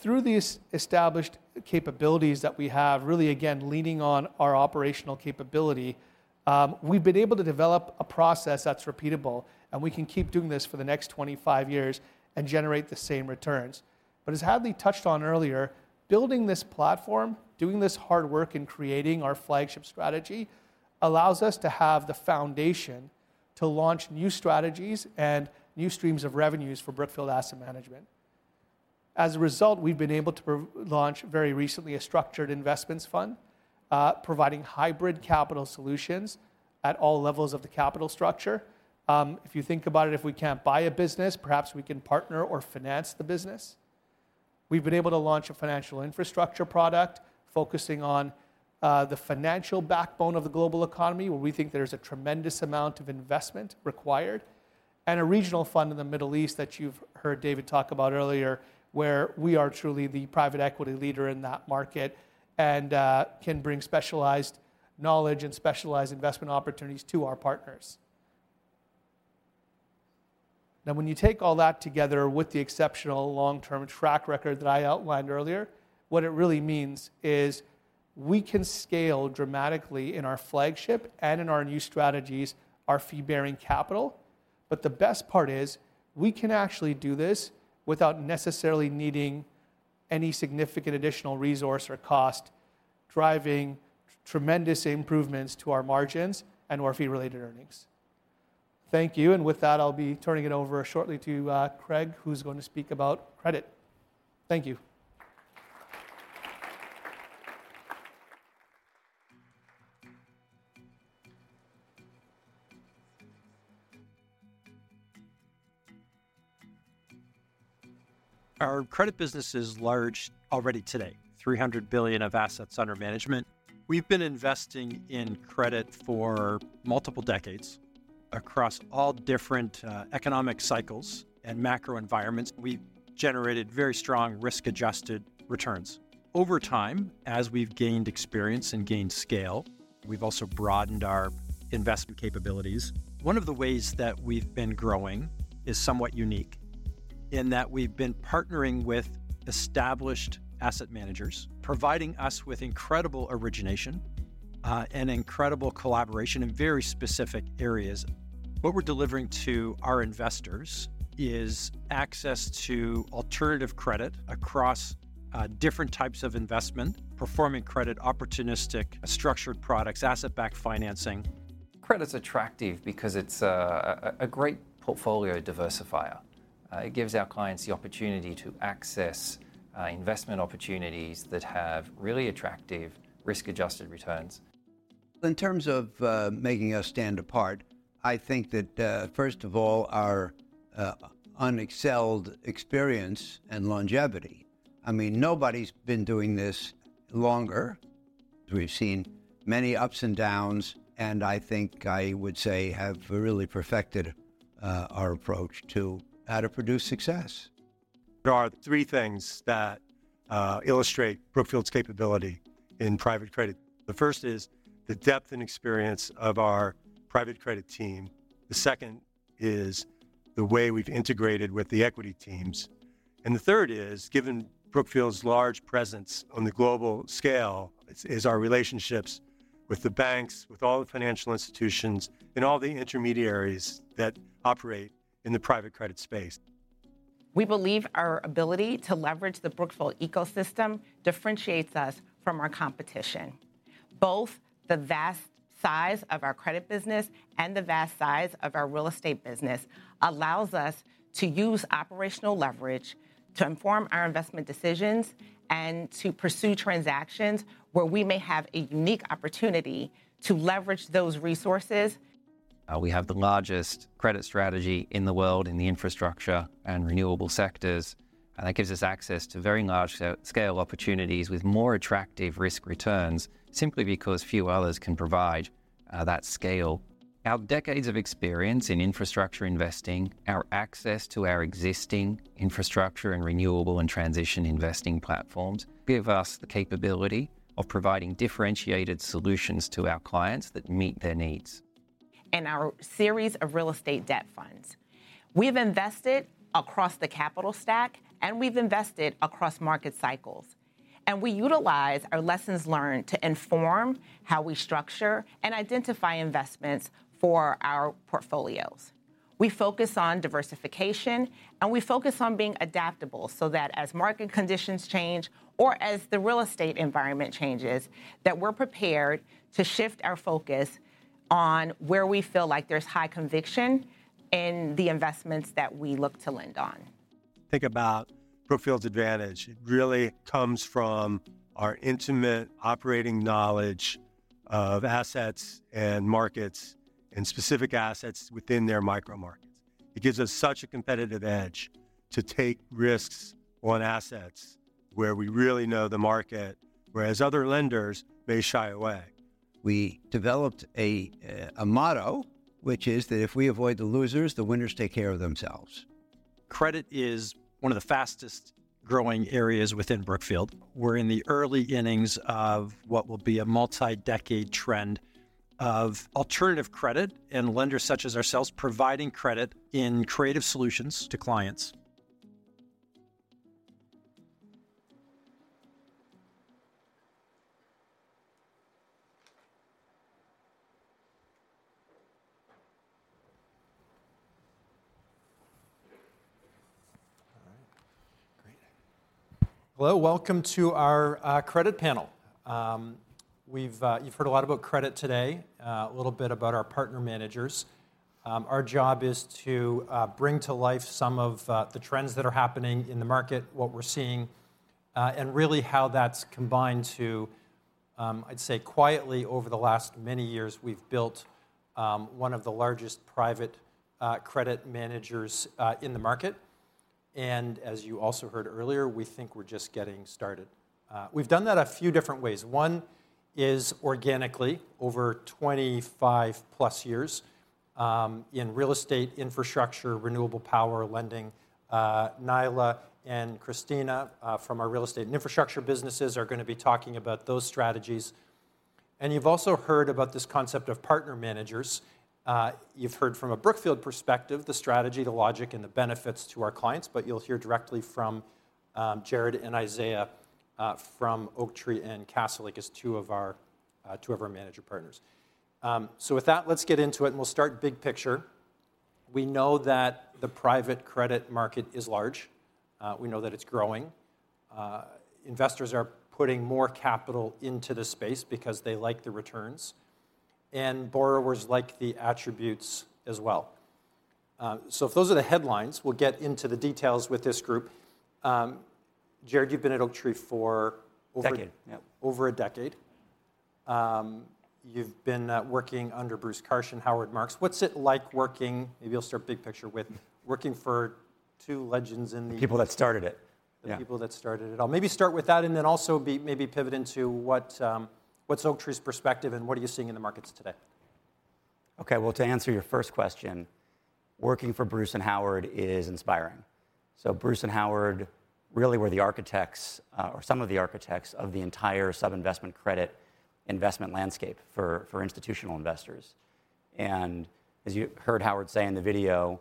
Through these established capabilities that we have, really, again, leaning on our operational capability, we've been able to develop a process that's repeatable, and we can keep doing this for the next 25 years and generate the same returns. But as Hadley touched on earlier, building this platform, doing this hard work, and creating our flagship strategy, allows us to have the foundation to launch new strategies and new streams of revenues for Brookfield Asset Management. As a result, we've been able to launch, very recently, a structured investments fund, providing hybrid capital solutions at all levels of the capital structure. If you think about it, if we can't buy a business, perhaps we can partner or finance the business. We've been able to launch a financial infrastructure product focusing on, the financial backbone of the global economy, where we think there's a tremendous amount of investment required, and a regional fund in the Middle East that you've heard David talk about earlier, where we are truly the private equity leader in that market and, can bring specialized knowledge and specialized investment opportunities to our partners. Now, when you take all that together with the exceptional long-term track record that I outlined earlier, what it really means is we can scale dramatically in our flagship and in our new strategies, our fee-bearing capital. But the best part is, we can actually do this without necessarily needing any significant additional resource or cost, driving tremendous improvements to our margins and our fee-related earnings. Thank you. And with that, I'll be turning it over shortly to Craig, who's going to speak about credit. Thank you. Our credit business is large already today, $300 billion of assets under management. We've been investing in credit for multiple decades across all different economic cycles and macro environments. We've generated very strong risk-adjusted returns. Over time, as we've gained experience and gained scale, we've also broadened our investment capabilities. One of the ways that we've been growing is somewhat unique in that we've been partnering with established asset managers, providing us with incredible origination and incredible collaboration in very specific areas. What we're delivering to our investors is access to alternative credit across different types of investment, performing credit, opportunistic, structured products, asset-backed financing. Credit's attractive because it's a great portfolio diversifier. It gives our clients the opportunity to access investment opportunities that have really attractive risk-adjusted returns. In terms of making us stand apart, I think that first of all, our unexcelled experience and longevity. I mean, nobody's been doing this longer. We've seen many ups and downs, and I think I would say have really perfected our approach to how to produce success. There are three things that illustrate Brookfield's capability in private credit. The first is the depth and experience of our private credit team. The second is the way we've integrated with the equity teams. And the third is, given Brookfield's large presence on the global scale, our relationships with the banks, with all the financial institutions, and all the intermediaries that operate in the private credit space. We believe our ability to leverage the Brookfield ecosystem differentiates us from our competition. Both the vast size of our credit business and the vast size of our real estate business allows us to use operational leverage to inform our investment decisions, and to pursue transactions where we may have a unique opportunity to leverage those resources. We have the largest credit strategy in the world in the infrastructure and renewable sectors, and that gives us access to very large scale opportunities with more attractive risk returns, simply because few others can provide that scale. Our decades of experience in infrastructure investing, our access to our existing infrastructure and renewable and transition investing platforms, give us the capability of providing differentiated solutions to our clients that meet their needs. In our series of real estate debt funds, we've invested across the capital stack, and we've invested across market cycles, and we utilize our lessons learned to inform how we structure and identify investments for our portfolios. We focus on diversification, and we focus on being adaptable, so that as market conditions change, or as the real estate environment changes, that we're prepared to shift our focus on where we feel like there's high conviction in the investments that we look to lend on. Think about Brookfield's advantage. It really comes from our intimate operating knowledge of assets and markets, and specific assets within their micro markets. It gives us such a competitive edge to take risks on assets where we really know the market, whereas other lenders may shy away. We developed a motto, which is that, "If we avoid the losers, the winners take care of themselves". Credit is one of the fastest-growing areas within Brookfield. We're in the early innings of what will be a multi-decade trend of alternative credit, and lenders such as ourselves providing credit in creative solutions to clients. All right. Great. Hello, welcome to our credit panel. We've... You've heard a lot about credit today, a little bit about our partner managers. Our job is to bring to life some of the trends that are happening in the market, what we're seeing, and really how that's combined to... I'd say, quietly, over the last many years, we've built one of the largest private credit managers in the market, and as you also heard earlier, we think we're just getting started. We've done that a few different ways. One is organically, over 25+ years, in real estate, infrastructure, renewable power, lending. Naila and Christina, from our real estate and infrastructure businesses, are gonna be talking about those strategies. And you've also heard about this concept of partner managers. You've heard from a Brookfield perspective, the strategy, the logic, and the benefits to our clients, but you'll hear directly from Jared and Isaiah, from Oaktree and Castlelake, as two of our manager partners. So with that, let's get into it, and we'll start big picture. We know that the private credit market is large. We know that it's growing. Investors are putting more capital into this space because they like the returns, and borrowers like the attributes as well. So if those are the headlines, we'll get into the details with this group. Jared, you've been at Oaktree for... Over a decade, yeah. Over a decade. You've been working under Bruce Karsh and Howard Marks. What's it like working... Maybe you'll start big picture with working for two legends in the- The people that started it, yeah. The people that started it all. Maybe start with that, and then also maybe pivot into what, what's Oaktree's perspective, and what are you seeing in the markets today? Okay, well, to answer your first question, working for Bruce and Howard is inspiring. So Bruce and Howard really were the architects, or some of the architects, of the entire sub-investment credit Investment landscape for institutional investors. And as you heard Howard say in the video,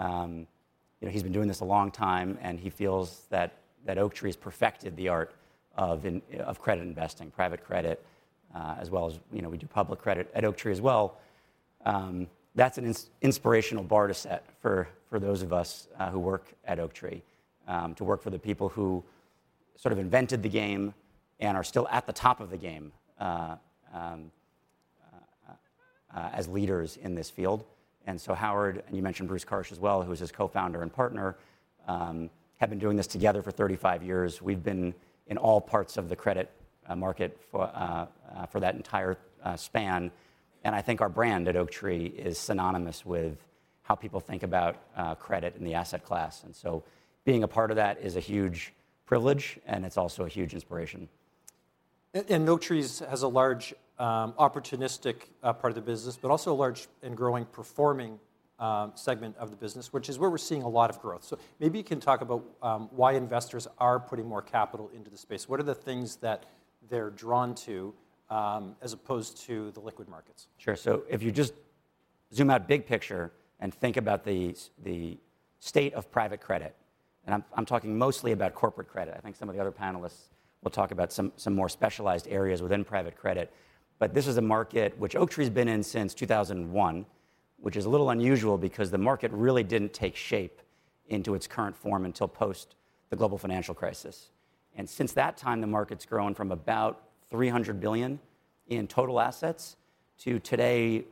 you know, he's been doing this a long time, and he feels that Oaktree's perfected the art of of credit investing, private credit, as well as, you know, we do public credit at Oaktree as well. That's an inspirational bar to set for those of us who work at Oaktree to work for the people who sort of invented the game and are still at the top of the game as leaders in this field. And so Howard, and you mentioned Bruce Karsh as well, who is his co-founder and partner, have been doing this together for 35 years. We've been in all parts of the credit market for that entire span, and I think our brand at Oaktree is synonymous with how people think about credit and the asset class, and so being a part of that is a huge privilege, and it's also a huge inspiration. And Oaktree's has a large, opportunistic, part of the business, but also a large and growing performing, segment of the business, which is where we're seeing a lot of growth. So maybe you can talk about, why investors are putting more capital into the space. What are the things that they're drawn to, as opposed to the liquid markets? Sure. So if you just zoom out big picture and think about the state of private credit, and I'm talking mostly about corporate credit, I think some of the other panelists will talk about some more specialized areas within private credit. But this is a market which Oaktree's been in since 2001, which is a little unusual because the market really didn't take shape into its current form until post the global financial crisis, and since that time, the market's grown from about $300 billion in total assets to today,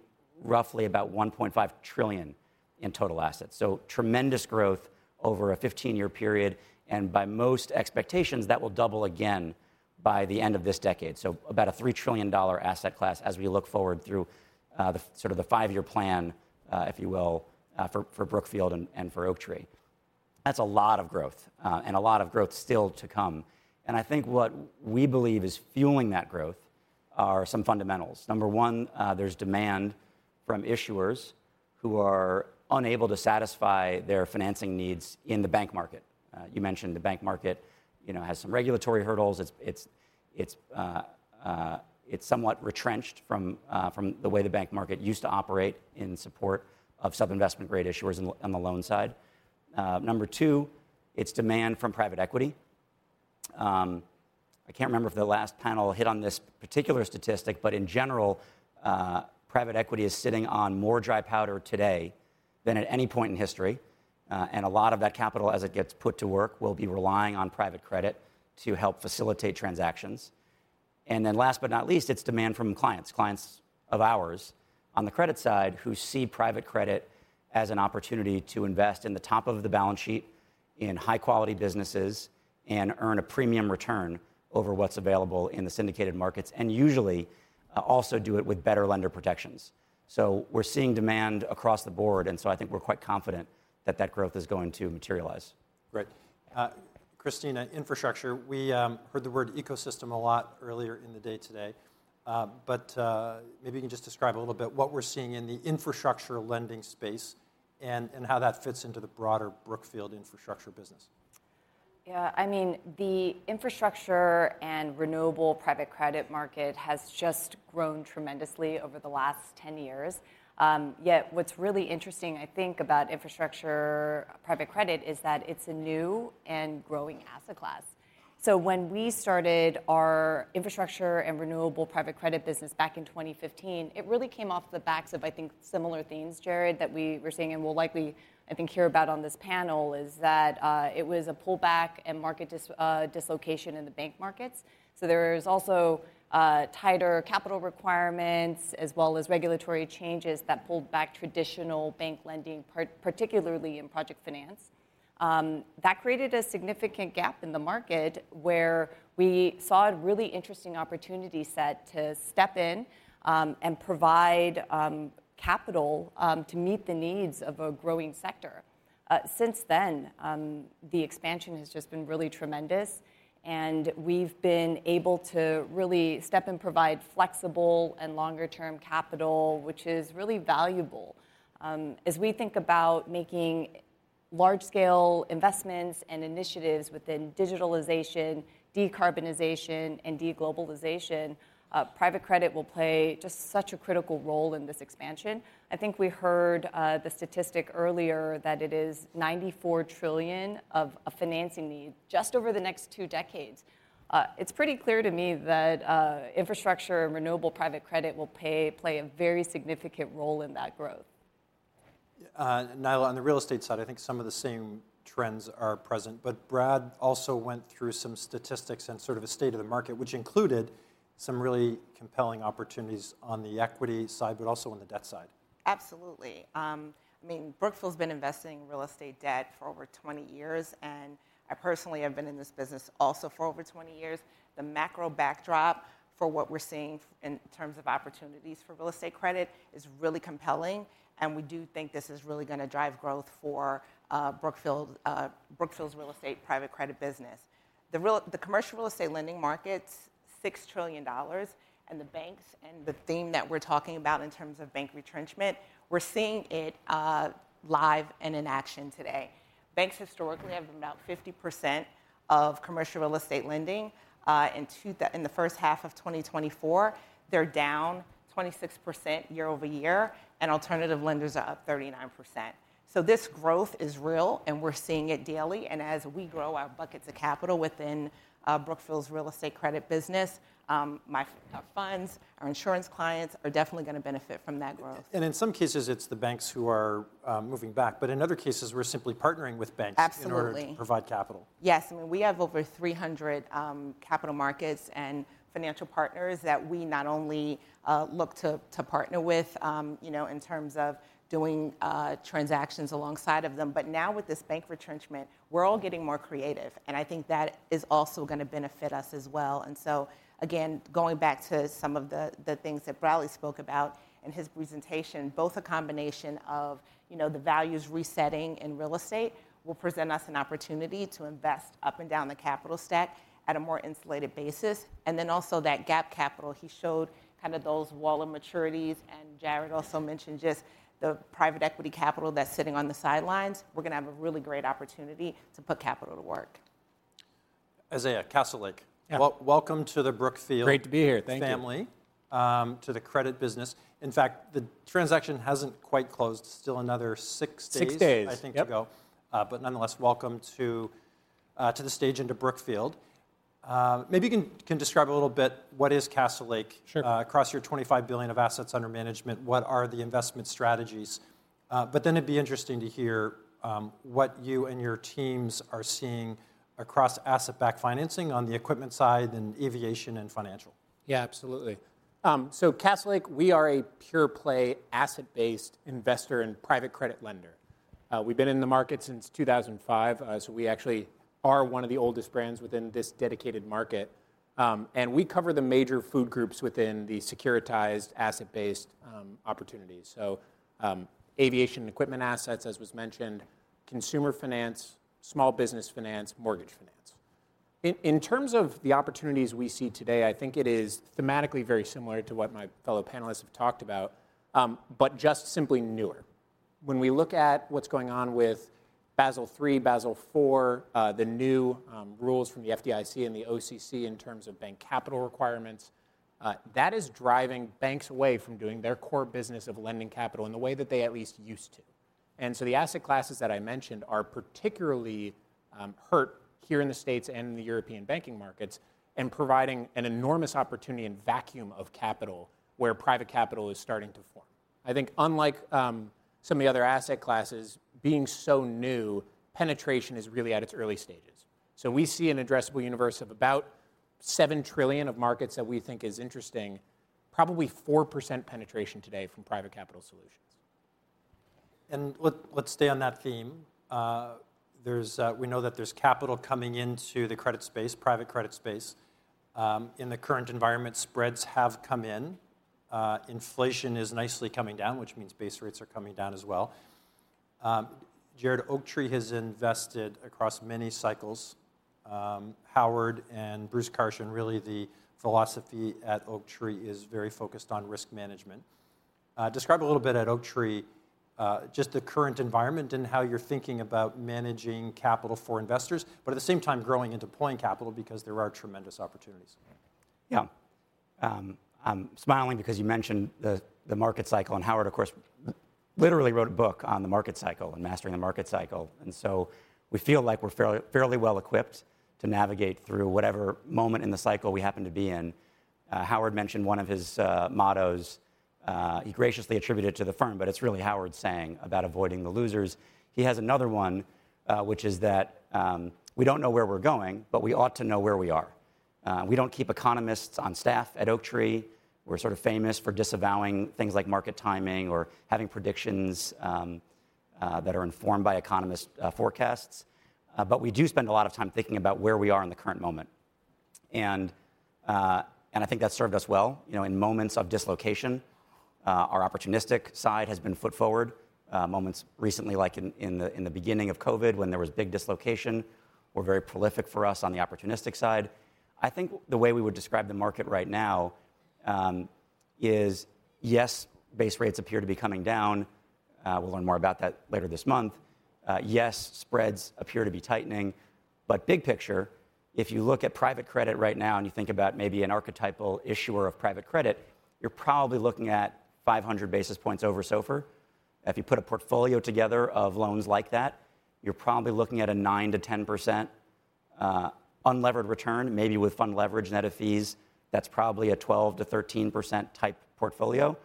roughly about $1.5 trillion in total assets, so tremendous growth over a 15-year period, and by most expectations, that will double again by the end of this decade. So about a $3 trillion asset class as we look forward through the sort of five-year plan, if you will, for Brookfield and for Oaktree. That's a lot of growth, and a lot of growth still to come, and I think what we believe is fueling that growth are some fundamentals. Number one, there's demand from issuers who are unable to satisfy their financing needs in the bank market. You mentioned the bank market, you know, has some regulatory hurdles. It's somewhat retrenched from the way the bank market used to operate in support of sub-investment grade issuers on the loan side. Number two, it's demand from private equity. I can't remember if the last panel hit on this particular statistic, but in general, private equity is sitting on more dry powder today than at any point in history, and a lot of that capital, as it gets put to work, will be relying on private credit to help facilitate transactions. And then last but not least, it's demand from clients, clients of ours on the credit side, who see private credit as an opportunity to invest in the top of the balance sheet in high-quality businesses and earn a premium return over what's available in the syndicated markets, and usually, also do it with better lender protections. So we're seeing demand across the board, and so I think we're quite confident that that growth is going to materialize. Great. Christina, infrastructure, we heard the word ecosystem a lot earlier in the day today. But maybe you can just describe a little bit what we're seeing in the infrastructure lending space and how that fits into the broader Brookfield infrastructure business. Yeah, I mean, the infrastructure and renewable private credit market has just grown tremendously over the last 10 years. Yet what's really interesting, I think, about infrastructure private credit is that it's a new and growing asset class. So when we started our infrastructure and renewable private credit business back in 2015, it really came off the backs of, I think, similar themes, Jared, that we were seeing and will likely, I think, hear about on this panel, is that it was a pullback and market dislocation in the bank markets. So there's also tighter capital requirements as well as regulatory changes that pulled back traditional bank lending, particularly in project finance. That created a significant gap in the market where we saw a really interesting opportunity set to step in and provide capital to meet the needs of a growing sector. Since then, the expansion has just been really tremendous, and we've been able to really step and provide flexible and longer-term capital, which is really valuable. As we think about making large-scale investments and initiatives within digitalization, decarbonization, and de-globalization, private credit will play just such a critical role in this expansion. I think we heard the statistic earlier that it is $94 trillion of a financing need just over the next two decades. It's pretty clear to me that infrastructure and renewable private credit will play a very significant role in that growth. Naila, on the real estate side, I think some of the same trends are present, but Brian also went through some statistics and sort of a state of the market, which included some really compelling opportunities on the equity side, but also on the debt side. Absolutely. I mean, Brookfield's been investing in real estate debt for over 20 years, and I personally have been in this business also for over 20 years. The macro backdrop for what we're seeing in terms of opportunities for real estate credit is really compelling, and we do think this is really gonna drive growth for Brookfield's real estate private credit business. The commercial real estate lending market's $6 trillion, and the banks and the theme that we're talking about in terms of bank retrenchment, we're seeing it live and in action today. Banks historically have about 50% of commercial real estate lending. In the first half of 2024, they're down 26% year over year, and alternative lenders are up 39%. So this growth is real, and we're seeing it daily, and as we grow our buckets of capital within Brookfield's real estate credit business, our funds, our insurance clients are definitely gonna benefit from that growth. And in some cases, it's the banks who are moving back, but in other cases, we're simply partnering with banks. Absolutely In order to provide capital. Yes, I mean, we have over 300 capital markets and financial partners that we not only look to, to partner with, you know, in terms of doing transactions alongside of them, but now with this bank retrenchment, we're all getting more creative, and I think that is also gonna benefit us as well. So, again, going back to some of the things that Brian spoke about in his presentation, both a combination of, you know, the values resetting in real estate will present us an opportunity to invest up and down the capital stack at a more insulated basis. Then also that gap capital, he showed kind of those wall of maturities, and Jared also mentioned just the private equity capital that's sitting on the sidelines. We're gonna have a really great opportunity to put capital to work. Isaiah, Castlelake. Yeah. Welcome to the Brookfield. Great to be here. Thank you.... family to the credit business. In fact, the transaction hasn't quite closed, still another six days- Six days I think, to go. But nonetheless, welcome to the stage and to Brookfield. Maybe you can describe a little bit what is Castlelake? Sure. Across your $25 billion of assets under management, what are the investment strategies? But then it'd be interesting to hear what you and your teams are seeing across asset-backed financing on the equipment side, and aviation, and financial. Yeah, absolutely. So Castlelake, we are a pure-play, asset-based investor and private credit lender. We've been in the market since 2005, so we actually are one of the oldest brands within this dedicated market. And we cover the major food groups within the securitized asset-based opportunities, so aviation and equipment assets, as was mentioned, consumer finance, small business finance, mortgage finance. In terms of the opportunities we see today, I think it is thematically very similar to what my fellow panelists have talked about, but just simply newer. When we look at what's going on with Basel III, Basel IV, the new rules from the FDIC and the OCC in terms of bank capital requirements, that is driving banks away from doing their core business of lending capital in the way that they at least used to. And so the asset classes that I mentioned are particularly hurt here in the States and in the European banking markets, and providing an enormous opportunity and vacuum of capital, where private capital is starting to form. I think unlike some of the other asset classes, being so new, penetration is really at its early stages. So we see an addressable universe of about $7 trillion of markets that we think is interesting, probably 4% penetration today from private capital solutions. And let's stay on that theme. We know that there's capital coming into the credit space, private credit space. In the current environment, spreads have come in. Inflation is nicely coming down, which means base rates are coming down as well. Jared, Oaktree has invested across many cycles. Howard Marks and Bruce Karsh, really the philosophy at Oaktree is very focused on risk management. Describe a little bit at Oaktree, just the current environment and how you're thinking about managing capital for investors, but at the same time, growing and deploying capital because there are tremendous opportunities. Yeah. I'm smiling because you mentioned the market cycle, and Howard, of course, literally wrote a book on the market cycle and mastering the market cycle, and so we feel like we're fairly well-equipped to navigate through whatever moment in the cycle we happen to be in. Howard mentioned one of his mottos, he graciously attributed to the firm, but it's really Howard's saying about avoiding the losers. He has another one, which is that, we don't know where we're going, but we ought to know where we are. We don't keep economists on staff at Oaktree. We're sort of famous for disavowing things like market timing or having predictions that are informed by economist forecasts. But we do spend a lot of time thinking about where we are in the current moment. I think that's served us well. You know, in moments of dislocation, our opportunistic side has been foot forward. Moments recently, like in the beginning of COVID, when there was big dislocation, were very prolific for us on the opportunistic side. I think the way we would describe the market right now is, yes, base rates appear to be coming down. We'll learn more about that later this month. Yes, spreads appear to be tightening, but big picture, if you look at private credit right now, and you think about maybe an archetypal issuer of private credit, you're probably looking at 500 basis points over SOFR. If you put a portfolio together of loans like that, you're probably looking at a 9%-10% unlevered return, maybe with fund leverage net of fees, that's probably a 12%-13% type portfolio.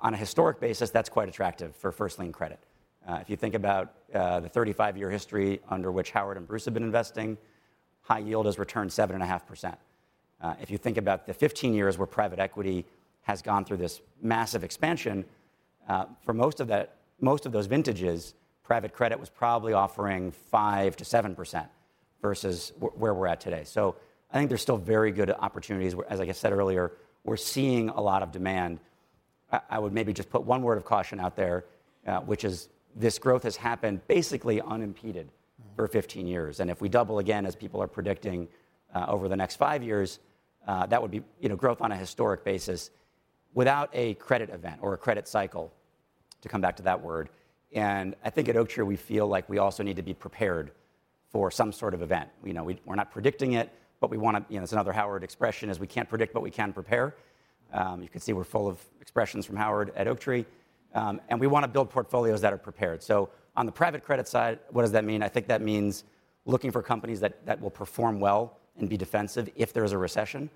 On a historic basis, that's quite attractive for first lien credit. If you think about the 35-year history under which Howard and Bruce have been investing, high yield has returned 7.5%. If you think about the 15 years where private equity has gone through this massive expansion, for most of that, most of those vintages, private credit was probably offering 5%-7% versus where we're at today. So I think there's still very good opportunities, where, as like I said earlier, we're seeing a lot of demand. I would maybe just put one word of caution out there, which is this growth has happened basically unimpeded. Mm. for 15 years, and if we double again, as people are predicting, over the next five years, that would be, you know, growth on a historic basis without a credit event or a credit cycle, to come back to that word. And I think at Oaktree we feel like we also need to be prepared for some sort of event. You know, we're not predicting it, but we wanna... You know, it's another Howard expression, is, "We can't predict, but we can prepare." You can see we're full of expressions from Howard at Oaktree. And we wanna build portfolios that are prepared. So on the private credit side, what does that mean? I think that means looking for companies that will perform well and be defensive if there is a recession.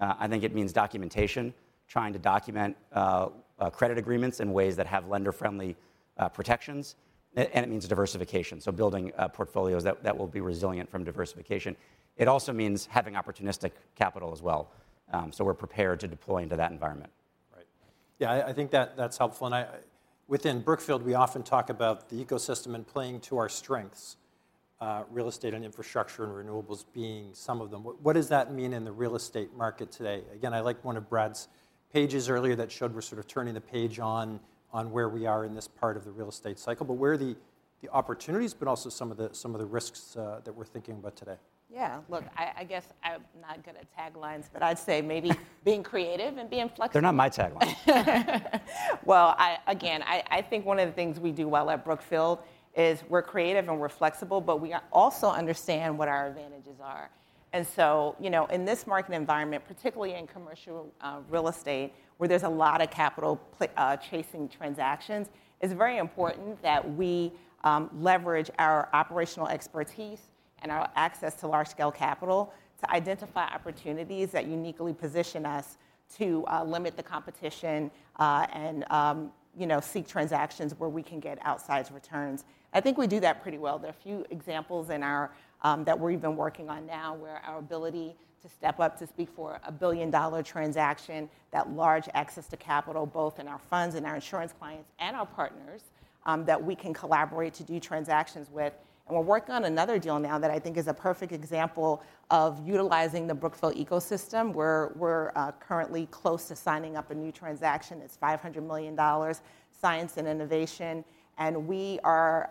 I think it means documentation, trying to document credit agreements in ways that have lender-friendly protections, and it means diversification, so building portfolios that will be resilient from diversification. It also means having opportunistic capital as well, so we're prepared to deploy into that environment. Right. Yeah, I think that's helpful, and I... Within Brookfield, we often talk about the ecosystem and playing to our strengths, real estate and infrastructure and renewables being some of them. What does that mean in the real estate market today? Again, I like one of Brad's pages earlier that showed we're sort of turning the page on where we are in this part of the real estate cycle, but where are the opportunities but also some of the risks that we're thinking about today? Yeah. Look, I guess I'm not good at taglines, but I'd say maybe being creative and being flexible. They're not my taglines. Again, I think one of the things we do well at Brookfield is we're creative and we're flexible, but we also understand what our advantages are. And so, you know, in this market environment, particularly in commercial real estate, where there's a lot of capital chasing transactions, it's very important that we leverage our operational expertise and our access to large-scale capital to identify opportunities that uniquely position us to limit the competition and, you know, seek transactions where we can get outsized returns. I think we do that pretty well. There are a few examples in our that we're even working on now, where our ability to step up to speak for a billion-dollar transaction, that large access to capital, both in our funds and our insurance clients and our partners, that we can collaborate to do transactions with. And we're working on another deal now that I think is a perfect example of utilizing the Brookfield ecosystem, where we're currently close to signing up a new transaction. It's $500 million, science and innovation, and we are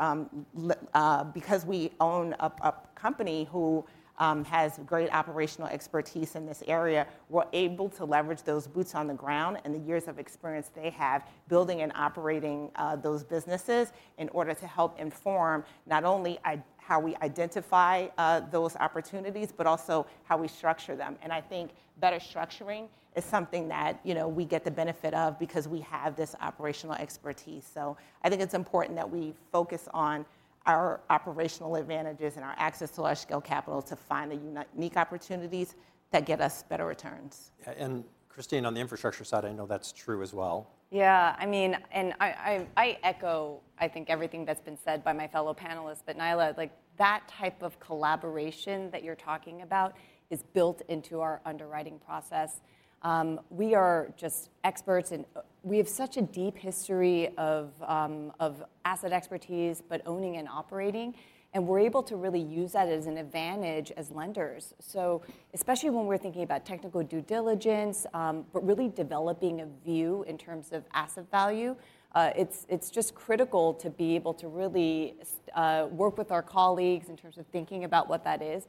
because we own a company who has great operational expertise in this area, we're able to leverage those boots on the ground and the years of experience they have building and operating those businesses in order to help inform not only how we identify those opportunities, but also how we structure them. And I think better structuring is something that, you know, we get the benefit of because we have this operational expertise. So I think it's important that we focus on our operational advantages and our access to large-scale capital to find the unique opportunities that get us better returns. Yeah, and Christina, on the infrastructure side, I know that's true as well. Yeah, I mean, and I echo, I think, everything that's been said by my fellow panelists, but Naila, like, that type of collaboration that you're talking about is built into our underwriting process. We are just experts in, we have such a deep history of asset expertise, but owning and operating, and we're able to really use that as an advantage as lenders. So especially when we're thinking about technical due diligence, but really developing a view in terms of asset value, it's just critical to be able to really work with our colleagues in terms of thinking about what that is.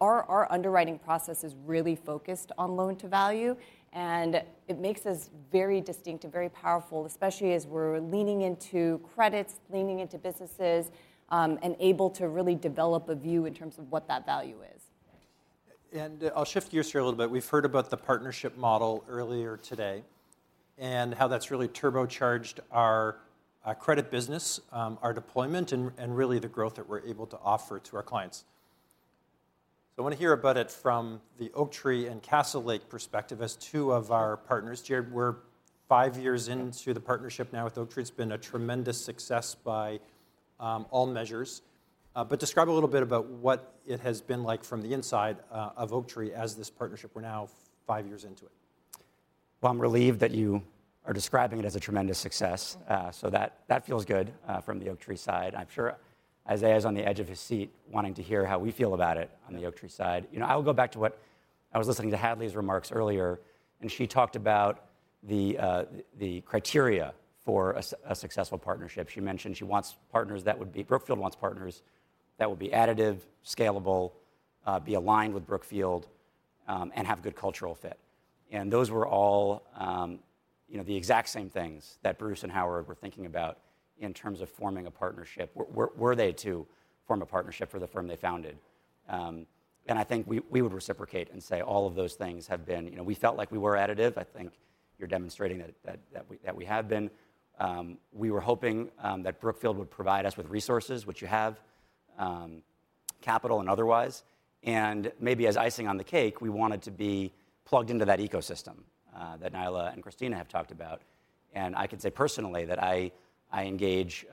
Our underwriting process is really focused on loan-to-value, and it makes us very distinct and very powerful, especially as we're leaning into credits, leaning into businesses, and able to really develop a view in terms of what that value is. I'll shift gears here a little bit. We've heard about the partnership model earlier today, and how that's really turbocharged our credit business, our deployment, and really the growth that we're able to offer to our clients. So I wanna hear about it from the Oaktree and Castle Lake perspective, as two of our partners. Jared, we're five years into the partnership now with Oaktree. It's been a tremendous success by all measures. But describe a little bit about what it has been like from the inside of Oaktree as this partnership, we're now five years into it. I'm relieved that you are describing it as a tremendous success. So that feels good from the Oaktree side. I'm sure Isaiah is on the edge of his seat, wanting to hear how we feel about it on the Oaktree side. You know, I will go back to what I was listening to Hadley's remarks earlier, and she talked about the criteria for a successful partnership. She mentioned she wants partners that would be Brookfield wants partners that would be additive, scalable, be aligned with Brookfield, and have good cultural fit. Those were all, you know, the exact same things that Bruce and Howard were thinking about in terms of forming a partnership, were they to form a partnership for the firm they founded. And I think we would reciprocate and say all of those things have been. You know, we felt like we were additive. I think you're demonstrating that we have been. We were hoping that Brookfield would provide us with resources, which you have, capital and otherwise. And maybe as icing on the cake, we wanted to be plugged into that ecosystem that Naila and Christina have talked about. And I can say personally that I engage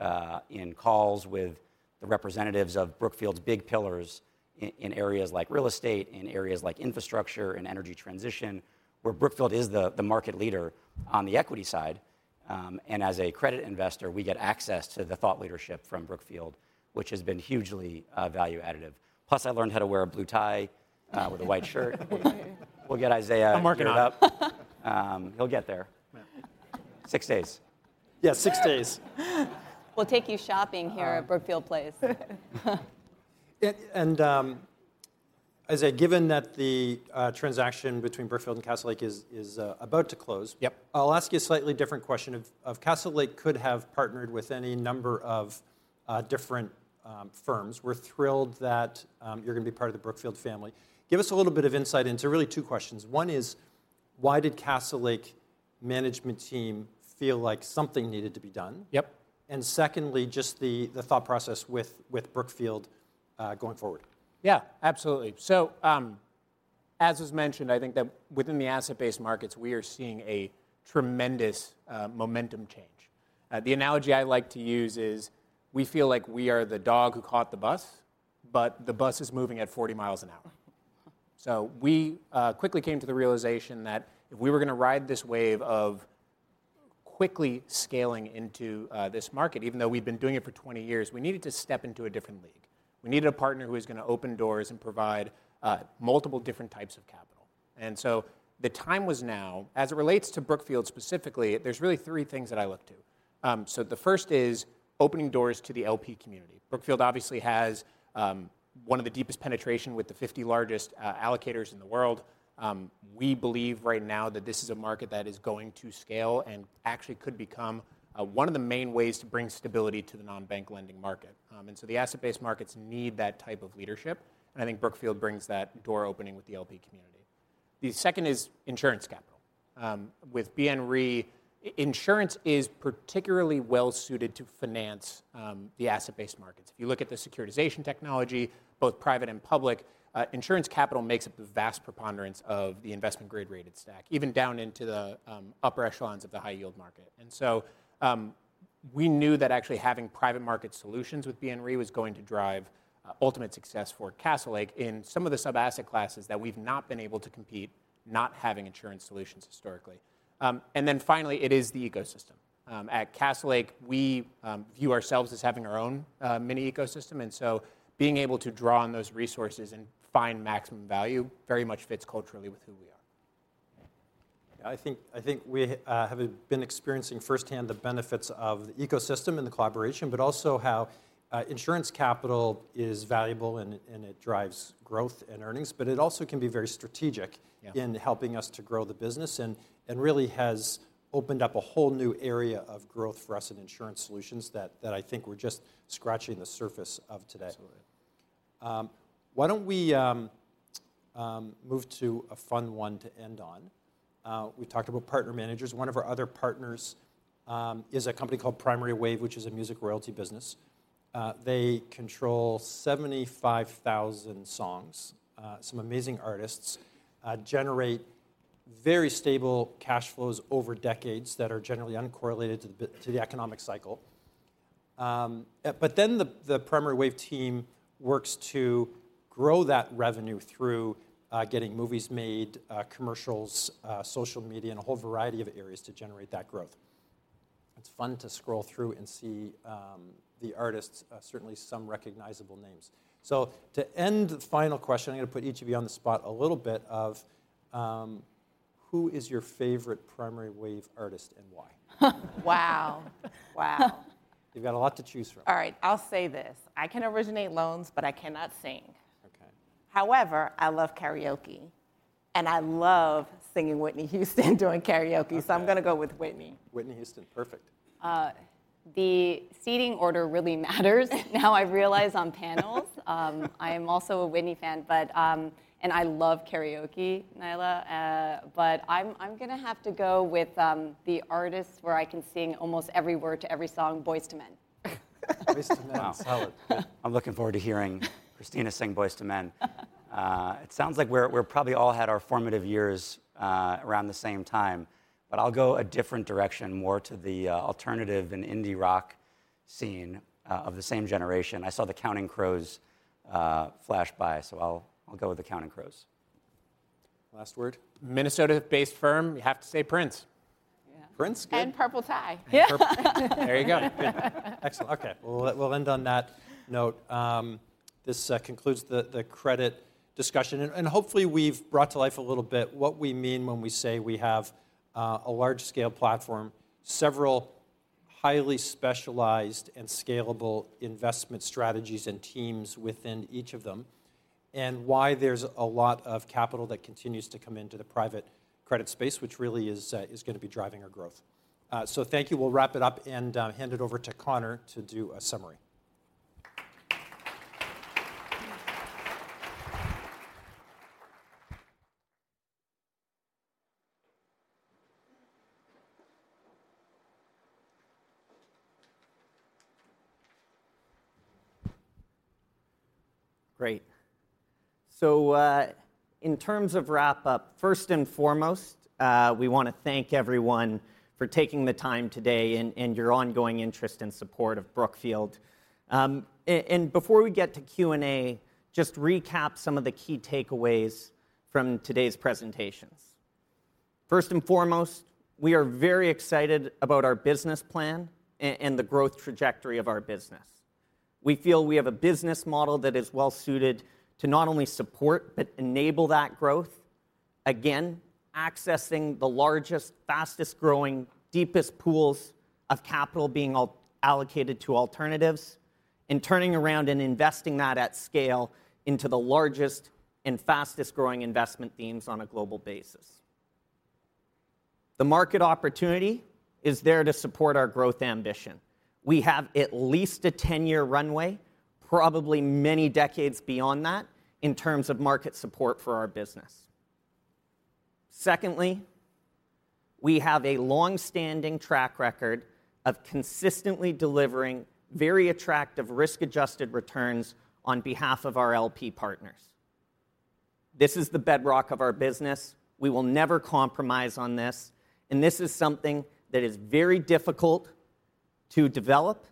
in calls with the representatives of Brookfield's big pillars in areas like real estate, in areas like infrastructure and energy transition, where Brookfield is the market leader on the equity side. and as a credit investor, we get access to the thought leadership from Brookfield, which has been hugely, value additive. Plus, I learned how to wear a blue tie, with a white shirt. We'll get Isaiah geared up. I'll mark it up. He'll get there. Yeah. Six days. Yeah, six days. We'll take you shopping here at Brookfield Place. And, Isaiah, given that the transaction between Brookfield and Castlelake is about to close- Yep I'll ask you a slightly different question. If Castle Lake could have partnered with any number of different firms, we're thrilled that you're gonna be part of the Brookfield family. Give us a little bit of insight into really two questions. One is, why did Castle Lake management team feel like something needed to be done? Yep. Secondly, just the thought process with Brookfield going forward. Yeah, absolutely. As was mentioned, I think that within the asset-based markets, we are seeing a tremendous momentum change. The analogy I like to use is, we feel like we are the dog who caught the bus, but the bus is moving at 40 miles an hour. We quickly came to the realization that if we were gonna ride this wave of quickly scaling into this market, even though we've been doing it for 20 years, we needed to step into a different league. We needed a partner who was gonna open doors and provide multiple different types of capital, and so the time was now. As it relates to Brookfield specifically, there's really three things that I look to. The first is opening doors to the LP community. Brookfield obviously has one of the deepest penetration with the 50 largest allocators in the world. We believe right now that this is a market that is going to scale and actually could become one of the main ways to bring stability to the non-bank lending market, and so the asset-based markets need that type of leadership, and I think Brookfield brings that door opening with the LP community. The second is insurance capital. With BNRE, insurance is particularly well-suited to finance the asset-based markets. If you look at the securitization technology, both private and public, insurance capital makes up the vast preponderance of the investment grade-rated stack, even down into the upper echelons of the high-yield market. And so, we knew that actually having private market solutions with BNRE was going to drive ultimate success for Castlelake in some of the sub-asset classes that we've not been able to compete, not having insurance solutions historically. And then finally, it is the ecosystem. At Castlelake, we view ourselves as having our own mini ecosystem, and so being able to draw on those resources and find maximum value very much fits culturally with who we are. I think we have been experiencing firsthand the benefits of the ecosystem and the collaboration, but also how insurance capital is valuable, and it drives growth and earnings, but it also can be very strategic- Yeah In helping us to grow the business, and really has opened up a whole new area of growth for us in insurance solutions that I think we're just scratching the surface of today. Absolutely. Why don't we move to a fun one to end on? We talked about partner managers. One of our other partners is a company called Primary Wave, which is a music royalty business. They control 75,000 songs. Some amazing artists generate very stable cash flows over decades that are generally uncorrelated to the economic cycle. But then the Primary Wave team works to grow that revenue through getting movies made, commercials, social media, and a whole variety of areas to generate that growth. It's fun to scroll through and see the artists, certainly some recognizable names. So to end, the final question, I'm gonna put each of you on the spot a little bit, of: Who is your favorite Primary Wave artist, and why? Wow! Wow. You've got a lot to choose from. All right, I'll say this: I can originate loans, but I cannot sing. Okay. However, I love karaoke, and I love singing Whitney Houston during karaoke. Okay. I'm gonna go with Whitney. Whitney Houston, perfect. The seating order really matters now, I realize, on panels. I am also a Whitney fan, but I love karaoke, Naila. But I'm gonna have to go with the artist where I can sing almost every word to every song, Boyz II Men. Boyz II Men, solid. I'm looking forward to hearing Christina sing Boyz II Men. It sounds like we're probably all had our formative years around the same time, but I'll go a different direction, more to the alternative and indie rock scene of the same generation. I saw The Counting Crows flash by, so I'll go with The Counting Crows. Last word? Minnesota-based firm, you have to say Prince. Prince, good. And purple tie. There you go. Good. Excellent. Okay, we'll end on that note. This concludes the credit discussion, and hopefully we've brought to life a little bit what we mean when we say we have a large-scale platform, several highly specialized and scalable investment strategies and teams within each of them, and why there's a lot of capital that continues to come into the private credit space, which really is gonna be driving our growth. So thank you. We'll wrap it up and hand it over to Connor to do a summary. Great, so, in terms of wrap-up, first and foremost, we want to thank everyone for taking the time today and your ongoing interest and support of Brookfield, and before we get to Q&A, just recap some of the key takeaways from today's presentations. First and foremost, we are very excited about our business plan and the growth trajectory of our business. We feel we have a business model that is well-suited to not only support, but enable that growth, again, accessing the largest, fastest-growing, deepest pools of capital being allocated to alternatives, and turning around and investing that at scale into the largest and fastest-growing investment themes on a global basis. The market opportunity is there to support our growth ambition. We have at least a 10-year runway, probably many decades beyond that, in terms of market support for our business. Secondly, we have a long-standing track record of consistently delivering very attractive risk-adjusted returns on behalf of our LP partners. This is the bedrock of our business. We will never compromise on this, and this is something that is very difficult to develop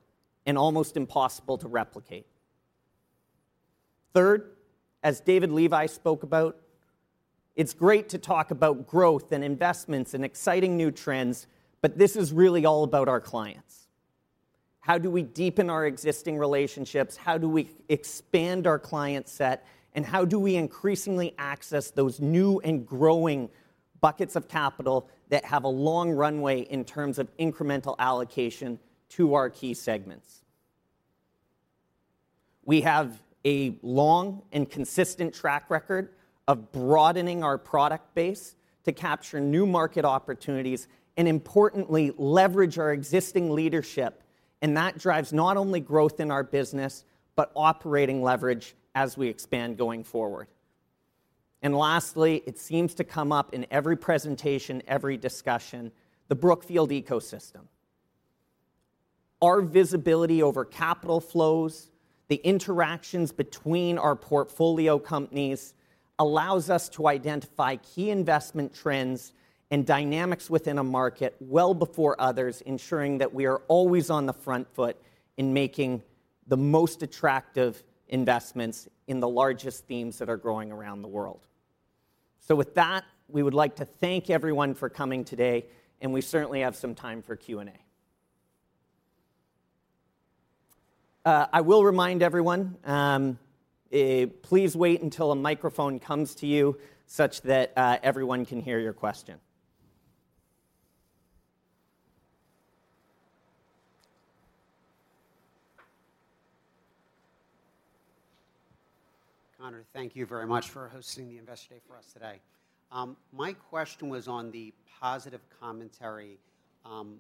and almost impossible to replicate. Third, as David Levi spoke about, it's great to talk about growth and investments and exciting new trends, but this is really all about our clients. How do we deepen our existing relationships? How do we expand our client set? And how do we increasingly access those new and growing buckets of capital that have a long runway in terms of incremental allocation to our key segments? We have a long and consistent track record of broadening our product base to capture new market opportunities and, importantly, leverage our existing leadership, and that drives not only growth in our business, but operating leverage as we expand going forward, and lastly, it seems to come up in every presentation, every discussion, the Brookfield ecosystem. Our visibility over capital flows, the interactions between our portfolio companies, allows us to identify key investment trends and dynamics within a market well before others, ensuring that we are always on the front foot in making the most attractive investments in the largest themes that are growing around the world, so with that, we would like to thank everyone for coming today, and we certainly have some time for Q&A. I will remind everyone, please wait until a microphone comes to you, such that everyone can hear your question. Connor, thank you very much for hosting the Investor Day for us today. My question was on the positive commentary on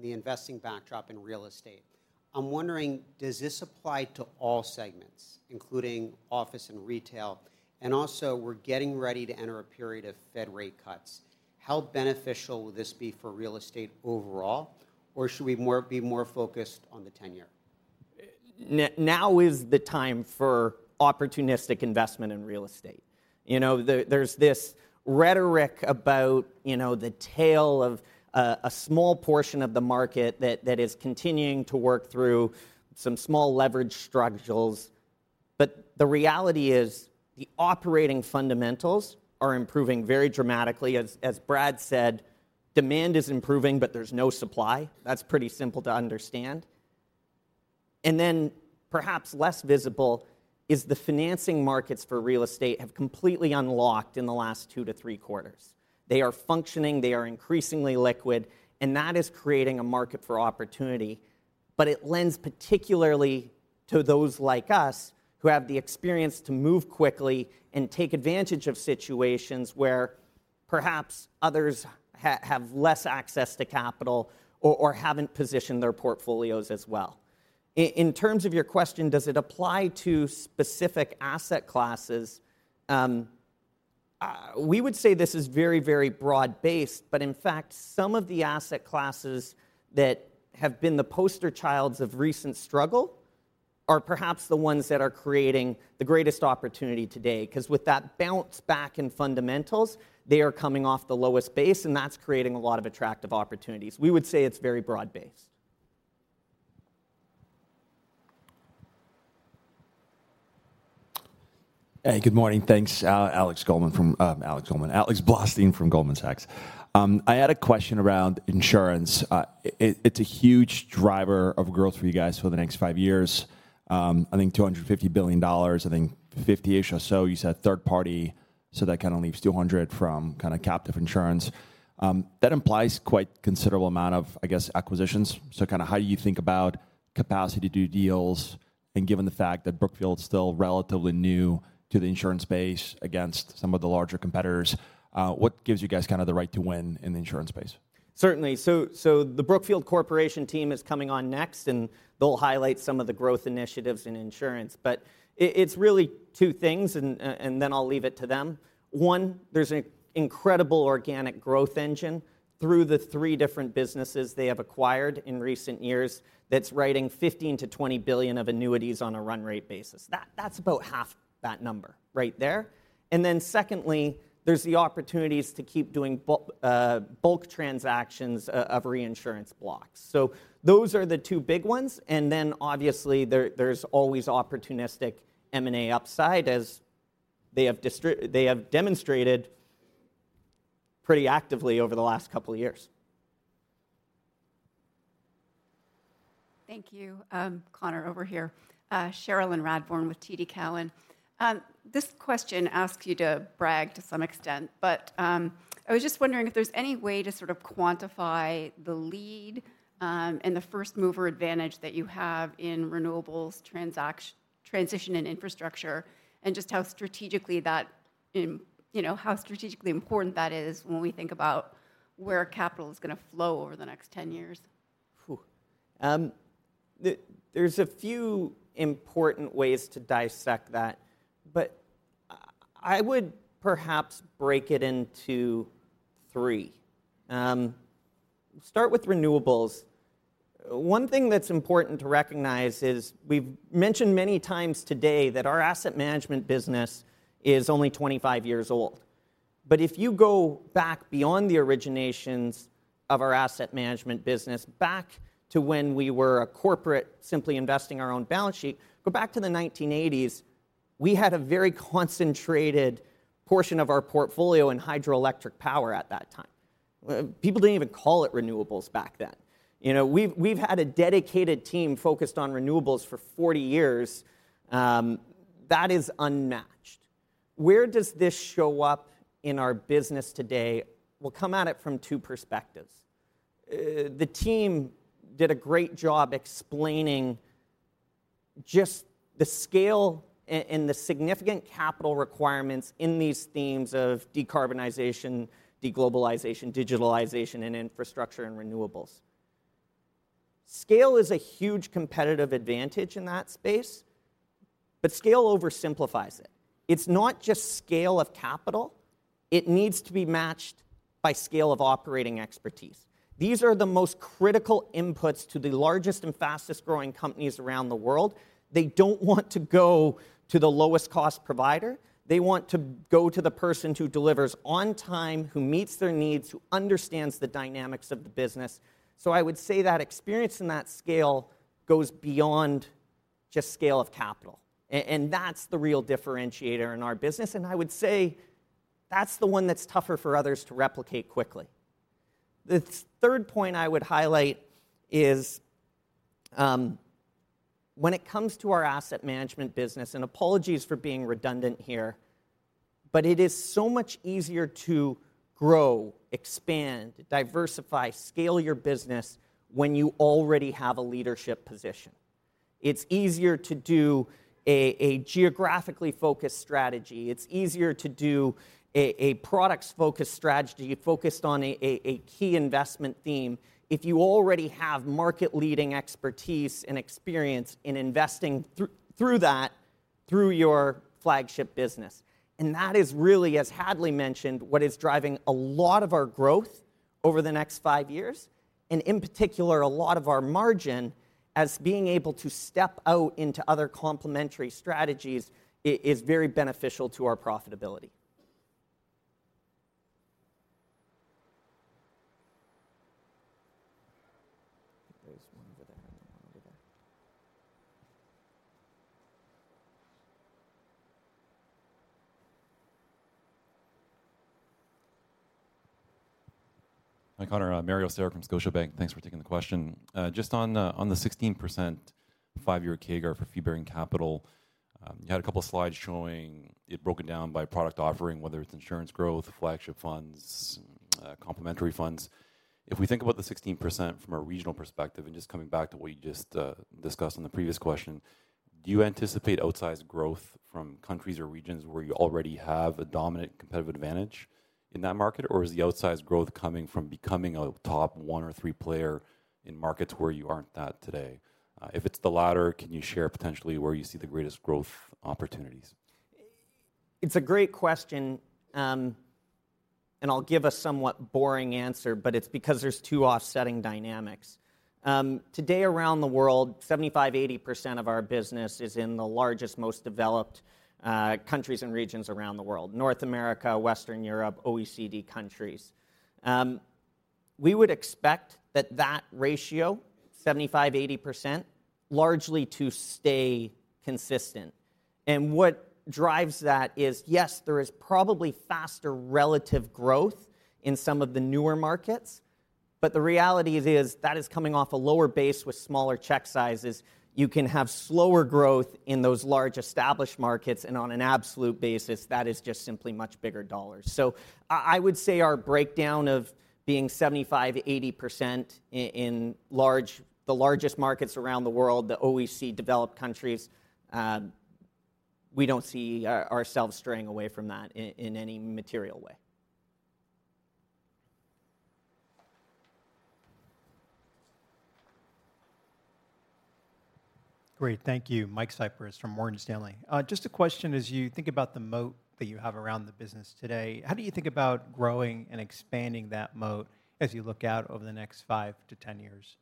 the investing backdrop in real estate. I'm wondering, does this apply to all segments, including office and retail? And also, we're getting ready to enter a period of Fed rate cuts. How beneficial will this be for real estate overall, or should we be more focused on the ten-year? Now is the time for opportunistic investment in real estate. You know, there's this rhetoric about, you know, the tale of a small portion of the market that is continuing to work through some small leverage struggles. But the reality is, the operating fundamentals are improving very dramatically. As Brian said, "Demand is improving, but there's no supply." That's pretty simple to understand. And then, perhaps less visible, is the financing markets for real estate have completely unlocked in the last two to three quarters. They are functioning, they are increasingly liquid, and that is creating a market for opportunity. But it lends particularly to those like us, who have the experience to move quickly and take advantage of situations where perhaps others have less access to capital or haven't positioned their portfolios as well. In terms of your question, does it apply to specific asset classes? We would say this is very, very broad-based, but in fact, some of the asset classes that have been the poster children of recent struggle are perhaps the ones that are creating the greatest opportunity today. 'Cause with that bounce back in fundamentals, they are coming off the lowest base, and that's creating a lot of attractive opportunities. We would say it's very broad-based. Hey, good morning. Thanks. Alex Blostein from Goldman Sachs. I had a question around insurance. It's a huge driver of growth for you guys for the next five years. I think $25 billion, I think 15-ish or so, you said third party, so that kinda leaves $200 billion from kinda captive insurance. That implies quite considerable amount of, I guess, acquisitions. So kinda how do you think about capacity to do deals, and given the fact that Brookfield's still relatively new to the insurance space against some of the larger competitors, what gives you guys kinda the right to win in the insurance space? Certainly. So, the Brookfield Corporation team is coming on next, and they'll highlight some of the growth initiatives in insurance. But it, it's really two things, and, and then I'll leave it to them. One, there's an incredible organic growth engine through the three different businesses they have acquired in recent years that's writing 15 billion-20 billion of annuities on a run-rate basis. That's about half that number right there. And then secondly, there's the opportunities to keep doing bulk transactions of reinsurance blocks. So those are the two big ones, and then obviously, there, there's always opportunistic M&A upside, as they have demonstrated pretty actively over the last couple of years. Thank you, Connor. Over here. Cherilyn Radbourne with TD Cowen. This question asks you to brag to some extent, but I was just wondering if there's any way to sort of quantify the lead and the first mover advantage that you have in renewables transition and infrastructure, and just how strategically that, you know, how strategically important that is when we think about where capital is gonna flow over the next ten years? Phew! There's a few important ways to dissect that, but I would perhaps break it into three. Start with renewables. One thing that's important to recognize is we've mentioned many times today that our asset management business is only 25 years old, but if you go back beyond the originations of our asset management business, back to when we were a corporate simply investing our own balance sheet, go back to the 1980s, we had a very concentrated portion of our portfolio in hydroelectric power at that time. People didn't even call it renewables back then. You know, we've had a dedicated team focused on renewables for 40 years, that is unmatched. Where does this show up in our business today? We'll come at it from two perspectives. The team did a great job explaining just the scale and the significant capital requirements in these themes of decarbonization, deglobalization, digitalization, and infrastructure and renewables. Scale is a huge competitive advantage in that space, but scale oversimplifies it. It's not just scale of capital. It needs to be matched by scale of operating expertise. These are the most critical inputs to the largest and fastest-growing companies around the world. They don't want to go to the lowest-cost provider. They want to go to the person who delivers on time, who meets their needs, who understands the dynamics of the business. So I would say that experience and that scale goes beyond just scale of capital, and that's the real differentiator in our business, and I would say that's the one that's tougher for others to replicate quickly. The third point I would highlight is, when it comes to our asset management business, and apologies for being redundant here, but it is so much easier to grow, expand, diversify, scale your business when you already have a leadership position. It's easier to do a geographically focused strategy. It's easier to do a products-focused strategy, focused on a key investment theme if you already have market-leading expertise and experience in investing through that, through your flagship business. And that is really, as Hadley mentioned, what is driving a lot of our growth over the next five years, and in particular, a lot of our margin, as being able to step out into other complementary strategies is very beneficial to our profitability. There's one over there and one over there. Hi, Connor, Mario Saric from Scotiabank. Thanks for taking the question. Just on the 16% five-year CAGR for fee-bearing capital, you had a couple of slides showing it broken down by product offering, whether it's insurance growth, flagship funds, complementary funds. If we think about the 16% from a regional perspective, and just coming back to what you just discussed on the previous question, do you anticipate outsized growth from countries or regions where you already have a dominant competitive advantage in that market? Or is the outsized growth coming from becoming a top one or three player in markets where you aren't that today? If it's the latter, can you share potentially where you see the greatest growth opportunities? It's a great question, and I'll give a somewhat boring answer, but it's because there's two offsetting dynamics. Today, around the world, 75%-80% of our business is in the largest, most developed countries and regions around the world: North America, Western Europe, OECD countries. We would expect that, that ratio, 75%-80%, largely to stay consistent. And what drives that is, yes, there is probably faster relative growth in some of the newer markets, but the reality is, is that is coming off a lower base with smaller check sizes. You can have slower growth in those large, established markets, and on an absolute basis, that is just simply much bigger dollars. I would say our breakdown of being 75%-80% in the largest markets around the world, the OECD developed countries. We don't see ourselves straying away from that in any material way. Great. Thank you. Mike Cyprys from Morgan Stanley. Just a question: as you think about the moat that you have around the business today, how do you think about growing and expanding that moat as you look out over the next five to 10 years?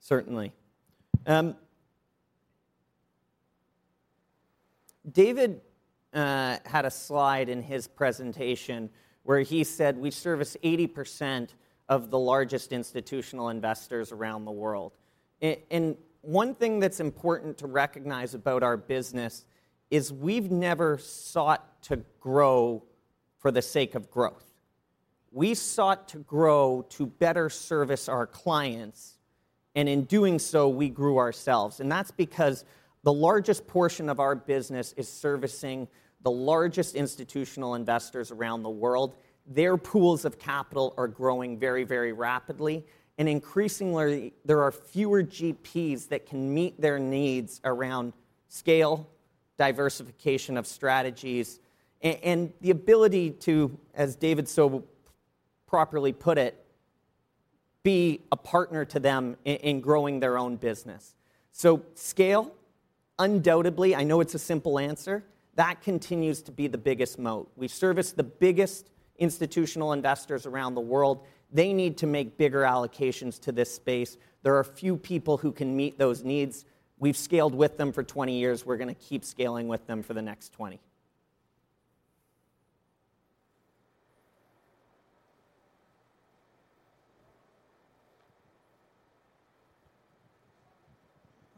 Certainly. David had a slide in his presentation where he said, "We service 80% of the largest institutional investors around the world." And one thing that's important to recognize about our business is we've never sought to grow for the sake of growth. We sought to grow to better service our clients, and in doing so, we grew ourselves. And that's because the largest portion of our business is servicing the largest institutional investors around the world. Their pools of capital are growing very, very rapidly, and increasingly, there are fewer GPs that can meet their needs around scale, diversification of strategies, and the ability to, as David so properly put it, be a partner to them in growing their own business. So scale, undoubtedly, I know it's a simple answer, that continues to be the biggest moat. We service the biggest institutional investors around the world. They need to make bigger allocations to this space. There are few people who can meet those needs. We've scaled with them for twenty years, we're gonna keep scaling with them for the next twenty.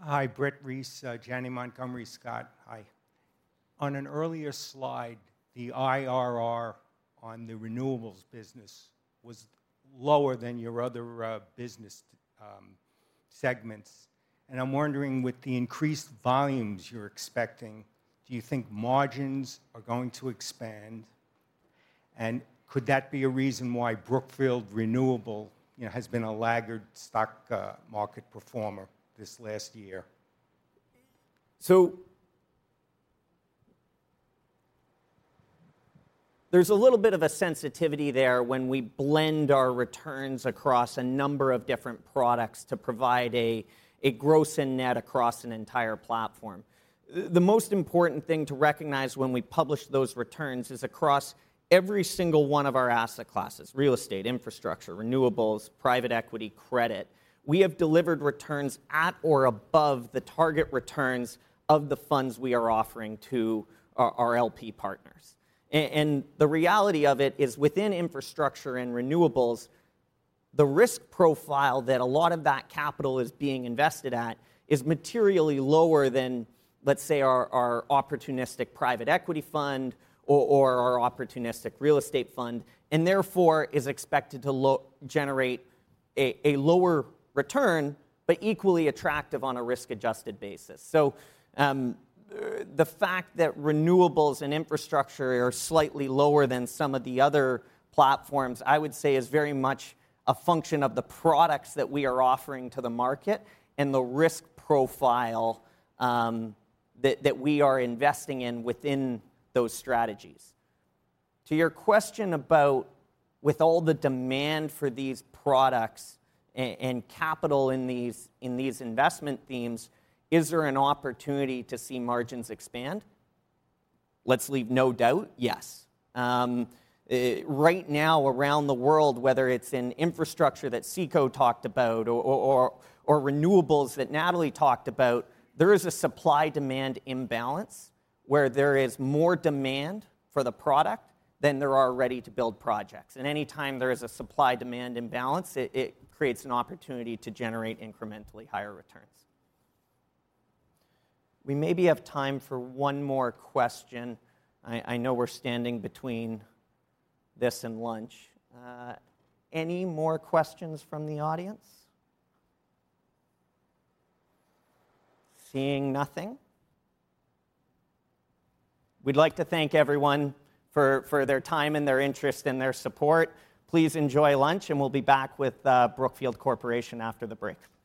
Hi, Brett Reiss, Janney Montgomery Scott. Hi. On an earlier slide, the IRR on the renewables business was lower than your other business segments, and I'm wondering, with the increased volumes you're expecting, do you think margins are going to expand? And could that be a reason why Brookfield Renewable, you know, has been a laggard stock market performer this last year? So there's a little bit of a sensitivity there when we blend our returns across a number of different products to provide a gross and net across an entire platform. The most important thing to recognize when we publish those returns is across every single one of our asset classes, real estate, infrastructure, renewables, private equity, credit, we have delivered returns at or above the target returns of the funds we are offering to our LP partners. And the reality of it is, within infrastructure and renewables, the risk profile that a lot of that capital is being invested at is materially lower than, let's say, our opportunistic private equity fund or our opportunistic real estate fund, and therefore, is expected to generate a lower return, but equally attractive on a risk-adjusted basis. So, the fact that renewables and infrastructure are slightly lower than some of the other platforms, I would say is very much a function of the products that we are offering to the market and the risk profile, that we are investing in within those strategies. To your question about with all the demand for these products and capital in these, in these investment themes, is there an opportunity to see margins expand? Let's leave no doubt, yes. Right now, around the world, whether it's in infrastructure that Cyrus talked about or renewables that Natalie talked about, there is a supply-demand imbalance, where there is more demand for the product than there are ready-to-build projects. And anytime there is a supply-demand imbalance, it creates an opportunity to generate incrementally higher returns. We maybe have time for one more question. I know we're standing between this and lunch. Any more questions from the audience? Seeing nothing. We'd like to thank everyone for their time and their interest and their support. Please enjoy lunch, and we'll be back with Brookfield Corporation after the break.